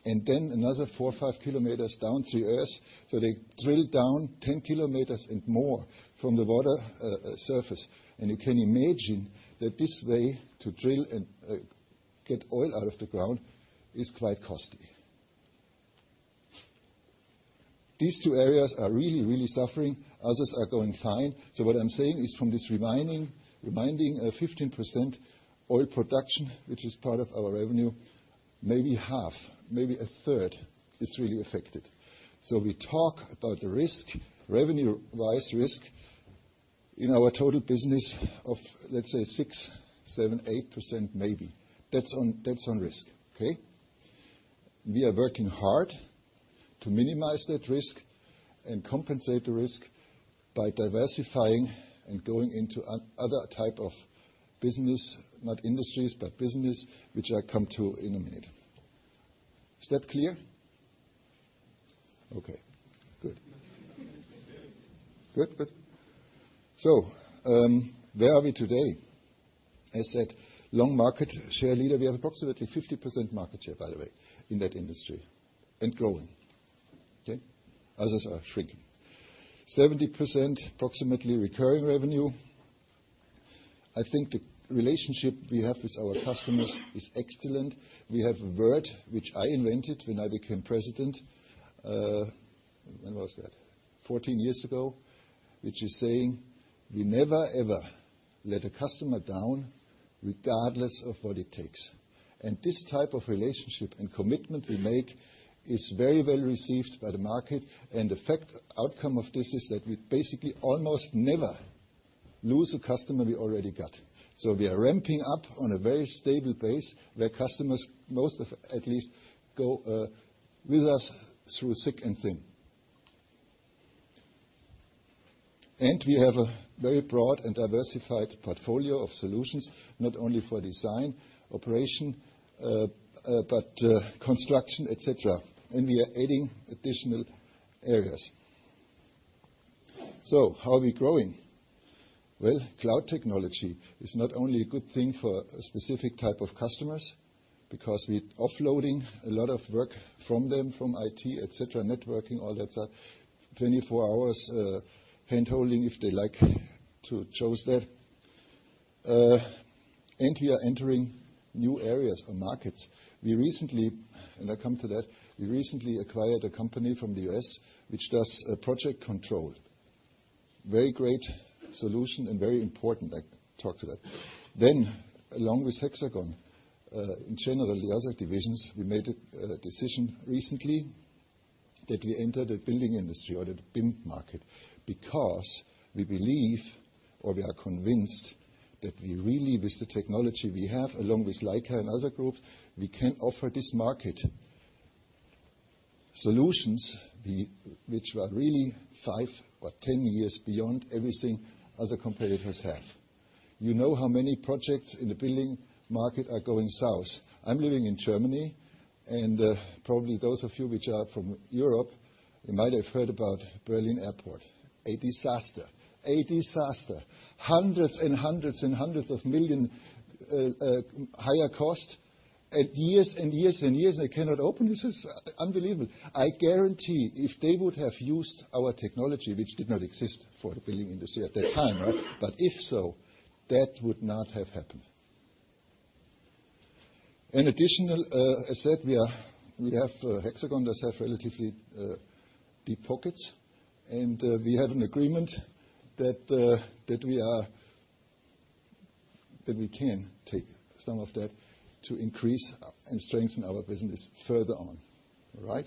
and then another 4 or 5 km down to earth. They drill down 10 km and more from the water surface. You can imagine that this way to drill and get oil out of the ground is quite costly. These two areas are really, really suffering. Others are going fine. What I'm saying is from this remaining 15% oil production, which is part of our revenue, maybe half, maybe a third is really affected. We talk about the risk, revenue-wise risk in our total business of, let's say, 6%, 7%, 8%, maybe. That's on risk. Okay? We are working hard to minimize that risk and compensate the risk by diversifying and going into other type of business, not industries, but business, which I come to in a minute. Is that clear? Okay, good. Good. Where are we today? I said long market share leader. We have approximately 50% market share, by the way, in that industry and growing. Okay? Others are shrinking. 70% approximately recurring revenue. I think the relationship we have with our customers is excellent. We have a word which I invented when I became president, when was that? 14 years ago, which is saying we never, ever let a customer down regardless of what it takes. This type of relationship and commitment we make is very well received by the market and effect outcome of this is that we basically almost never lose a customer we already got. We are ramping up on a very stable base where customers, most of at least, go with us through thick and thin. We have a very broad and diversified portfolio of solutions, not only for design, operation, but construction, et cetera. We are adding additional areas. How are we growing? Well, cloud technology is not only a good thing for a specific type of customers because we're offloading a lot of work from them, from IT, et cetera, networking, all that stuff, 24 hours handholding, if they like to choose that. We are entering new areas or markets. We recently, I come to that, we recently acquired a company from the U.S. which does project control. Very great solution and very important. I talk to that. Along with Hexagon, in general, the other divisions, we made a decision recently that we enter the building industry or the BIM market because we believe or we are convinced that we really, with the technology we have, along with Leica and other groups, we can offer this market solutions which are really five or 10 years beyond everything other competitors have. You know how many projects in the building market are going south. I'm living in Germany and probably those of you which are from Europe, you might have heard about Berlin Airport. A disaster. Hundreds and hundreds and hundreds of million EUR higher cost and years and years and years they cannot open. This is unbelievable. I guarantee if they would have used our technology, which did not exist for the building industry at that time, but if so, that would not have happened. In addition, I said Hexagon does have relatively deep pockets, and we have an agreement that we can take some of that to increase and strengthen our business further on. All right?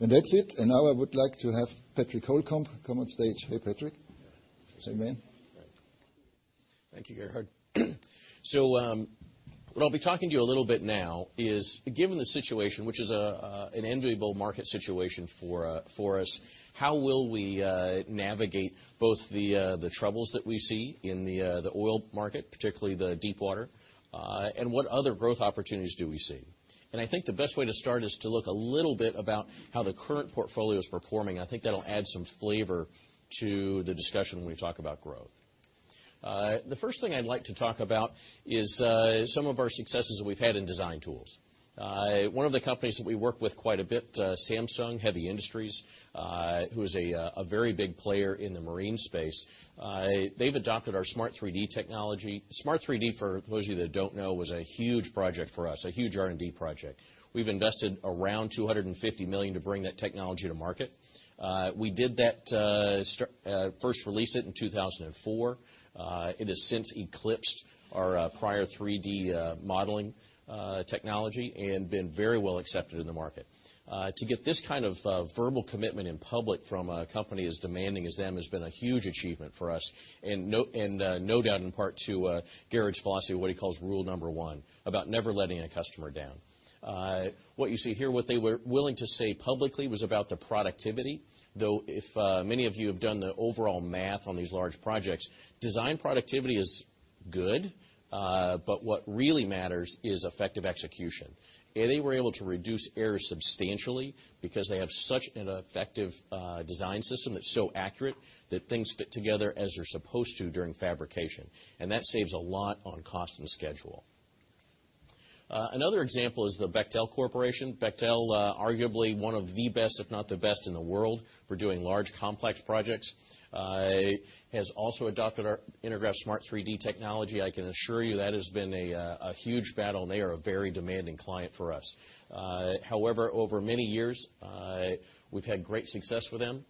That's it. Now I would like to have Patrick Holcombe come on stage. Hey, Patrick. Same man. Thank you, Gerhard. What I'll be talking to you a little bit now is, given the situation, which is an enviable market situation for us, how will we navigate both the troubles that we see in the oil market, particularly the deep water, and what other growth opportunities do we see? I think the best way to start is to look a little bit about how the current portfolio is performing. I think that'll add some flavor to the discussion when we talk about growth. The first thing I'd like to talk about is some of our successes that we've had in design tools. One of the companies that we work with quite a bit, Samsung Heavy Industries, who is a very big player in the marine space, they've adopted our Smart 3D technology. Smart 3D, for those of you that don't know, was a huge project for us, a huge R&D project. We've invested around 250 million to bring that technology to market. We did that, first released it in 2004. It has since eclipsed our prior 3D modeling technology and been very well accepted in the market. To get this kind of verbal commitment in public from a company as demanding as them has been a huge achievement for us. No doubt in part to Gerhard's philosophy of what he calls rule 1 about never letting a customer down. What you see here, what they were willing to say publicly was about the productivity, though if many of you have done the overall math on these large projects, design productivity is good. What really matters is effective execution. They were able to reduce errors substantially because they have such an effective design system that's so accurate that things fit together as they're supposed to during fabrication. That saves a lot on cost and schedule. Another example is the Bechtel Corporation. Bechtel, arguably one of the best, if not the best in the world for doing large, complex projects, has also adopted our Intergraph Smart 3D technology. I can assure you that has been a huge battle, and they are a very demanding client for us. However, over many years, we've had great success with them.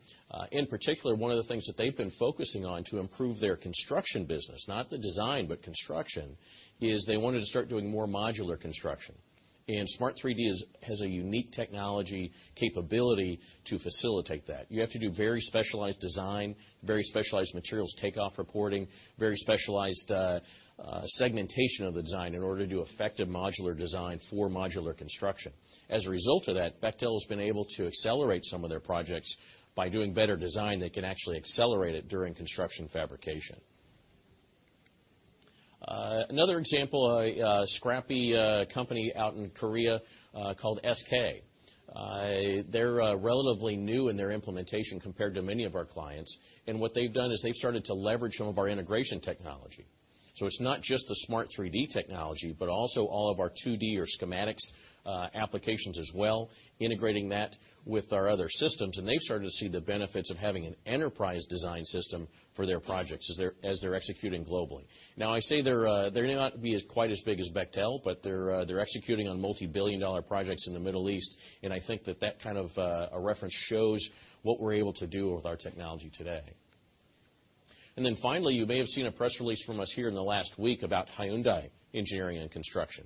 In particular, one of the things that they've been focusing on to improve their construction business, not the design, but construction, is they wanted to start doing more modular construction. Smart 3D has a unique technology capability to facilitate that. You have to do very specialized design, very specialized materials take off reporting, very specialized segmentation of the design in order to do effective modular design for modular construction. As a result of that, Bechtel has been able to accelerate some of their projects. By doing better design, they can actually accelerate it during construction fabrication. Another example, a scrappy company out in Korea, called SK. They're relatively new in their implementation compared to many of our clients. What they've done is they've started to leverage some of our integration technology. It's not just the Smart 3D technology, but also all of our 2D or schematics applications as well, integrating that with our other systems. They've started to see the benefits of having an enterprise design system for their projects as they're executing globally. I say they're not quite as big as Bechtel, but they're executing on multi-billion EUR projects in the Middle East. I think that that kind of a reference shows what we're able to do with our technology today. Finally, you may have seen a press release from us here in the last week about Hyundai Engineering & Construction.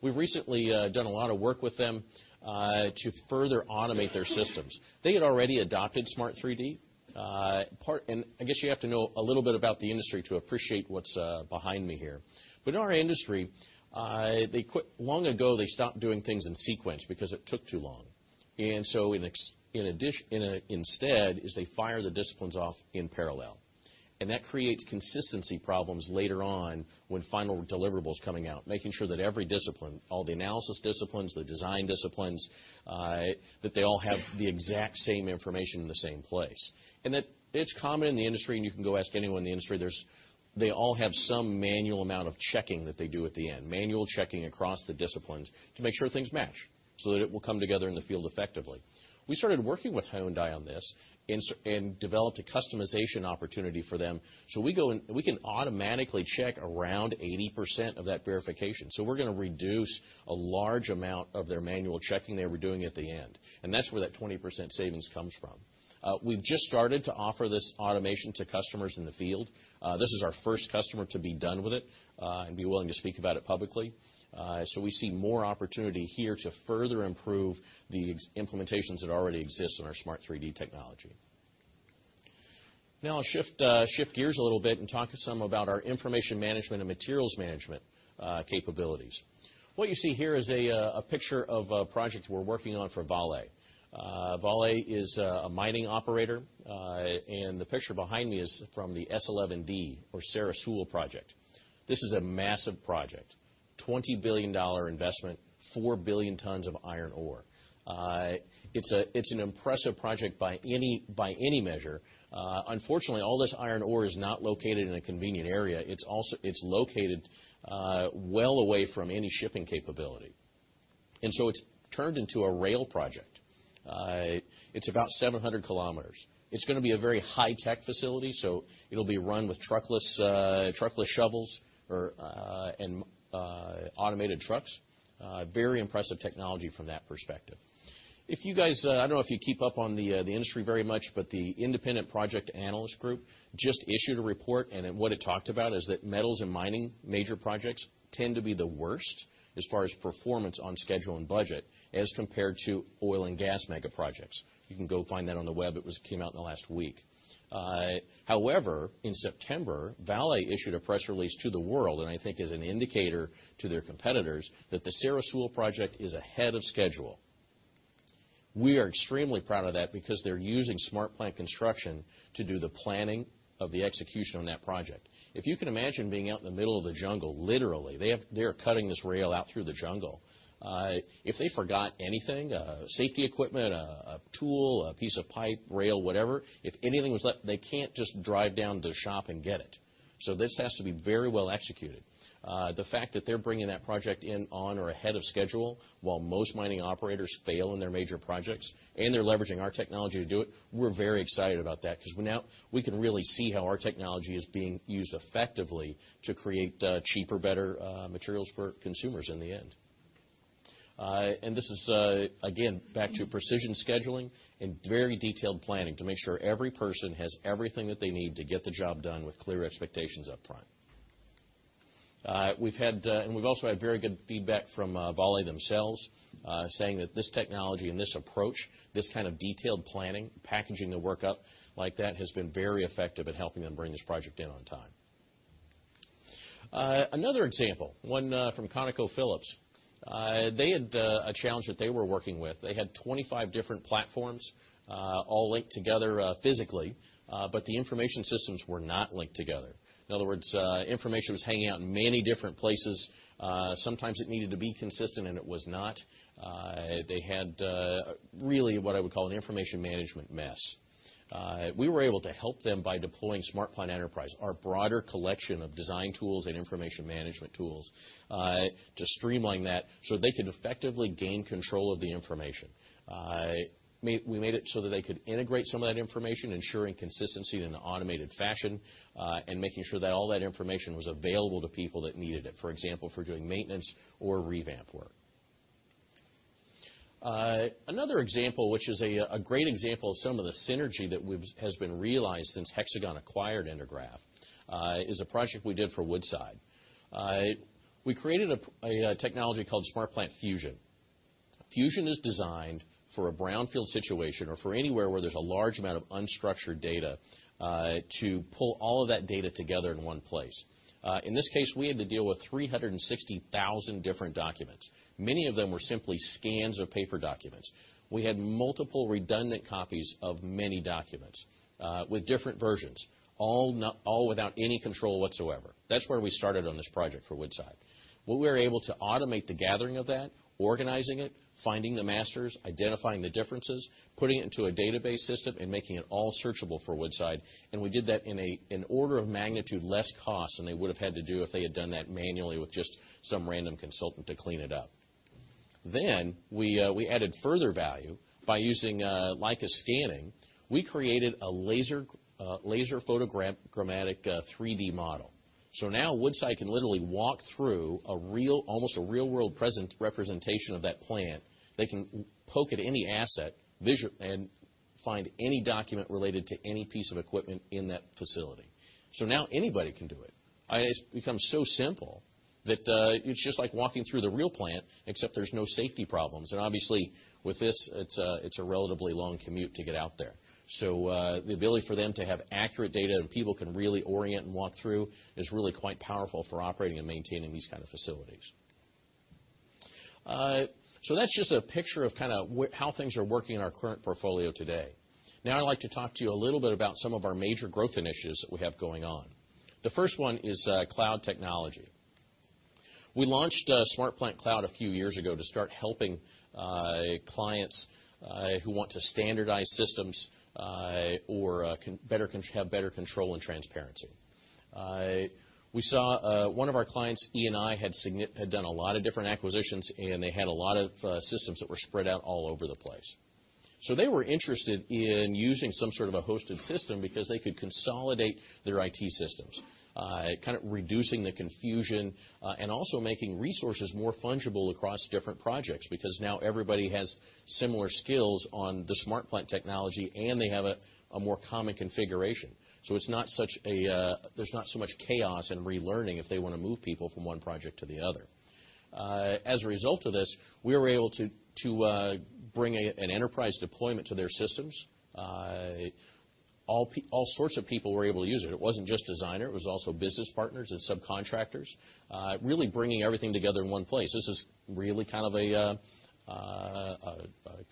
We've recently done a lot of work with them, to further automate their systems. They had already adopted Smart 3D. I guess you have to know a little bit about the industry to appreciate what's behind me here. In our industry, long ago, they stopped doing things in sequence because it took too long. Instead, is they fire the disciplines off in parallel. That creates consistency problems later on when final deliverables coming out, making sure that every discipline, all the analysis disciplines, the design disciplines, that they all have the exact same information in the same place. It's common in the industry, and you can go ask anyone in the industry this, they all have some manual amount of checking that they do at the end, manual checking across the disciplines to make sure things match so that it will come together in the field effectively. We started working with Hyundai on this and developed a customization opportunity for them. We can automatically check around 80% of that verification. We're going to reduce a large amount of their manual checking they were doing at the end. That's where that 20% savings comes from. We've just started to offer this automation to customers in the field. This is our first customer to be done with it, and be willing to speak about it publicly. We see more opportunity here to further improve the implementations that already exist in our Smart 3D technology. I'll shift gears a little bit and talk some about our information management and materials management capabilities. What you see here is a picture of a project we're working on for Vale. Vale is a mining operator. The picture behind me is from the S11D, or Serra Sul project. This is a massive project, EUR 20 billion investment, 4 billion tons of iron ore. It's an impressive project by any measure. Unfortunately, all this iron ore is not located in a convenient area. It's located well away from any shipping capability. It's turned into a rail project. It's about 700 km. It's going to be a very high-tech facility, so it'll be run with truckless shovels and automated trucks. Very impressive technology from that perspective. If you guys, I don't know if you keep up on the industry very much, the Independent Project Analysis group just issued a report. What it talked about is that metals and mining major projects tend to be the worst as far as performance on schedule and budget as compared to oil and gas mega projects. You can go find that on the web. It came out in the last week. However, in September, Vale issued a press release to the world. I think as an indicator to their competitors, that the Serra Sul Project is ahead of schedule. We are extremely proud of that because they're using SmartPlant Construction to do the planning of the execution on that project. If you can imagine being out in the middle of the jungle, literally. They are cutting this rail out through the jungle. If they forgot anything, safety equipment, a tool, a piece of pipe, rail, whatever, if anything was left, they can't just drive down to the shop and get it. This has to be very well executed. The fact that they're bringing that project in on or ahead of schedule while most mining operators fail in their major projects, and they're leveraging our technology to do it, we're very excited about that because now we can really see how our technology is being used effectively to create cheaper, better materials for consumers in the end. This is, again, back to precision scheduling and very detailed planning to make sure every person has everything that they need to get the job done with clear expectations up front. We've also had very good feedback from Vale themselves, saying that this technology and this approach, this kind of detailed planning, packaging the work up like that, has been very effective at helping them bring this project in on time. Another example, one from ConocoPhillips. They had a challenge that they were working with. They had 25 different platforms all linked together physically, but the information systems were not linked together. In other words, information was hanging out in many different places. Sometimes it needed to be consistent, and it was not. They had really what I would call an information management mess. We were able to help them by deploying SmartPlant Enterprise, our broader collection of design tools and information management tools to streamline that so they could effectively gain control of the information. We made it so that they could integrate some of that information, ensuring consistency in an automated fashion, and making sure that all that information was available to people that needed it. For example, for doing maintenance or revamp work. Another example, which is a great example of some of the synergy that has been realized since Hexagon acquired Intergraph, is a project we did for Woodside. We created a technology called SmartPlant Fusion. Fusion is designed for a brownfield situation or for anywhere where there's a large amount of unstructured data, to pull all of that data together in one place. In this case, we had to deal with 360,000 different documents. Many of them were simply scans of paper documents. We had multiple redundant copies of many documents with different versions, all without any control whatsoever. That's where we started on this project for Woodside. We were able to automate the gathering of that, organizing it, finding the masters, identifying the differences, putting it into a database system, and making it all searchable for Woodside. We did that in an order of magnitude less cost than they would have had to do if they had done that manually with just some random consultant to clean it up. We added further value by using Leica scanning. We created a laser photogrammetric 3D model. Now Woodside can literally walk through almost a real-world representation of that plant. They can poke at any asset and find any document related to any piece of equipment in that facility. Now anybody can do it. It's become so simple that it's just like walking through the real plant, except there's no safety problems. Obviously, with this, it's a relatively long commute to get out there. the ability for them to have accurate data that people can really orient and walk through is really quite powerful for operating and maintaining these kind of facilities. That's just a picture of how things are working in our current portfolio today. Now I'd like to talk to you a little bit about some of our major growth initiatives that we have going on. The first one is cloud technology. We launched SmartPlant Cloud a few years ago to start helping clients who want to standardize systems or have better control and transparency. We saw one of our clients, Eni, had done a lot of different acquisitions, and they had a lot of systems that were spread out all over the place. they were interested in using some sort of a hosted system because they could consolidate their IT systems, kind of reducing the confusion and also making resources more fungible across different projects, because now everybody has similar skills on the SmartPlant technology, and they have a more common configuration. There's not so much chaos and relearning if they want to move people from one project to the other. As a result of this, we were able to bring an enterprise deployment to their systems. All sorts of people were able to use it. It wasn't just designer, it was also business partners and subcontractors, really bringing everything together in one place. This is really kind of a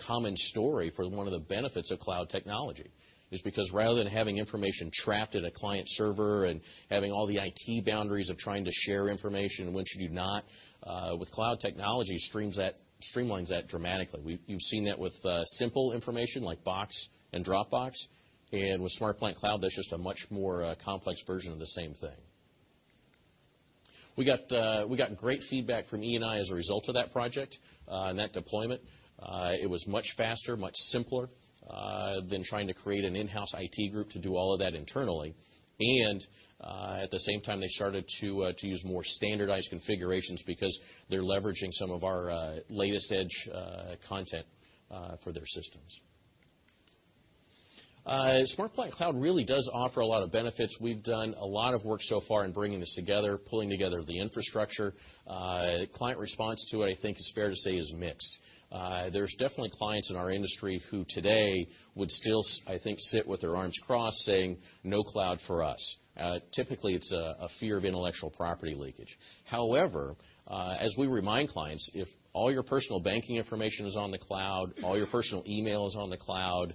common story for one of the benefits of cloud technology. It is because rather than having information trapped in a client server and having all the IT boundaries of trying to share information when should you not, with cloud technology, streamlines that dramatically. You've seen that with simple information like Box and Dropbox, and with SmartPlant Cloud, that's just a much more complex version of the same thing. We got great feedback from Eni as a result of that project and that deployment. It was much faster, much simpler than trying to create an in-house IT group to do all of that internally. At the same time, they started to use more standardized configurations because they're leveraging some of our latest edge content for their systems. SmartPlant Cloud really does offer a lot of benefits. We've done a lot of work so far in bringing this together, pulling together the infrastructure. Client response to it, I think is fair to say, is mixed. There's definitely clients in our industry who today would still, I think, sit with their arms crossed saying, "No cloud for us." Typically, it's a fear of intellectual property leakage. However, as we remind clients, if all your personal banking information is on the cloud, all your personal email is on the cloud,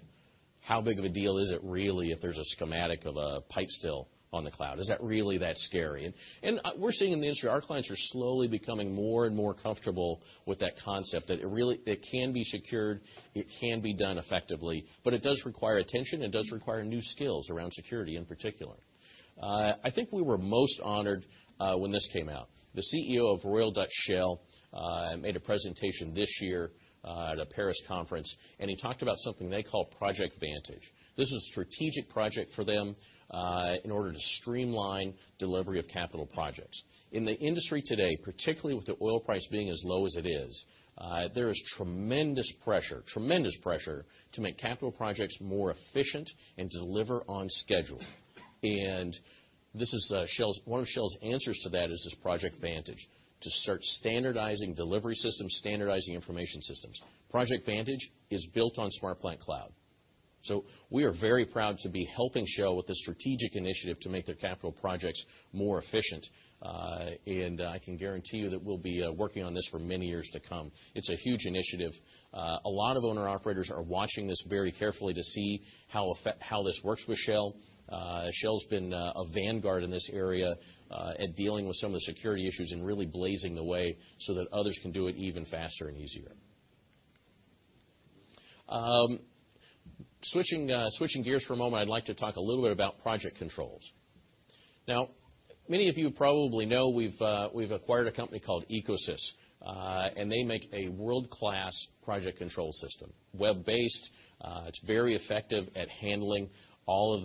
how big of a deal is it really if there's a schematic of a pipe still on the cloud? Is that really that scary? We're seeing in the industry, our clients are slowly becoming more and more comfortable with that concept. That it can be secured, it can be done effectively, but it does require attention. It does require new skills around security in particular. I think we were most honored when this came out. The CEO of Royal Dutch Shell made a presentation this year at a Paris conference, and he talked about something they call Project Vantage. This is a strategic project for them in order to streamline delivery of capital projects. In the industry today, particularly with the oil price being as low as it is, there is tremendous pressure to make capital projects more efficient and deliver on schedule. One of Shell's answers to that is this Project Vantage to start standardizing delivery systems, standardizing information systems. Project Vantage is built on SmartPlant Cloud. We are very proud to be helping Shell with this strategic initiative to make their capital projects more efficient. I can guarantee you that we'll be working on this for many years to come. It's a huge initiative. A lot of owner-operators are watching this very carefully to see how this works with Shell. Shell's been a vanguard in this area at dealing with some of the security issues and really blazing the way so that others can do it even faster and easier. Switching gears for a moment, I'd like to talk a little bit about project controls. Many of you probably know we've acquired a company called EcoSys. They make a world-class project control system, web-based. It's very effective at handling all of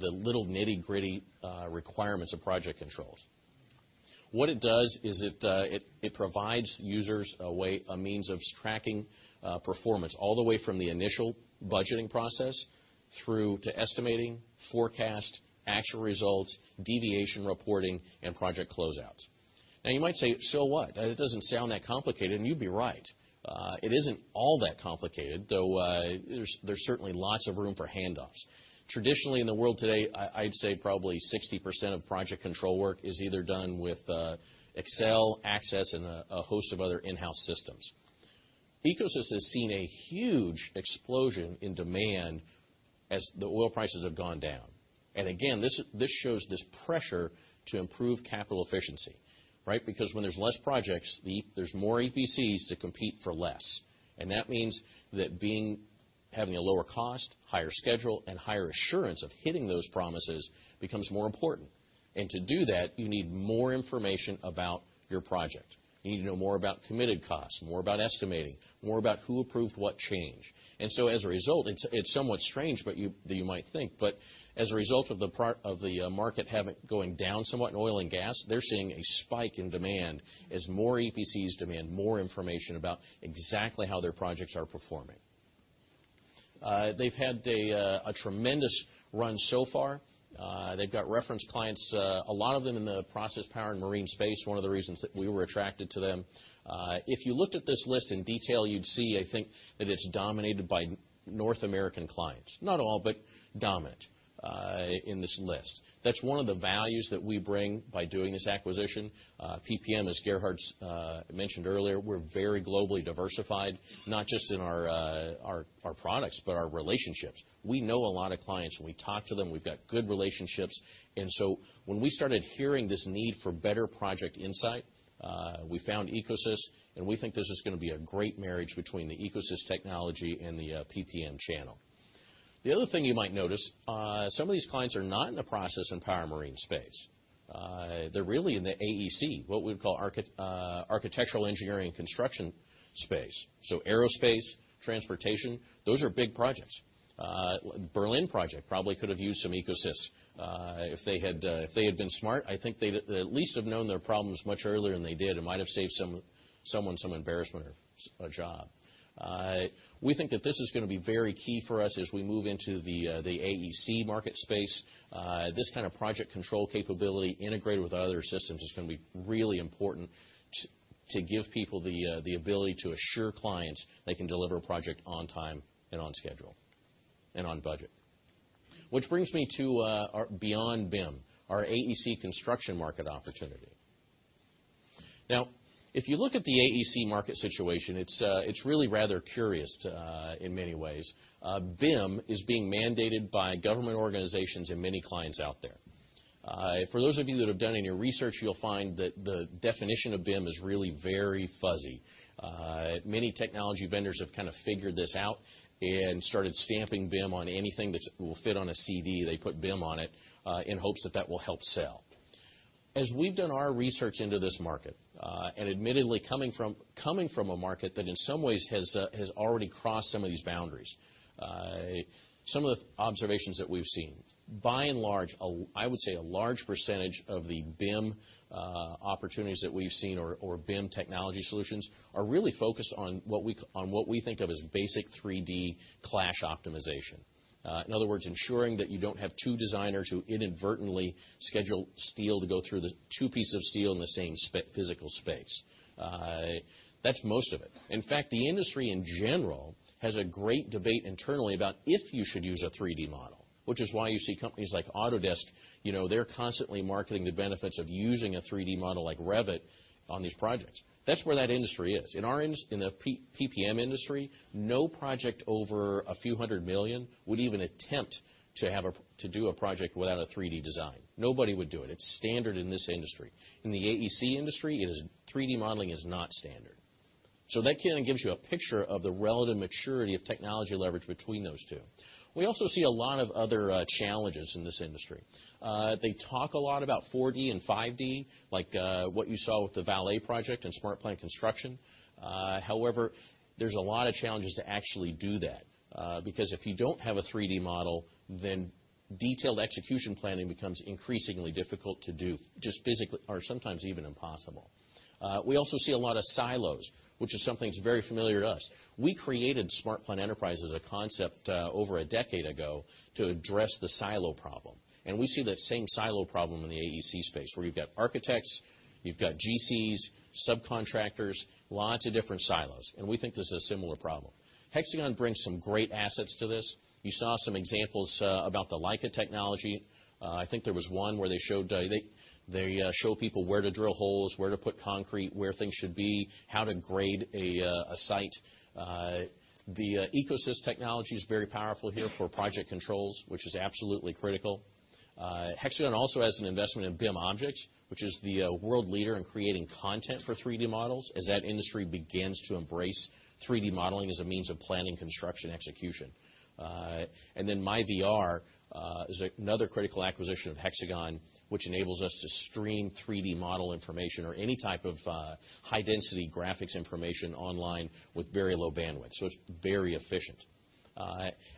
the little nitty-gritty requirements of project controls. What it does is it provides users a means of tracking performance all the way from the initial budgeting process through to estimating, forecast, actual results, deviation reporting, and project closeouts. You might say, "So what? It doesn't sound that complicated." You'd be right. It isn't all that complicated, though there's certainly lots of room for handoffs. Traditionally, in the world today, I'd say probably 60% of project control work is either done with Excel, Access, and a host of other in-house systems. EcoSys has seen a huge explosion in demand as the oil prices have gone down. Again, this shows this pressure to improve capital efficiency, right? Because when there's less projects, there's more EPCs to compete for less. That means that having a lower cost, higher schedule, and higher assurance of hitting those promises becomes more important. To do that, you need more information about your project. You need to know more about committed costs, more about estimating, more about who approved what change. As a result, it's somewhat strange that you might think, as a result of the market going down somewhat in oil and gas, they're seeing a spike in demand as more EPCs demand more information about exactly how their projects are performing. They've had a tremendous run so far. They've got reference clients, a lot of them in the process power and marine space, one of the reasons that we were attracted to them. If you looked at this list in detail, you'd see, I think, that it's dominated by North American clients. Not all, but dominant in this list. That's one of the values that we bring by doing this acquisition. PPM, as Gerhard mentioned earlier, we're very globally diversified, not just in our products, but our relationships. We know a lot of clients. We talk to them. We've got good relationships. When we started hearing this need for better project insight, we found EcoSys, and we think this is going to be a great marriage between the EcoSys technology and the PPM channel. The other thing you might notice, some of these clients are not in the process and power marine space. They are really in the AEC, what we would call architectural engineering construction space. Aerospace, transportation, those are big projects. Berlin project probably could have used some EcoSys. If they had been smart, I think they would at least have known their problems much earlier than they did and might have saved someone some embarrassment or a job. We think that this is going to be very key for us as we move into the AEC market space. This kind of project control capability integrated with other systems is going to be really important to give people the ability to assure clients they can deliver a project on time and on schedule and on budget. This brings me to beyond BIM, our AEC construction market opportunity. If you look at the AEC market situation, it is really rather curious in many ways. BIM is being mandated by government organizations and many clients out there. For those of you that have done any research, you will find that the definition of BIM is really very fuzzy. Many technology vendors have kind of figured this out and started stamping BIM on anything that will fit on a CV. They put BIM on it in hopes that that will help sell. As we have done our research into this market, and admittedly coming from a market that in some ways has already crossed some of these boundaries, some of the observations that we have seen, by and large, I would say a large percentage of the BIM opportunities that we have seen or BIM technology solutions are really focused on what we think of as basic 3D clash optimization. In other words, ensuring that you do not have two designers who inadvertently schedule steel to go through the two pieces of steel in the same physical space. That is most of it. In fact, the industry, in general, has a great debate internally about if you should use a 3D model, which is why you see companies like Autodesk, they are constantly marketing the benefits of using a 3D model like Revit on these projects. That is where that industry is. In the PPM industry, no project over a few hundred million EUR would even attempt to do a project without a 3D design. Nobody would do it. It is standard in this industry. In the AEC industry, 3D modeling is not standard. That gives you a picture of the relative maturity of technology leverage between those two. We also see a lot of other challenges in this industry. They talk a lot about 4D and 5D, like what you saw with the Vale project and SmartPlant Construction. There is a lot of challenges to actually do that. If you do not have a 3D model, then detailed execution planning becomes increasingly difficult to do, or sometimes even impossible. We also see a lot of silos, which is something that is very familiar to us. We created SmartPlant Enterprise as a concept over a decade ago to address the silo problem. We see that same silo problem in the AEC space, where you've got architects, you've got GCs, subcontractors, lots of different silos. We think this is a similar problem. Hexagon brings some great assets to this. You saw some examples about the Leica technology. I think there was one where they show people where to drill holes, where to put concrete, where things should be, how to grade a site. The EcoSys technology is very powerful here for project controls, which is absolutely critical. Hexagon also has an investment in BIMobject, which is the world leader in creating content for 3D models as that industry begins to embrace 3D modeling as a means of planning construction execution. myVR is another critical acquisition of Hexagon, which enables us to stream 3D model information or any type of high-density graphics information online with very low bandwidth. It's very efficient.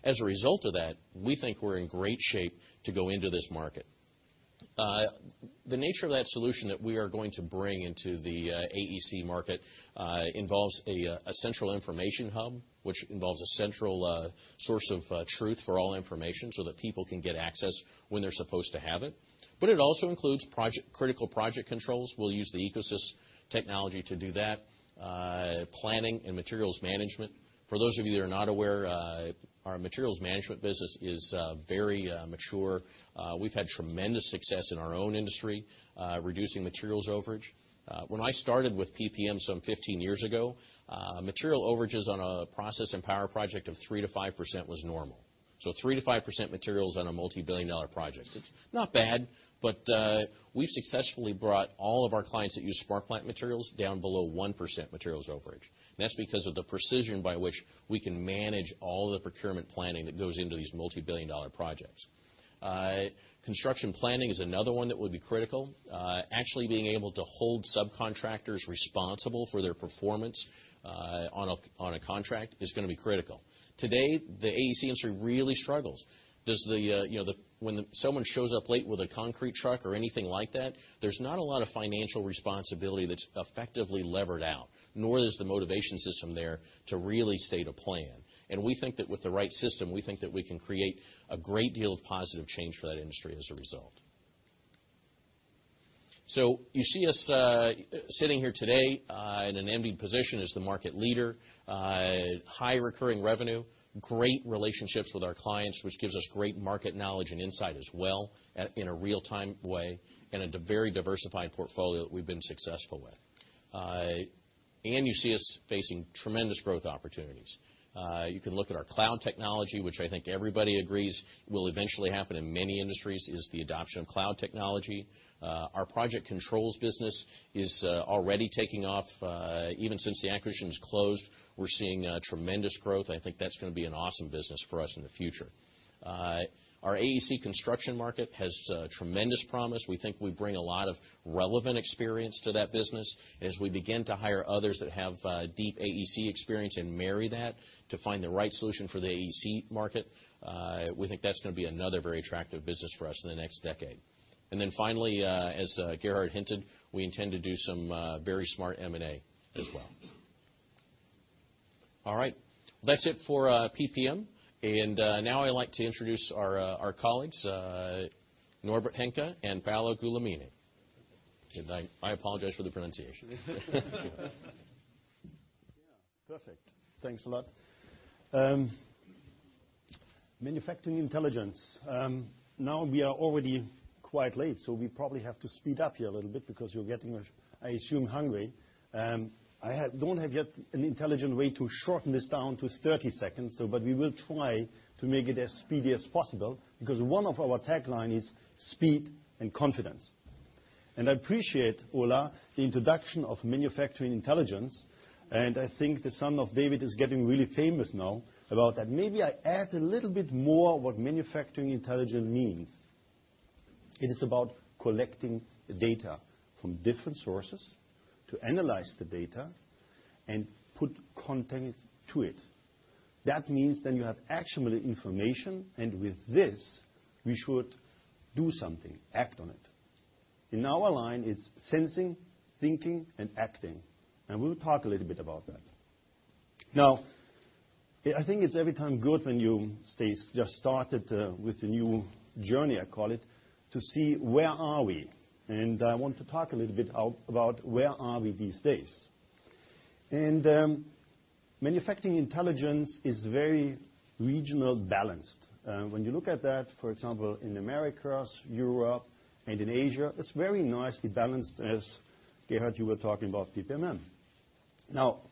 As a result of that, we think we're in great shape to go into this market. The nature of that solution that we are going to bring into the AEC market involves a central information hub, which involves a central source of truth for all information so that people can get access when they're supposed to have it. It also includes critical project controls. We'll use the EcoSys technology to do that, planning and materials management. For those of you that are not aware, our materials management business is very mature. We've had tremendous success in our own industry, reducing materials overage. When I started with PPM some 15 years ago, material overages on a process and power project of 3%-5% was normal. 3%-5% materials on a multi-billion EUR project. It's not bad, we've successfully brought all of our clients that use SmartPlant Materials down below 1% materials overage. That's because of the precision by which we can manage all the procurement planning that goes into these multi-billion EUR projects. Construction planning is another one that would be critical. Actually being able to hold subcontractors responsible for their performance on a contract is going to be critical. Today, the AEC industry really struggles. When someone shows up late with a concrete truck or anything like that, there's not a lot of financial responsibility that's effectively levered out, nor is the motivation system there to really state a plan. We think that with the right system, we think that we can create a great deal of positive change for that industry as a result. You see us sitting here today in an envied position as the market leader, high recurring revenue, great relationships with our clients, which gives us great market knowledge and insight as well in a real-time way, and at a very diversified portfolio that we've been successful with. You see us facing tremendous growth opportunities. You can look at our cloud technology, which I think everybody agrees will eventually happen in many industries, is the adoption of cloud technology. Our project controls business is already taking off. Even since the acquisitions closed, we're seeing tremendous growth. I think that's going to be an awesome business for us in the future. Our AEC construction market has tremendous promise. We think we bring a lot of relevant experience to that business. As we begin to hire others that have deep AEC experience and marry that to find the right solution for the AEC market, we think that's going to be another very attractive business for us in the next decade. Finally, as Gerhard hinted, we intend to do some very smart M&A as well. All right. Now I'd like to introduce our colleagues, Norbert Hanke and Paolo Guglielmini. And I apologize for the pronunciation. Yeah. Perfect. Thanks a lot. Manufacturing Intelligence. We are already quite late, so we probably have to speed up here a little bit because you're getting, I assume, hungry. I don't have yet an intelligent way to shorten this down to 30 seconds. We will try to make it as speedy as possible because one of our tagline is speed and confidence. I appreciate, Ola, the introduction of Manufacturing Intelligence, and I think the son of David is getting really famous now about that. Maybe I add a little bit more what Manufacturing Intelligence means. It is about collecting data from different sources, to analyze the data, and put content to it. That means then you have actionable information, and with this, we should do something, act on it. In our line, it's sensing, thinking, and acting. We'll talk a little bit about that. I think it's every time good when you just started with the new journey, I call it, to see where are we? And I want to talk a little bit about where are we these days. Manufacturing Intelligence is very regional balanced. When you look at that, for example, in Americas, Europe and in Asia, it's very nicely balanced, as Gerhard, you were talking about PP&M.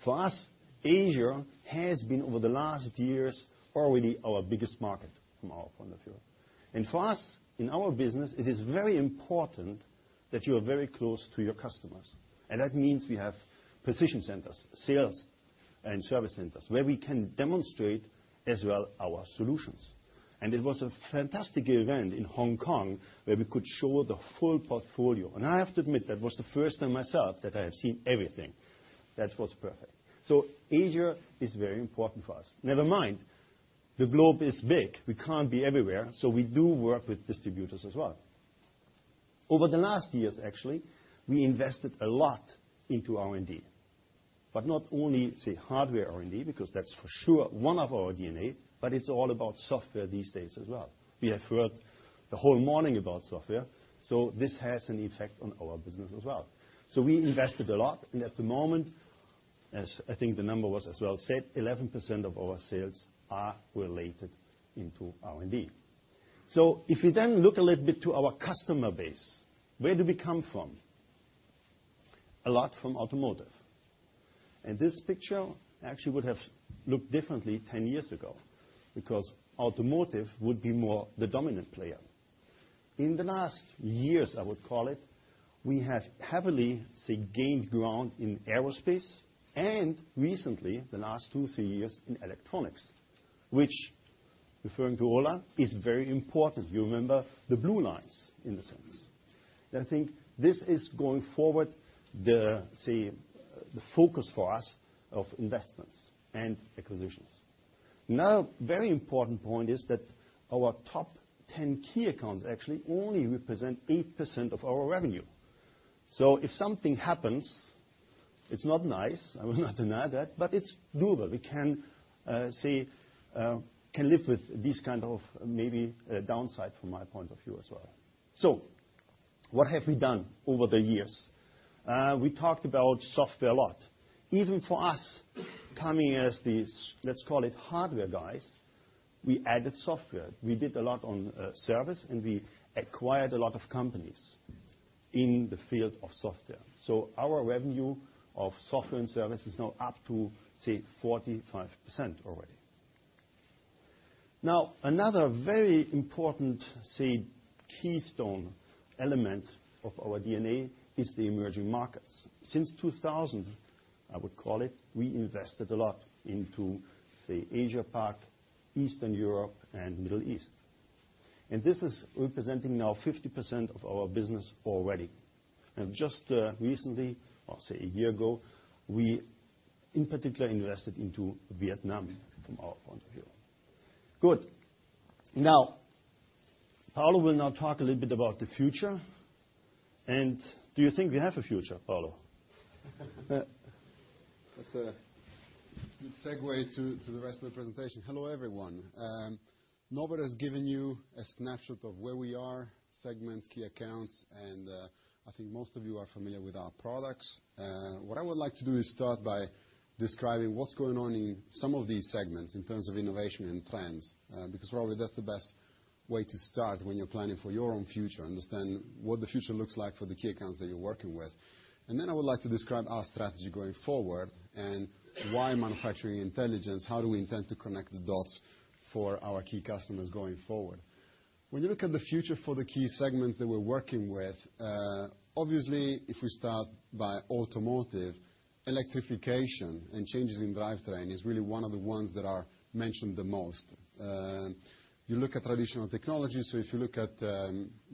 For us, Asia has been, over the last years, already our biggest market from our point of view. And for us, in our business, it is very important that you are very close to your customers. And that means we have position centers, sales and service centers where we can demonstrate as well our solutions. And it was a fantastic event in Hong Kong where we could show the full portfolio. I have to admit, that was the first time myself that I have seen everything. That was perfect. Asia is very important for us. Never mind, the globe is big. We can't be everywhere, we do work with distributors as well. Over the last years, actually, we invested a lot into R&D, not only, say, hardware R&D, because that's for sure one of our DNA, it's all about software these days as well. We have heard the whole morning about software, this has an effect on our business as well. We invested a lot. At the moment, as I think the number was as well said, 11% of our sales are related into R&D. If you then look a little bit to our customer base, where do we come from? A lot from automotive. This picture actually would have looked differently 10 years ago because automotive would be more the dominant player. The last years, I would call it, we have heavily, say, gained ground in aerospace and recently, the last 2, 3 years, in electronics, which, referring to Ola, is very important. You remember the blue lines in the sense. I think this is going forward the, say, the focus for us of investments and acquisitions. Very important point is that our top 10 key accounts actually only represent 8% of our revenue. If something happens, it's not nice. I will not deny that, but it's doable. We can, say, can live with this kind of maybe downside from my point of view as well. What have we done over the years? We talked about software a lot. Even for us coming as these, let's call it hardware guys, we added software. We did a lot on service, and we acquired a lot of companies in the field of software. Our revenue of software and service is now up to, say, 45% already. Another very important, say, keystone element of our DNA is the emerging markets. Since 2000, I would call it, we invested a lot into, say, Asia Pac, Eastern Europe, and Middle East. This is representing now 50% of our business already. Just recently, or say 1 year ago, we in particular invested into Vietnam from our point of view. Good. Paolo will now talk a little bit about the future. Do you think we have a future, Paolo? That's a good segue to the rest of the presentation. Hello, everyone. Norbert has given you a snapshot of where we are, segments, key accounts, I think most of you are familiar with our products. What I would like to do is start by describing what's going on in some of these segments in terms of innovation and trends, because probably that's the best way to start when you're planning for your own future, understanding what the future looks like for the key accounts that you're working with. Then I would like to describe our strategy going forward and why Manufacturing Intelligence, how do we intend to connect the dots for our key customers going forward. When you look at the future for the key segments that we're working with, obviously, if we start by automotive, electrification and changes in drivetrain is really one of the ones that are mentioned the most. You look at traditional technologies, if you look at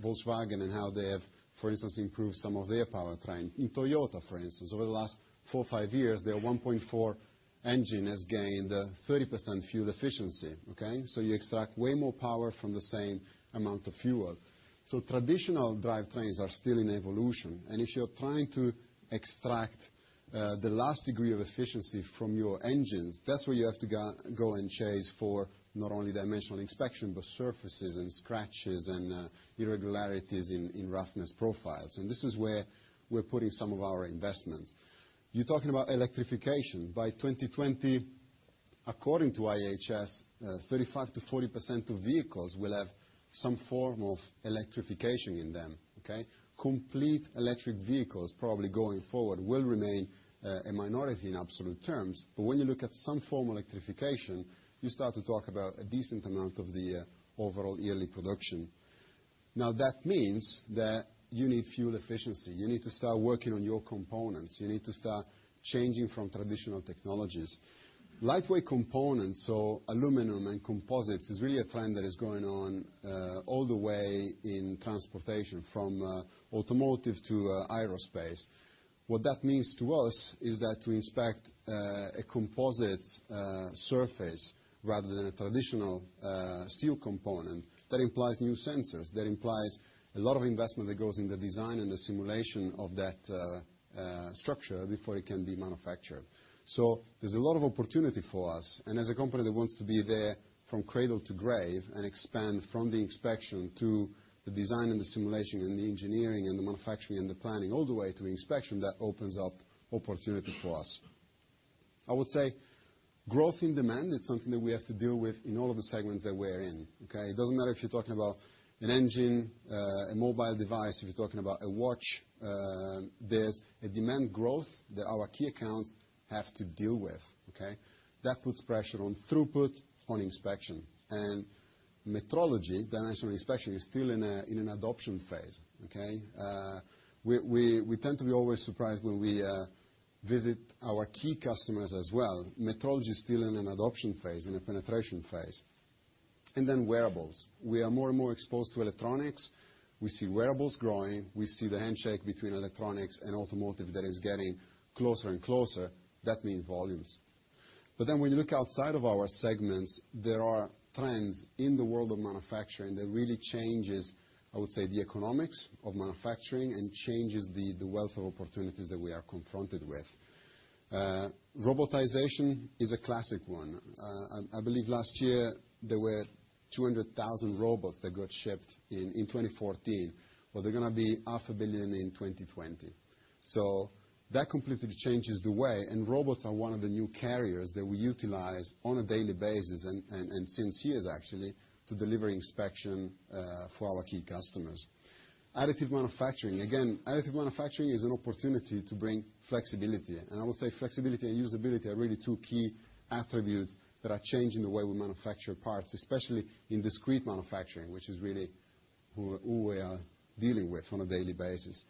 Volkswagen and how they have, for instance, improved some of their powertrain. In Toyota, for instance, over the last 4 or 5 years, their 1.4 engine has gained 30% fuel efficiency. Okay? You extract way more power from the same amount of fuel. Traditional drivetrains are still in evolution. If you're trying to extract the last degree of efficiency from your engines, that's where you have to go and chase for not only dimensional inspection, but surfaces and scratches and irregularities in roughness profiles. This is where we're putting some of our investments. You're talking about electrification. By 2020, according to IHS, 35%-40% of vehicles will have some form of electrification in them. Okay? Complete electric vehicles probably going forward will remain a minority in absolute terms. When you look at some form of electrification, you start to talk about a decent amount of the overall yearly production. That means that you need fuel efficiency. You need to start working on your components. You need to start changing from traditional technologies. Lightweight components, so aluminum and composites, is really a trend that is going on all the way in transportation, from automotive to aerospace. What that means to us is that to inspect a composite surface rather than a traditional steel component, that implies new sensors, that implies a lot of investment that goes in the design and the simulation of that structure before it can be manufactured. There's a lot of opportunity for us, and as a company that wants to be there from cradle to grave and expand from the inspection to the design and the simulation and the engineering and the manufacturing and the planning, all the way to the inspection, that opens up opportunity for us. I would say growth in demand is something that we have to deal with in all of the segments that we are in. Okay? It doesn't matter if you're talking about an engine, a mobile device, if you're talking about a watch, there's a demand growth that our key accounts have to deal with. Okay? That puts pressure on throughput, on inspection. metrology, dimensional inspection, is still in an adoption phase. Okay? We tend to be always surprised when we visit our key customers as well. metrology is still in an adoption phase, in a penetration phase. wearables. We are more and more exposed to electronics. We see wearables growing. We see the handshake between electronics and automotive that is getting closer and closer. That means volumes. When you look outside of our segments, there are trends in the world of manufacturing that really changes, I would say, the economics of manufacturing and changes the wealth of opportunities that we are confronted with. Robotization is a classic one. I believe last year there were 200,000 robots that got shipped in 2014. There are going to be half a billion in 2020. That completely changes the way, and robots are one of the new carriers that we utilize on a daily basis, and since years actually, to deliver inspection for our key customers. additive manufacturing. Again, additive manufacturing is an opportunity to bring flexibility. I would say flexibility and usability are really two key attributes that are changing the way we manufacture parts, especially in discrete manufacturing, which is really who we are dealing with on a daily basis.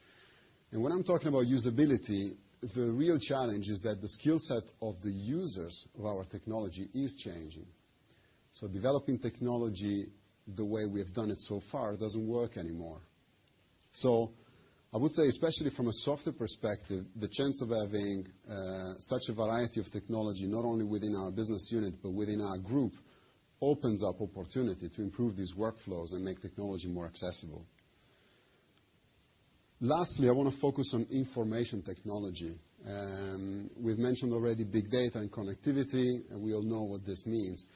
When I'm talking about usability, the real challenge is that the skill set of the users of our technology is changing. Developing technology the way we have done it so far doesn't work anymore. I would say, especially from a software perspective, the chance of having such a variety of technology, not only within our business unit, but within our group, opens up opportunity to improve these workflows and make technology more accessible. Lastly, I want to focus on information technology. We've mentioned already big data and connectivity, and we all know what this means.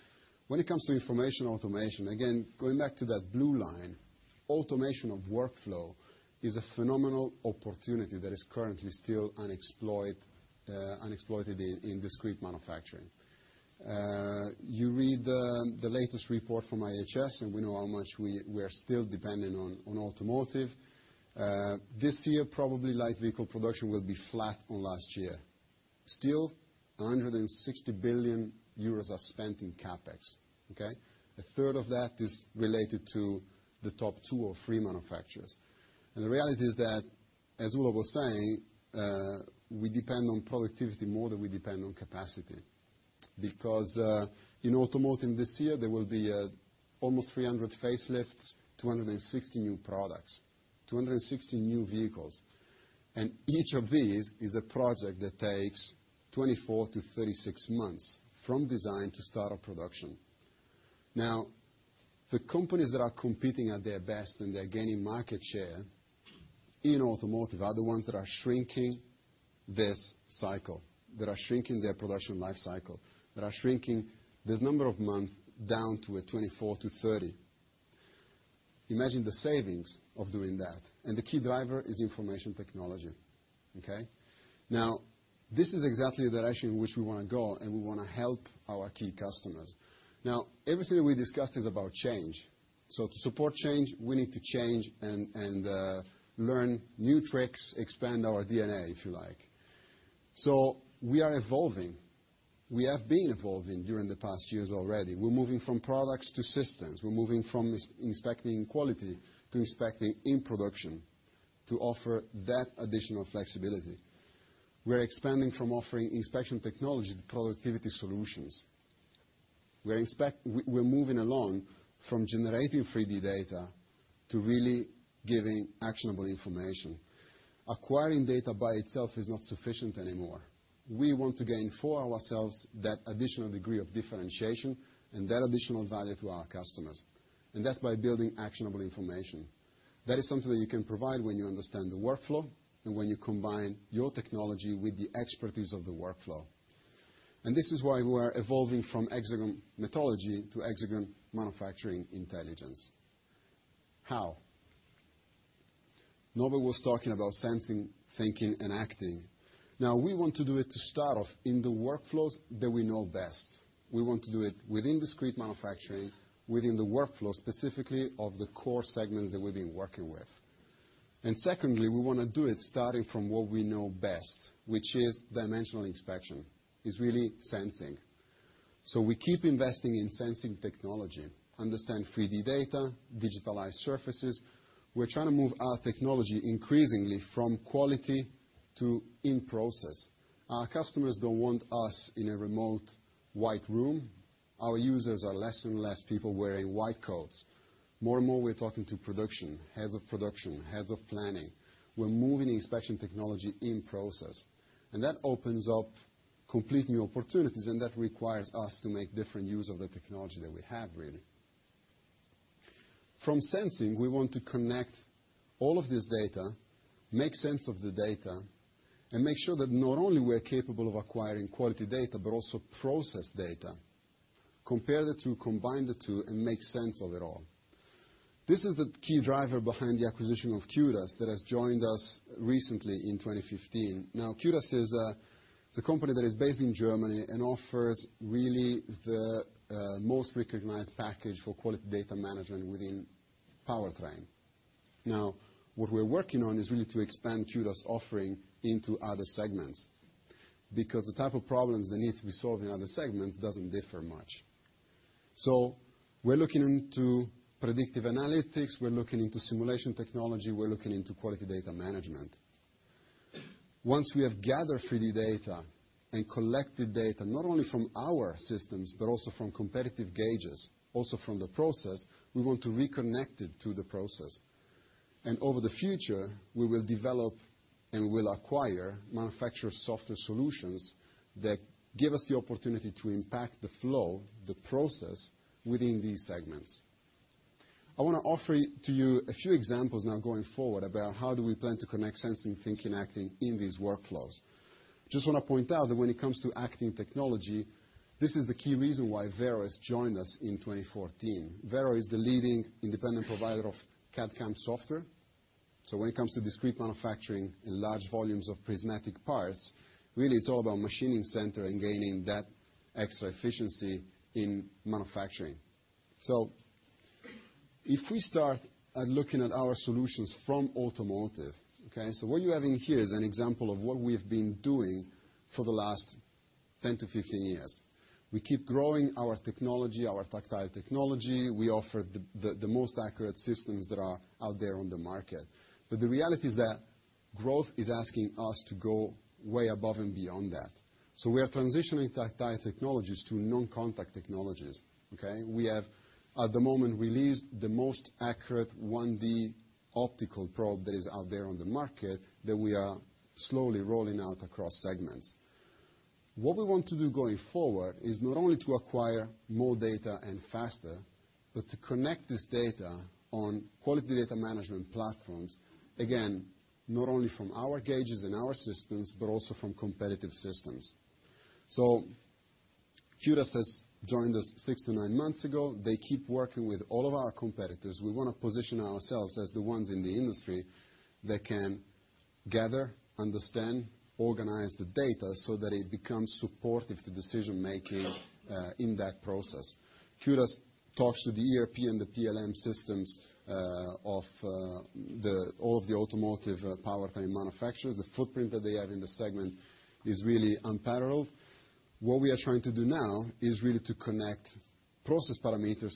When it comes to information automation, again, going back to that blue line, automation of workflow is a phenomenal opportunity that is currently still unexploited in discrete manufacturing. You read the latest report from IHS, and we know how much we are still dependent on automotive. This year, probably light vehicle production will be flat on last year. Still, 160 billion euros are spent in CapEx. Okay? A third of that is related to the top two or three manufacturers. The reality is that, as Ola was saying, we depend on productivity more than we depend on capacity. In automotive this year, there will be almost 300 facelifts, 260 new products, 260 new vehicles. Each of these is a project that takes 24-36 months from design to start of production. The companies that are competing at their best and they're gaining market share in automotive are the ones that are shrinking this cycle, that are shrinking their production life cycle, that are shrinking this number of months down to a 24-30. Imagine the savings of doing that, the key driver is information technology. Okay? This is exactly the direction in which we want to go, we want to help our key customers. Everything we discussed is about change. To support change, we need to change and learn new tricks, expand our DNA, if you like. We are evolving. We have been evolving during the past years already. We're moving from products to systems. We're moving from inspecting quality to inspecting in production to offer that additional flexibility. We're expanding from offering inspection technology to productivity solutions. We're moving along from generating 3D data to really giving actionable information. Acquiring data by itself is not sufficient anymore. We want to gain for ourselves that additional degree of differentiation and that additional value to our customers, that's by building actionable information. That is something that you can provide when you understand the workflow, when you combine your technology with the expertise of the workflow. This is why we are evolving from Hexagon Metrology to Hexagon Manufacturing Intelligence. How? Norbert was talking about sensing, thinking, and acting. We want to do it to start off in the workflows that we know best. We want to do it within discrete manufacturing, within the workflow, specifically of the core segments that we've been working with. Secondly, we want to do it starting from what we know best, which is dimensional inspection, is really sensing. We keep investing in sensing technology, understand 3D data, digitalize surfaces. We're trying to move our technology increasingly from quality to in-process. Our customers don't want us in a remote white room. Our users are less and less people wearing white coats. More and more, we're talking to production, heads of production, heads of planning. We're moving inspection technology in-process, that opens up complete new opportunities, that requires us to make different use of the technology that we have, really. From sensing, we want to connect all of this data, make sense of the data, make sure that not only we're capable of acquiring quality data, but also process data, compare the two, combine the two, make sense of it all. This is the key driver behind the acquisition of Q-DAS that has joined us recently in 2015. Now, Q-DAS is a company that is based in Germany and offers really the most recognized package for quality data management within powertrain. What we are working on is really to expand Q-DAS offering into other segments, because the type of problems that need to be solved in other segments does not differ much. We are looking into predictive analytics. We are looking into simulation technology. We are looking into quality data management. Once we have gathered 3D data and collected data, not only from our systems but also from competitive gauges, also from the process, we want to reconnect it to the process. Over the future, we will develop and will acquire manufacture software solutions that give us the opportunity to impact the flow, the process, within these segments. I want to offer to you a few examples now going forward about how do we plan to connect sensing, thinking, acting in these workflows. Just want to point out that when it comes to acting technology, this is the key reason why Vero has joined us in 2014. Vero is the leading independent provider of CAD/CAM software. When it comes to discrete manufacturing in large volumes of prismatic parts, really, it is all about machining center and gaining that extra efficiency in manufacturing. If we start looking at our solutions from automotive, okay? What you have in here is an example of what we have been doing for the last 10-15 years. We keep growing our technology, our tactile technology. We offer the most accurate systems that are out there on the market. But the reality is that growth is asking us to go way above and beyond that. We are transitioning tactile technologies to non-contact technologies, okay? We have, at the moment, released the most accurate 1D optical probe that is out there on the market, that we are slowly rolling out across segments. What we want to do going forward is not only to acquire more data and faster, but to connect this data on quality data management platforms, again, not only from our gauges and our systems, but also from competitive systems. Q-DAS has joined us six to nine months ago. They keep working with all of our competitors. We want to position ourselves as the ones in the industry that can gather, understand, organize the data so that it becomes supportive to decision-making in that process. Q-DAS talks to the ERP and the PLM systems of all of the automotive powertrain manufacturers. The footprint that they have in the segment is really unparalleled. What we are trying to do now is really to connect process parameters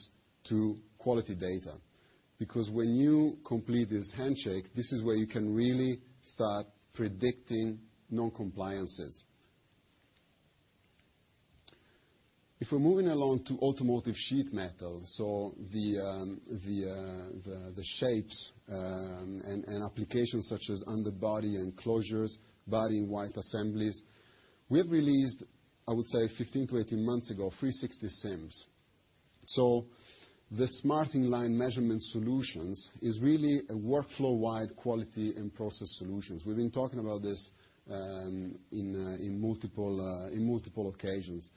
to quality data, because when you complete this handshake, this is where you can really start predicting non-compliances. If we are moving along to automotive sheet metal, so the shapes, and applications such as underbody enclosures, body in white assemblies, we have released, I would say 15-18 months ago, 360° SIMS. So the Smart Inline Measurement Solutions is really a workflow-wide quality and process solutions. We have been talking about this in multiple occasions.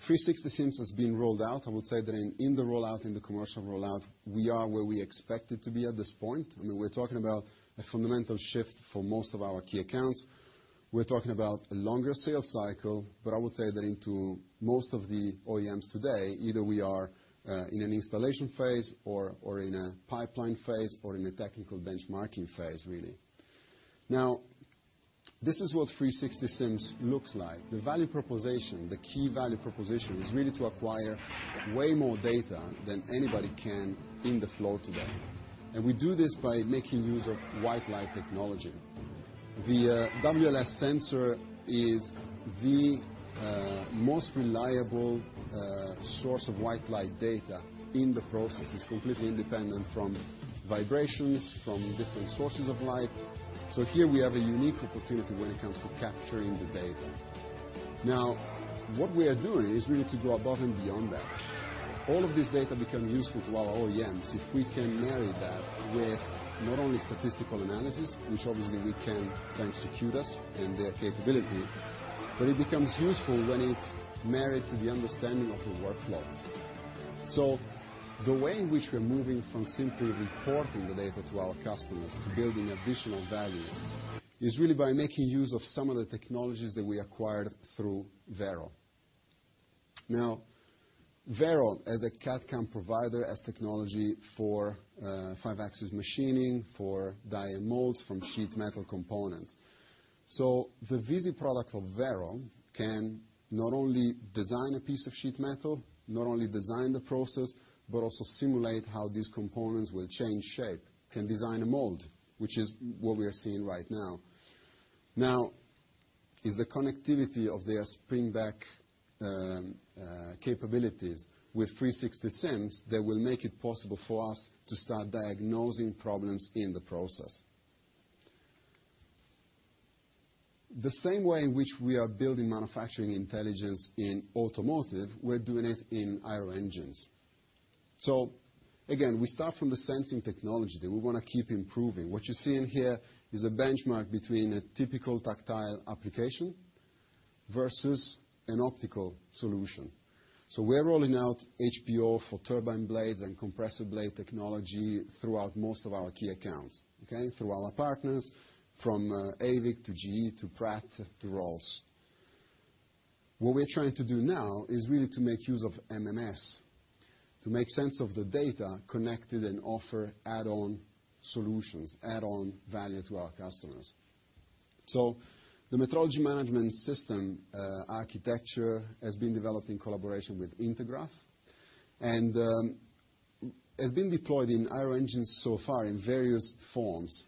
Now, 360° SIMS has been rolled out. I would say that in the rollout, in the commercial rollout, we are where we expected to be at this point. I mean, we're talking about a fundamental shift for most of our key accounts. We are talking about a longer sales cycle, but I would say that into most of the OEMs today, either we are in an installation phase or in a pipeline phase or in a technical benchmarking phase, really. This is what 360° SIMS looks like. The value proposition, the key value proposition, is really to acquire way more data than anybody can in the flow today. We do this by making use of white light technology. The WLS sensor is the most reliable source of white light data in the process. It is completely independent from vibrations, from different sources of light. Here we have a unique opportunity when it comes to capturing the data. What we are doing is we need to go above and beyond that. All of this data become useful to our OEMs if we can marry that with not only statistical analysis, which obviously we can, thanks to Q-DAS and their capability, it becomes useful when it is married to the understanding of a workflow. The way in which we are moving from simply reporting the data to our customers to building additional value is really by making use of some of the technologies that we acquired through Vero. Vero as a CAD/CAM provider, has technology for 5-axis machining, for die and molds from sheet metal components. The VISI product of Vero can not only design a piece of sheet metal, not only design the process, but also simulate how these components will change shape, can design a mold, which is what we are seeing right now. Is the connectivity of their spring back capabilities with 360° SIMS that will make it possible for us to start diagnosing problems in the process. The same way in which we are building manufacturing intelligence in automotive, we are doing it in aero engines. Again, we start from the sensing technology that we want to keep improving. What you see in here is a benchmark between a typical tactile application versus an optical solution. We are rolling out HP-O for turbine blades and compressor blade technology throughout most of our key accounts. Through all our partners, from AVIC to GE to Pratt to Rolls. What we are trying to do now is really to make use of MMS, to make sense of the data connected and offer add-on solutions, add-on value to our customers. The metrology management system architecture has been developed in collaboration with Intergraph and has been deployed in aero engines so far in various forms,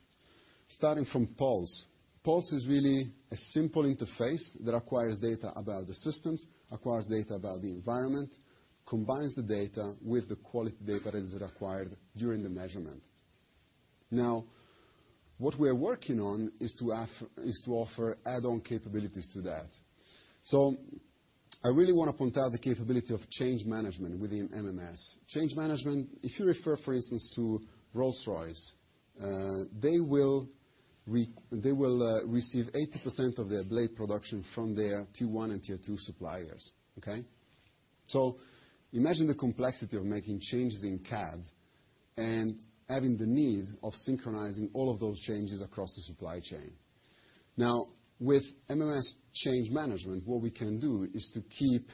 starting from PULSE. PULSE is really a simple interface that acquires data about the systems, acquires data about the environment, combines the data with the quality data that is acquired during the measurement. What we are working on is to offer add-on capabilities to that. I really want to point out the capability of change management within MMS. Change management, if you refer, for instance, to Rolls-Royce, they will receive 80% of their blade production from their tier 1 and tier 2 suppliers. Imagine the complexity of making changes in CAD and having the need of synchronizing all of those changes across the supply chain. With MMS change management, what we can do is to keep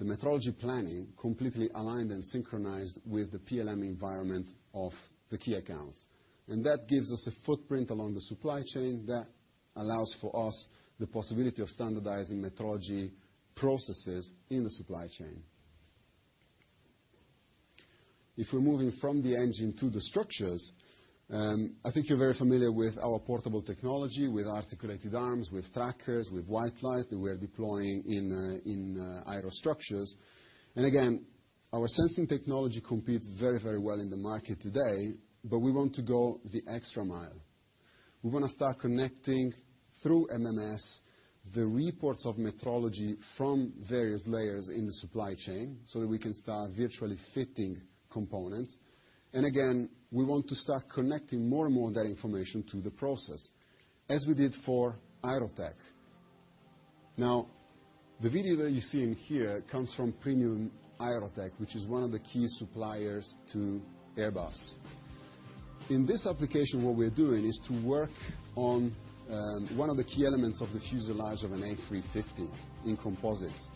the metrology planning completely aligned and synchronized with the PLM environment of the key accounts. That gives us a footprint along the supply chain that allows for us the possibility of standardizing metrology processes in the supply chain. If we're moving from the engine to the structures, I think you're very familiar with our portable technology, with articulated arms, with trackers, with white light, that we are deploying in aerostructures. Again, our sensing technology competes very well in the market today, but we want to go the extra mile. We want to start connecting through MMS, the reports of metrology from various layers in the supply chain, so that we can start virtually fitting components. Again, we want to start connecting more and more of that information to the process, as we did for AEROTEC. The video that you're seeing here comes from Premium AEROTEC, which is one of the key suppliers to Airbus. In this application, what we're doing is to work on one of the key elements of the fuselage of an A350 in composites.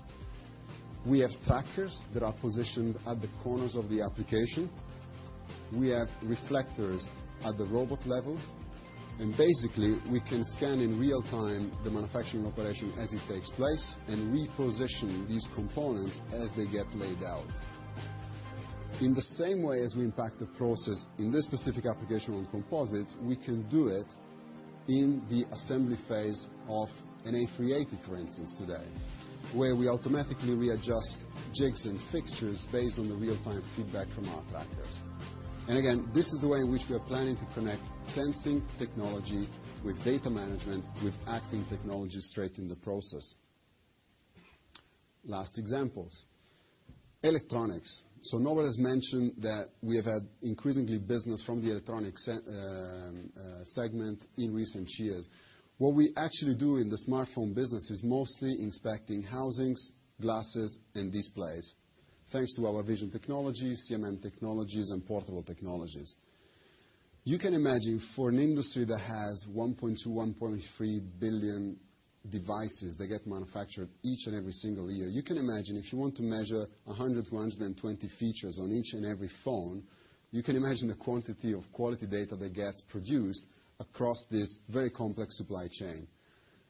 We have trackers that are positioned at the corners of the application. We have reflectors at the robot level, basically, we can scan in real-time the manufacturing operation as it takes place and reposition these components as they get laid out. In the same way as we impact the process in this specific application with composites, we can do it in the assembly phase of an A380, for instance, today, where we automatically readjust jigs and fixtures based on the real-time feedback from our trackers. Again, this is the way in which we are planning to connect sensing technology with data management, with acting technology straight in the process. Last examples, electronics. Nobody has mentioned that we have had increasingly business from the electronic segment in recent years. What we actually do in the smartphone business is mostly inspecting housings, glasses, and displays. Thanks to our vision technologies, CMM technologies, and portable technologies. You can imagine for an industry that has 1.2, 1.3 billion devices that get manufactured each and every single year. You can imagine if you want to measure 100 to 120 features on each and every phone, you can imagine the quantity of quality data that gets produced across this very complex supply chain.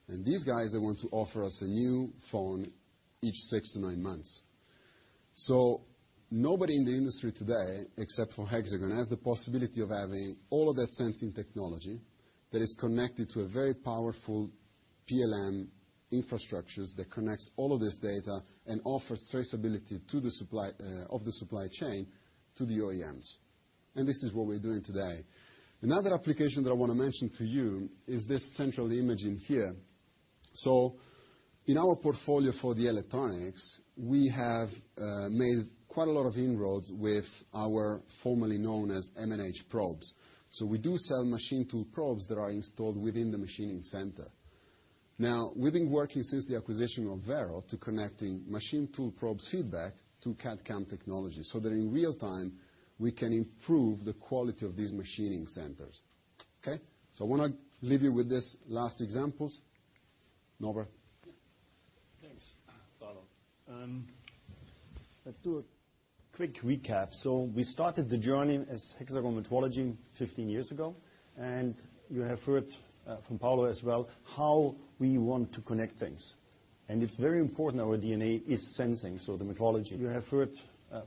These guys, they want to offer us a new phone each six to nine months. Nobody in the industry today, except for Hexagon, has the possibility of having all of that sensing technology that is connected to a very powerful PLM infrastructures that connects all of this data and offers traceability of the supply chain to the OEMs. This is what we're doing today. Another application that I want to mention to you is this central imaging here. In our portfolio for the electronics, we have made quite a lot of inroads with our formerly known as m&h probes. We do sell machine tool probes that are installed within the machining center. We've been working since the acquisition of Vero to connecting machine tool probes feedback to CAD/CAM technology, so that in real time, we can improve the quality of these machining centers. Okay? I want to leave you with these last examples. Norbert? Yeah. Thanks, Paolo. Let's do a quick recap. We started the journey as Hexagon Metrology 15 years ago, and you have heard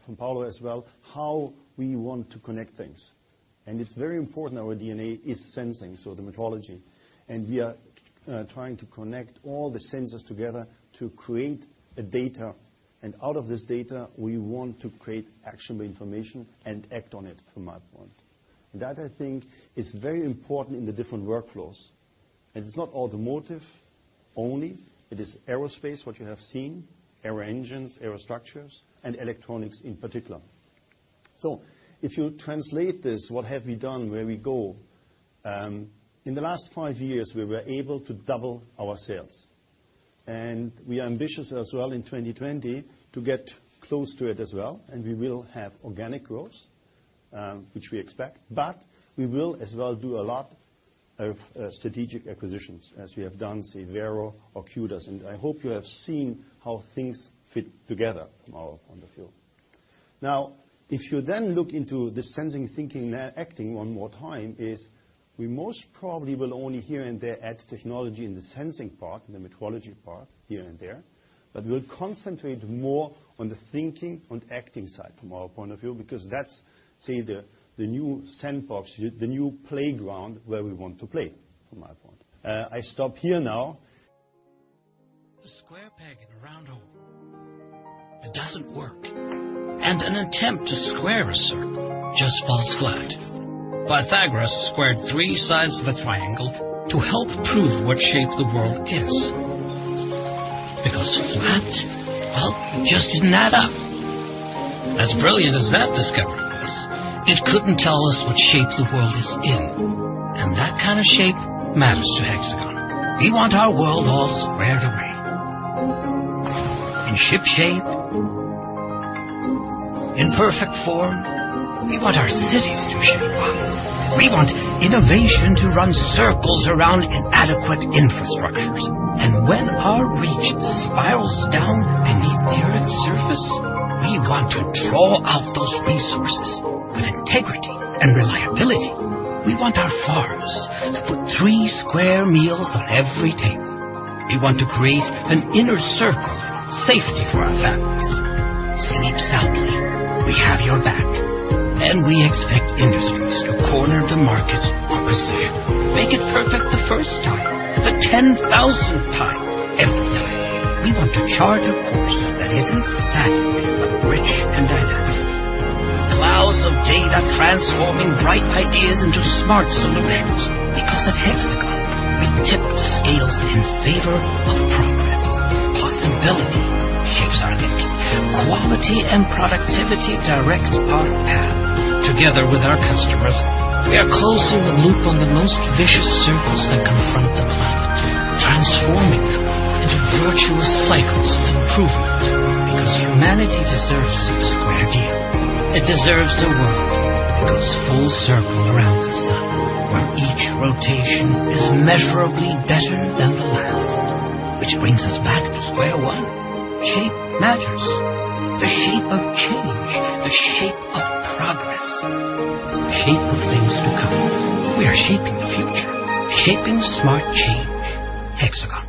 from Paolo as well how we want to connect things. It's very important our DNA is sensing, so the metrology. We are trying to connect all the sensors together to create a data, and out of this data, we want to create actionable information and act on it from that point. That, I think, is very important in the different workflows. It's not automotive only, it is aerospace, what you have seen, aero engines, aero structures, and electronics in particular. If you translate this, what have we done, where we go. In the last five years, we were able to double our sales. We are ambitious as well in 2020 to get close to it as well, and we will have organic growth, which we expect. We will as well do a lot of strategic acquisitions, as we have done, say, Vero or Q-DAS. I hope you have seen how things fit together on the field. If you then look into the sensing, thinking, and acting one more time, is we most probably will only here and there add technology in the sensing part, in the metrology part, here and there. We'll concentrate more on the thinking and acting side from our point of view, because that's, say, the new sandbox, the new playground where we want to play from my point. I stop here now. A square peg in a round hole. It doesn't work. An attempt to square a circle just falls flat. Pythagoras squared three sides of a triangle to help prove what shape the world is. Because flat, well, just didn't add up. As brilliant as that discovery was, it couldn't tell us what shape the world is in, and that kind of shape matters to Hexagon. We want our world all squared away. In ship shape. In perfect form. We want our cities to shape up. We want innovation to run circles around inadequate infrastructures. When our reach spirals down beneath the Earth's surface, we want to draw out those resources with integrity and reliability. We want our farms to put three square meals on every table. We want to create an inner circle of safety for our families. Sleep soundly, we have your back. We expect industries to corner the market on precision. Make it perfect the first time, the 10,000th time, every time. We want to chart a course that isn't static, but rich and dynamic. Clouds of data transforming bright ideas into smart solutions. At Hexagon, we tip the scales in favor of progress. Possibility shapes our thinking. Quality and productivity direct our path. Together with our customers, we are closing the loop on the most vicious circles that confront the planet, transforming them into virtuous cycles of improvement, because humanity deserves the square deal. It deserves a world that goes full circle around the sun, where each rotation is measurably better than the last. Which brings us back to square one. Shape matters. The shape of change, the shape of progress, the shape of things to come. We are shaping the future. Shaping smart change. Hexagon.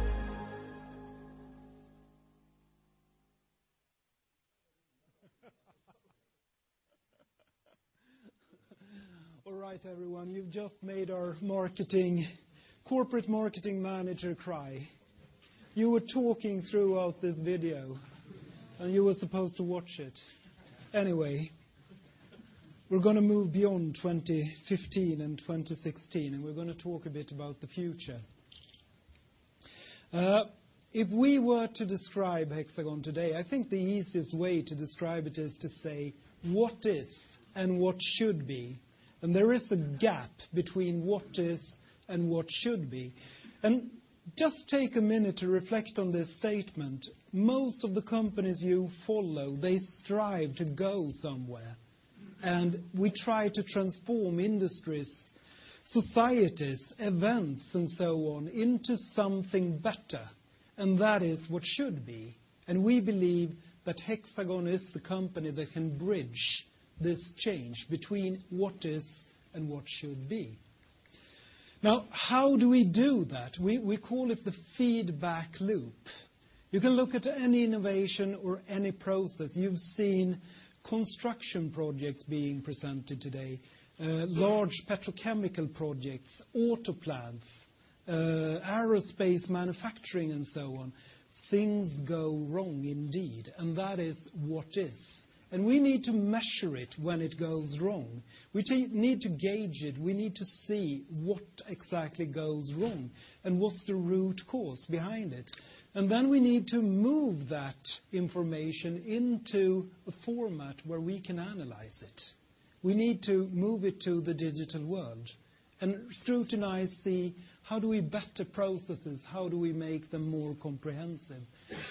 All right, everyone, you've just made our corporate marketing manager cry. You were talking throughout this video, and you were supposed to watch it. We're going to move beyond 2015 and 2016, we're going to talk a bit about the future. If we were to describe Hexagon today, I think the easiest way to describe it is to say what is and what should be, there is a gap between what is and what should be. Just take a minute to reflect on this statement. Most of the companies you follow, they strive to go somewhere, we try to transform industries, societies, events, and so on into something better, that is what should be. We believe that Hexagon is the company that can bridge this change between what is and what should be. Now, how do we do that? We call it the feedback loop. You can look at any innovation or any process. You've seen construction projects being presented today, large petrochemical projects, auto plants, aerospace manufacturing, and so on. Things go wrong indeed, that is what is. We need to measure it when it goes wrong. We need to gauge it. We need to see what exactly goes wrong, what's the root cause behind it. Then we need to move that information into a format where we can analyze it. We need to move it to the digital world and scrutinize the how do we better processes, how do we make them more comprehensive?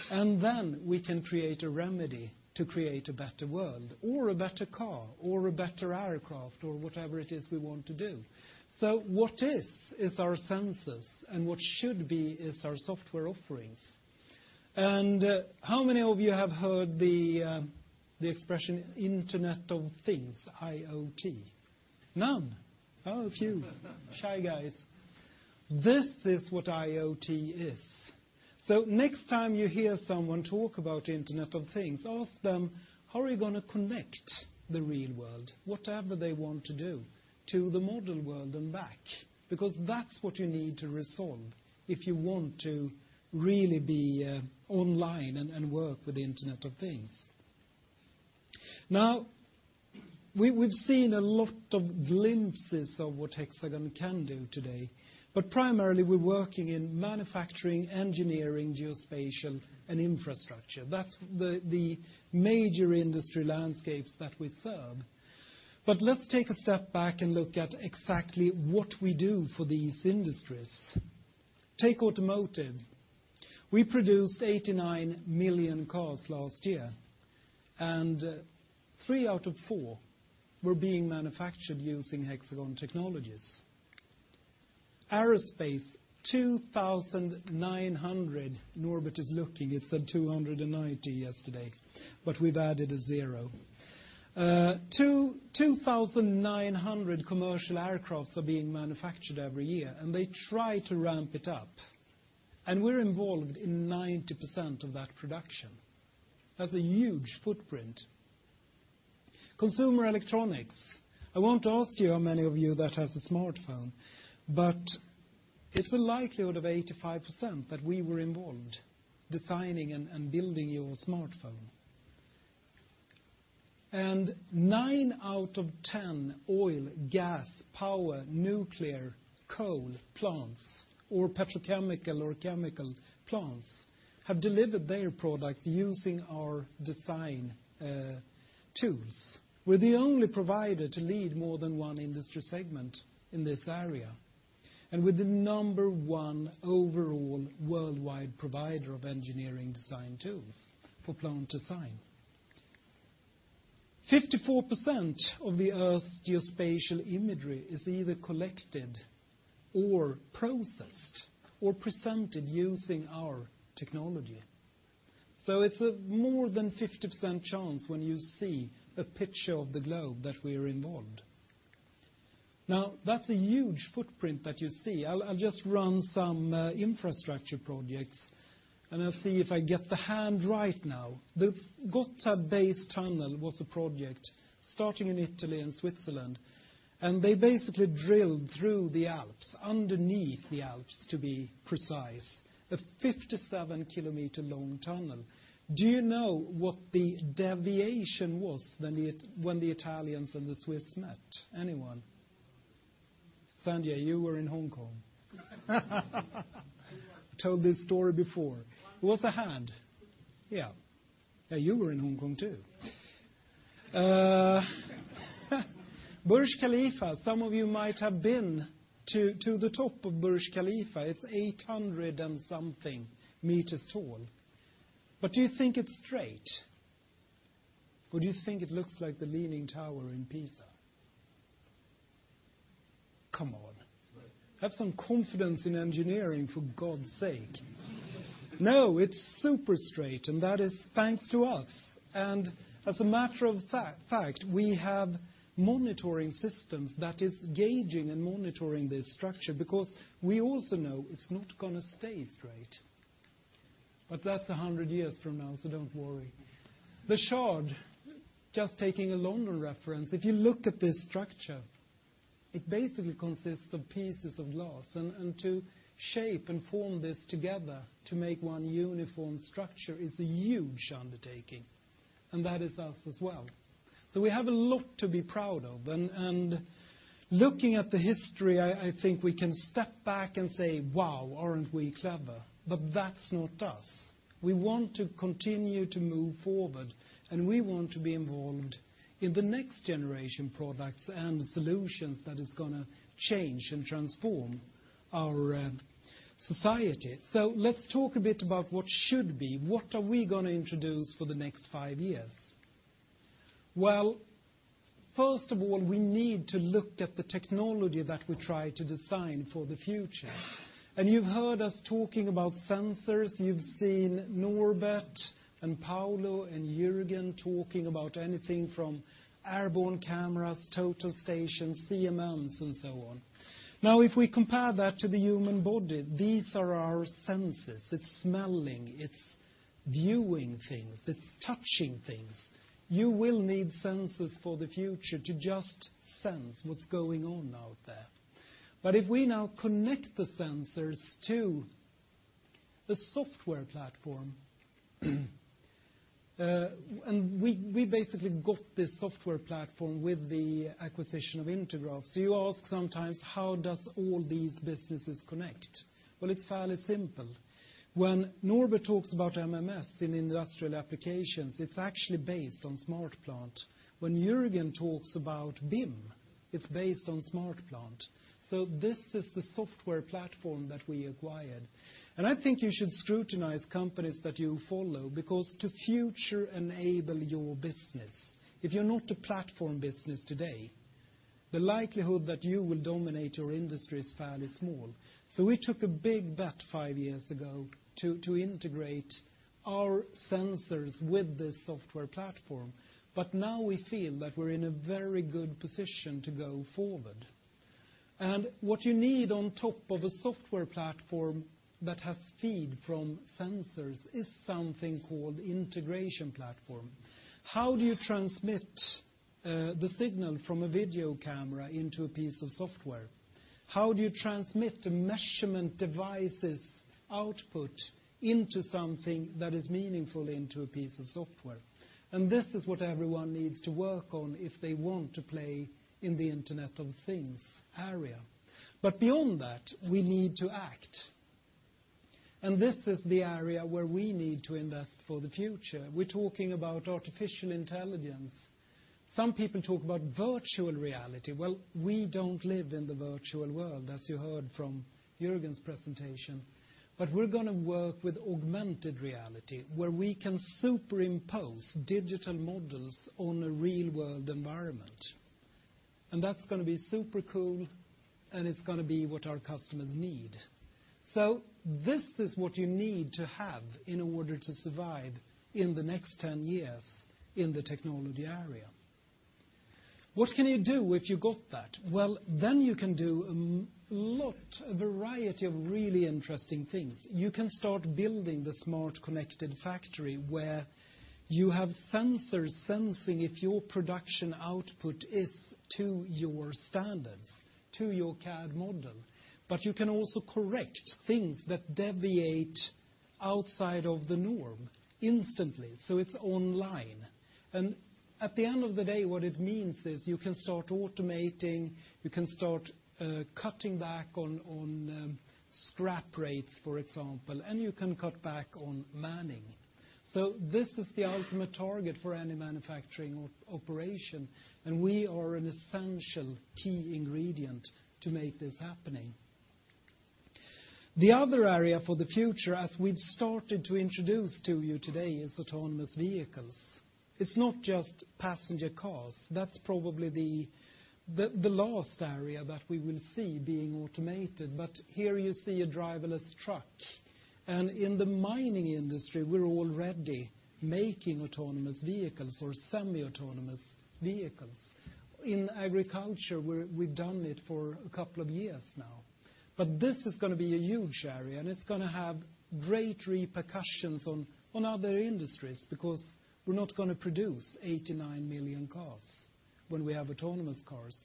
Then we can create a remedy to create a better world, or a better car, or a better aircraft, or whatever it is we want to do. What is our sensors, what should be is our software offerings. How many of you have heard the expression Internet of Things, IoT? None. Oh, a few. Shy guys. This is what IoT is. Next time you hear someone talk about Internet of Things, ask them, "How are you going to connect the real world?" Whatever they want to do to the model world and back, because that's what you need to resolve if you want to really be online and work with the Internet of Things. Now, we've seen a lot of glimpses of what Hexagon can do today. Primarily, we're working in manufacturing, engineering, geospatial, and infrastructure. That's the major industry landscapes that we serve. Let's take a step back and look at exactly what we do for these industries. Take automotive. We produced 89 million cars last year, three out of four were being manufactured using Hexagon technologies. Aerospace, 2,900. Norbert is looking. It said 290 yesterday, we've added a zero. 2,900 commercial aircraft are being manufactured every year, they try to ramp it up. We're involved in 90% of that production. That's a huge footprint. Consumer electronics. I won't ask you how many of you that has a smartphone, it's a likelihood of 85% that we were involved designing and building your smartphone. Nine out of 10 oil, gas, power, nuclear, coal plants or petrochemical or chemical plants have delivered their products using our design tools. We're the only provider to lead more than one industry segment in this area, we're the number one overall worldwide provider of engineering design tools for plant design. 54% of the Earth's geospatial imagery is either collected or processed or presented using our technology. It's a more than 50% chance when you see a picture of the globe that we are involved. That's a huge footprint that you see. I'll just run some infrastructure projects, I'll see if I get the hand right now. The Gotthard Base Tunnel was a project starting in Italy and Switzerland, and they basically drilled through the Alps, underneath the Alps, to be precise. A 57-kilometer-long tunnel. Do you know what the deviation was when the Italians and the Swiss met? Anyone? Sanjay, you were in Hong Kong. Told this story before. What's a hand? Yeah. Yeah, you were in Hong Kong, too. Yeah. Burj Khalifa, some of you might have been to the top of Burj Khalifa. It's 800 and something meters tall. Do you think it's straight? Do you think it looks like the Leaning Tower in Pisa? Come on. Have some confidence in engineering, for God's sake. It's super straight, and that is thanks to us. As a matter of fact, we have monitoring systems that is gauging and monitoring this structure because we also know it's not going to stay straight. That's 100 years from now, so don't worry. The Shard, just taking a London reference. If you look at this structure, it basically consists of pieces of glass, and to shape and form this together to make one uniform structure is a huge undertaking, and that is us as well. We have a lot to be proud of. Looking at the history, I think we can step back and say, "Wow, aren't we clever?" That's not us. We want to continue to move forward, we want to be involved in the next-generation products and solutions that is going to change and transform our society. Let's talk a bit about what should be. What are we going to introduce for the next five years? First of all, we need to look at the technology that we try to design for the future. You've heard us talking about sensors. You've seen Norbert and Paolo and Jürgen talking about anything from airborne cameras, total stations, CMMs, and so on. If we compare that to the human body, these are our senses. It's smelling. It's viewing things. It's touching things. You will need sensors for the future to just sense what's going on out there. If we now connect the sensors to the software platform, we basically got this software platform with the acquisition of Intergraph. You ask sometimes, how does all these businesses connect? It's fairly simple. When Norbert talks about MMS in industrial applications, it's actually based on SmartPlant. When Jürgen talks about BIM, it's based on SmartPlant. This is the software platform that we acquired. I think you should scrutinize companies that you follow because to future-enable your business, if you're not a platform business today. The likelihood that you will dominate your industry is fairly small. We took a big bet five years ago to integrate our sensors with this software platform. Now we feel that we're in a very good position to go forward. What you need on top of a software platform that has feed from sensors is something called integration platform. How do you transmit the signal from a video camera into a piece of software? How do you transmit the measurement device's output into something that is meaningful into a piece of software? This is what everyone needs to work on if they want to play in the Internet of Things area. Beyond that, we need to act. This is the area where we need to invest for the future. We're talking about artificial intelligence. Some people talk about virtual reality. We don't live in the virtual world, as you heard from Jürgen's presentation. We're going to work with augmented reality, where we can superimpose digital models on a real-world environment. That's going to be super cool, and it's going to be what our customers need. This is what you need to have in order to survive in the next 10 years in the technology area. What can you do if you got that? You can do a lot, a variety of really interesting things. You can start building the smart connected factory, where you have sensors sensing if your production output is to your standards, to your CAD model. You can also correct things that deviate outside of the norm instantly. It's online. At the end of the day, what it means is you can start automating, you can start cutting back on scrap rates, for example, and you can cut back on manning. This is the ultimate target for any manufacturing operation, and we are an essential key ingredient to make this happening. The other area for the future, as we've started to introduce to you today, is autonomous vehicles. It's not just passenger cars. That's probably the last area that we will see being automated. Here you see a driverless truck. In the mining industry, we're already making autonomous vehicles or semi-autonomous vehicles. In agriculture, we've done it for a couple of years now. This is going to be a huge area, and it's going to have great repercussions on other industries, because we're not going to produce 89 million cars when we have autonomous cars.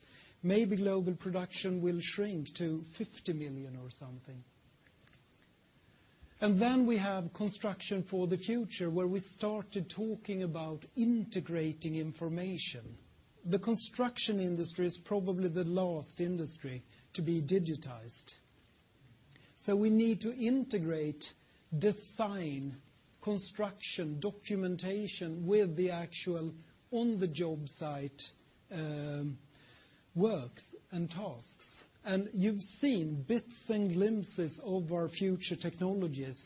Maybe global production will shrink to 50 million or something. Then we have construction for the future, where we started talking about integrating information. The construction industry is probably the last industry to be digitized. We need to integrate design, construction, documentation with the actual on-the-job site works and tasks. You've seen bits and glimpses of our future technologies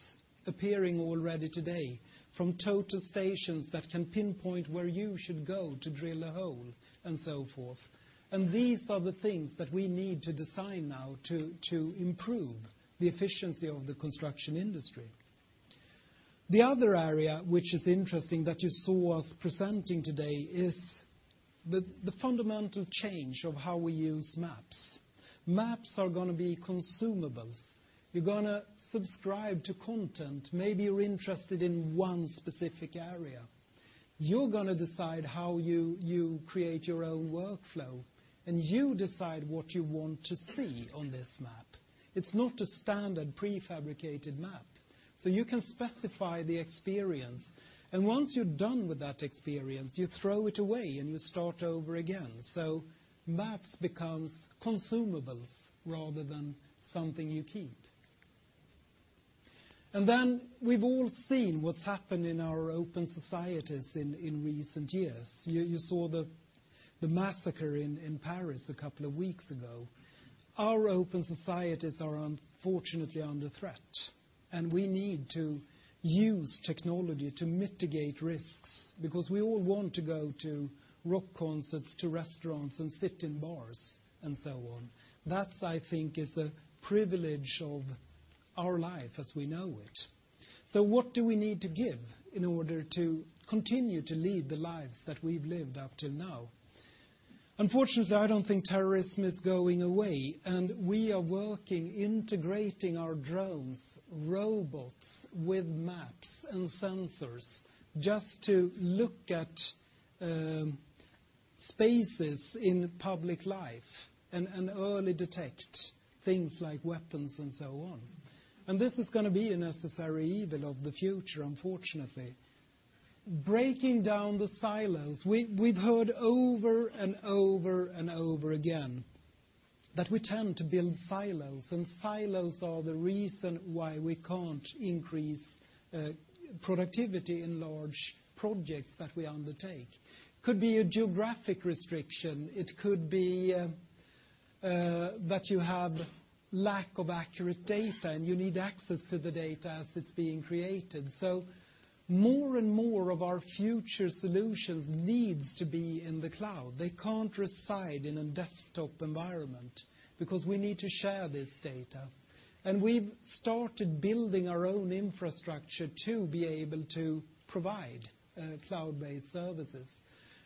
appearing already today, from total stations that can pinpoint where you should go to drill a hole, and so forth. These are the things that we need to design now to improve the efficiency of the construction industry. The other area which is interesting that you saw us presenting today is the fundamental change of how we use maps. Maps are going to be consumables. You're going to subscribe to content. Maybe you're interested in one specific area. You're going to decide how you create your own workflow, and you decide what you want to see on this map. It's not a standard prefabricated map. You can specify the experience. Once you're done with that experience, you throw it away, and you start over again. Maps becomes consumables rather than something you keep. Then we've all seen what's happened in our open societies in recent years. You saw the massacre in Paris a couple of weeks ago. Our open societies are unfortunately under threat, and we need to use technology to mitigate risks, because we all want to go to rock concerts, to restaurants, and sit in bars, and so on. That, I think, is a privilege of our life as we know it. What do we need to give in order to continue to lead the lives that we've lived up till now? Unfortunately, I don't think terrorism is going away. We are working, integrating our drones, robots with maps and sensors, just to look at spaces in public life and early detect things like weapons and so on. This is going to be a necessary evil of the future, unfortunately. Breaking down the silos. We've heard over and over and over again that we tend to build silos. Silos are the reason why we can't increase productivity in large projects that we undertake. Could be a geographic restriction. It could be a lack of accurate data. You need access to the data as it's being created. More and more of our future solutions needs to be in the cloud. They can't reside in a desktop environment, because we need to share this data. We've started building our own infrastructure to be able to provide cloud-based services.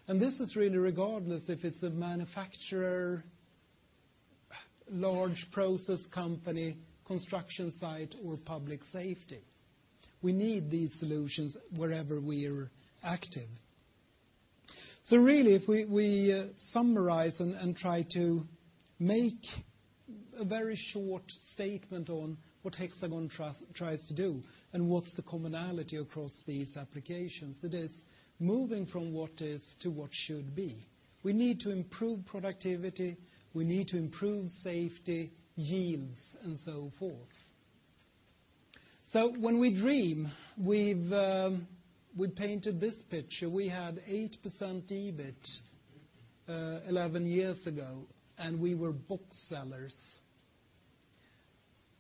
This is really regardless if it's a manufacturer, large process company, construction site, or public safety. We need these solutions wherever we're active. Really, if we summarize and try to make a very short statement on what Hexagon tries to do and what's the commonality across these applications, it is moving from what is to what should be. We need to improve productivity. We need to improve safety, yields, and so forth. When we dream, we painted this picture. We had 8% EBIT 11 years ago. We were box sellers.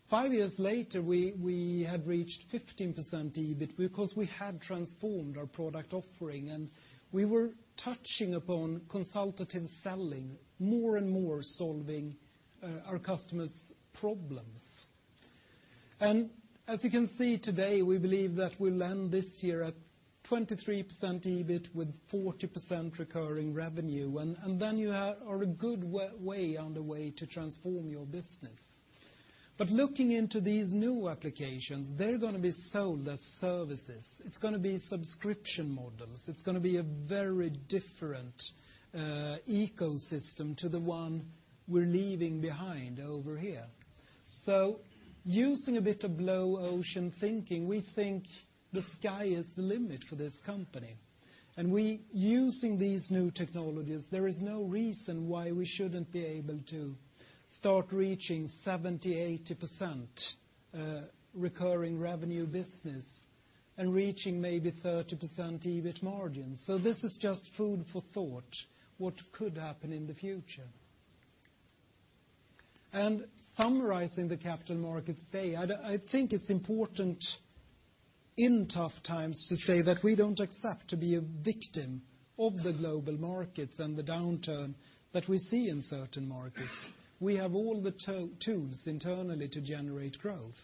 5 years later, we had reached 15% EBIT because we had transformed our product offering. We were touching upon consultative selling, more and more solving our customers' problems. As you can see today, we believe that we'll end this year at 23% EBIT with 40% recurring revenue. Then you are a good way on the way to transform your business. Looking into these new applications, they're going to be sold as services. It's going to be subscription models. It's going to be a very different ecosystem to the one we're leaving behind over here. Using a bit of blue ocean thinking, we think the sky is the limit for this company. We, using these new technologies, there is no reason why we shouldn't be able to start reaching 70%, 80% recurring revenue business and reaching maybe 30% EBIT margins. This is just food for thought what could happen in the future. Summarizing the Capital Markets Day, I think it's important in tough times to say that we don't accept to be a victim of the global markets and the downturn that we see in certain markets. We have all the tools internally to generate growth.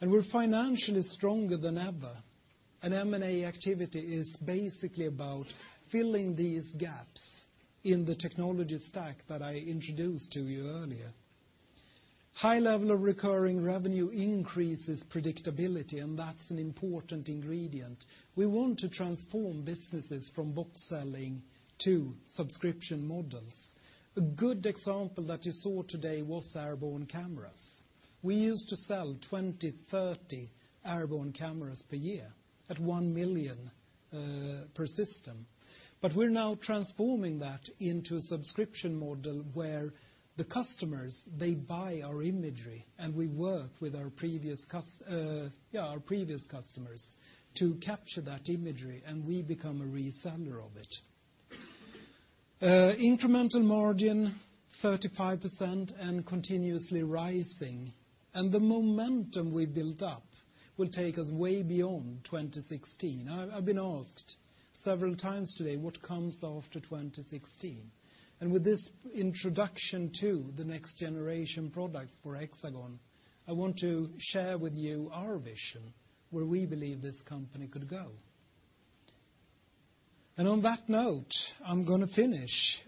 We're financially stronger than ever. M&A activity is basically about filling these gaps in the technology stack that I introduced to you earlier. High level of recurring revenue increases predictability. That's an important ingredient. We want to transform businesses from box selling to subscription models. A good example that you saw today was airborne cameras. We used to sell 20, 30 airborne cameras per year at one million per system. We're now transforming that into a subscription model where the customers, they buy our imagery, and we work with our previous customers to capture that imagery, and we become a reseller of it. Incremental margin 35% and continuously rising. The momentum we built up will take us way beyond 2016. I've been asked several times today what comes after 2016. With this introduction to the next generation products for Hexagon, I want to share with you our vision, where we believe this company could go. On that note, I'm going to finish.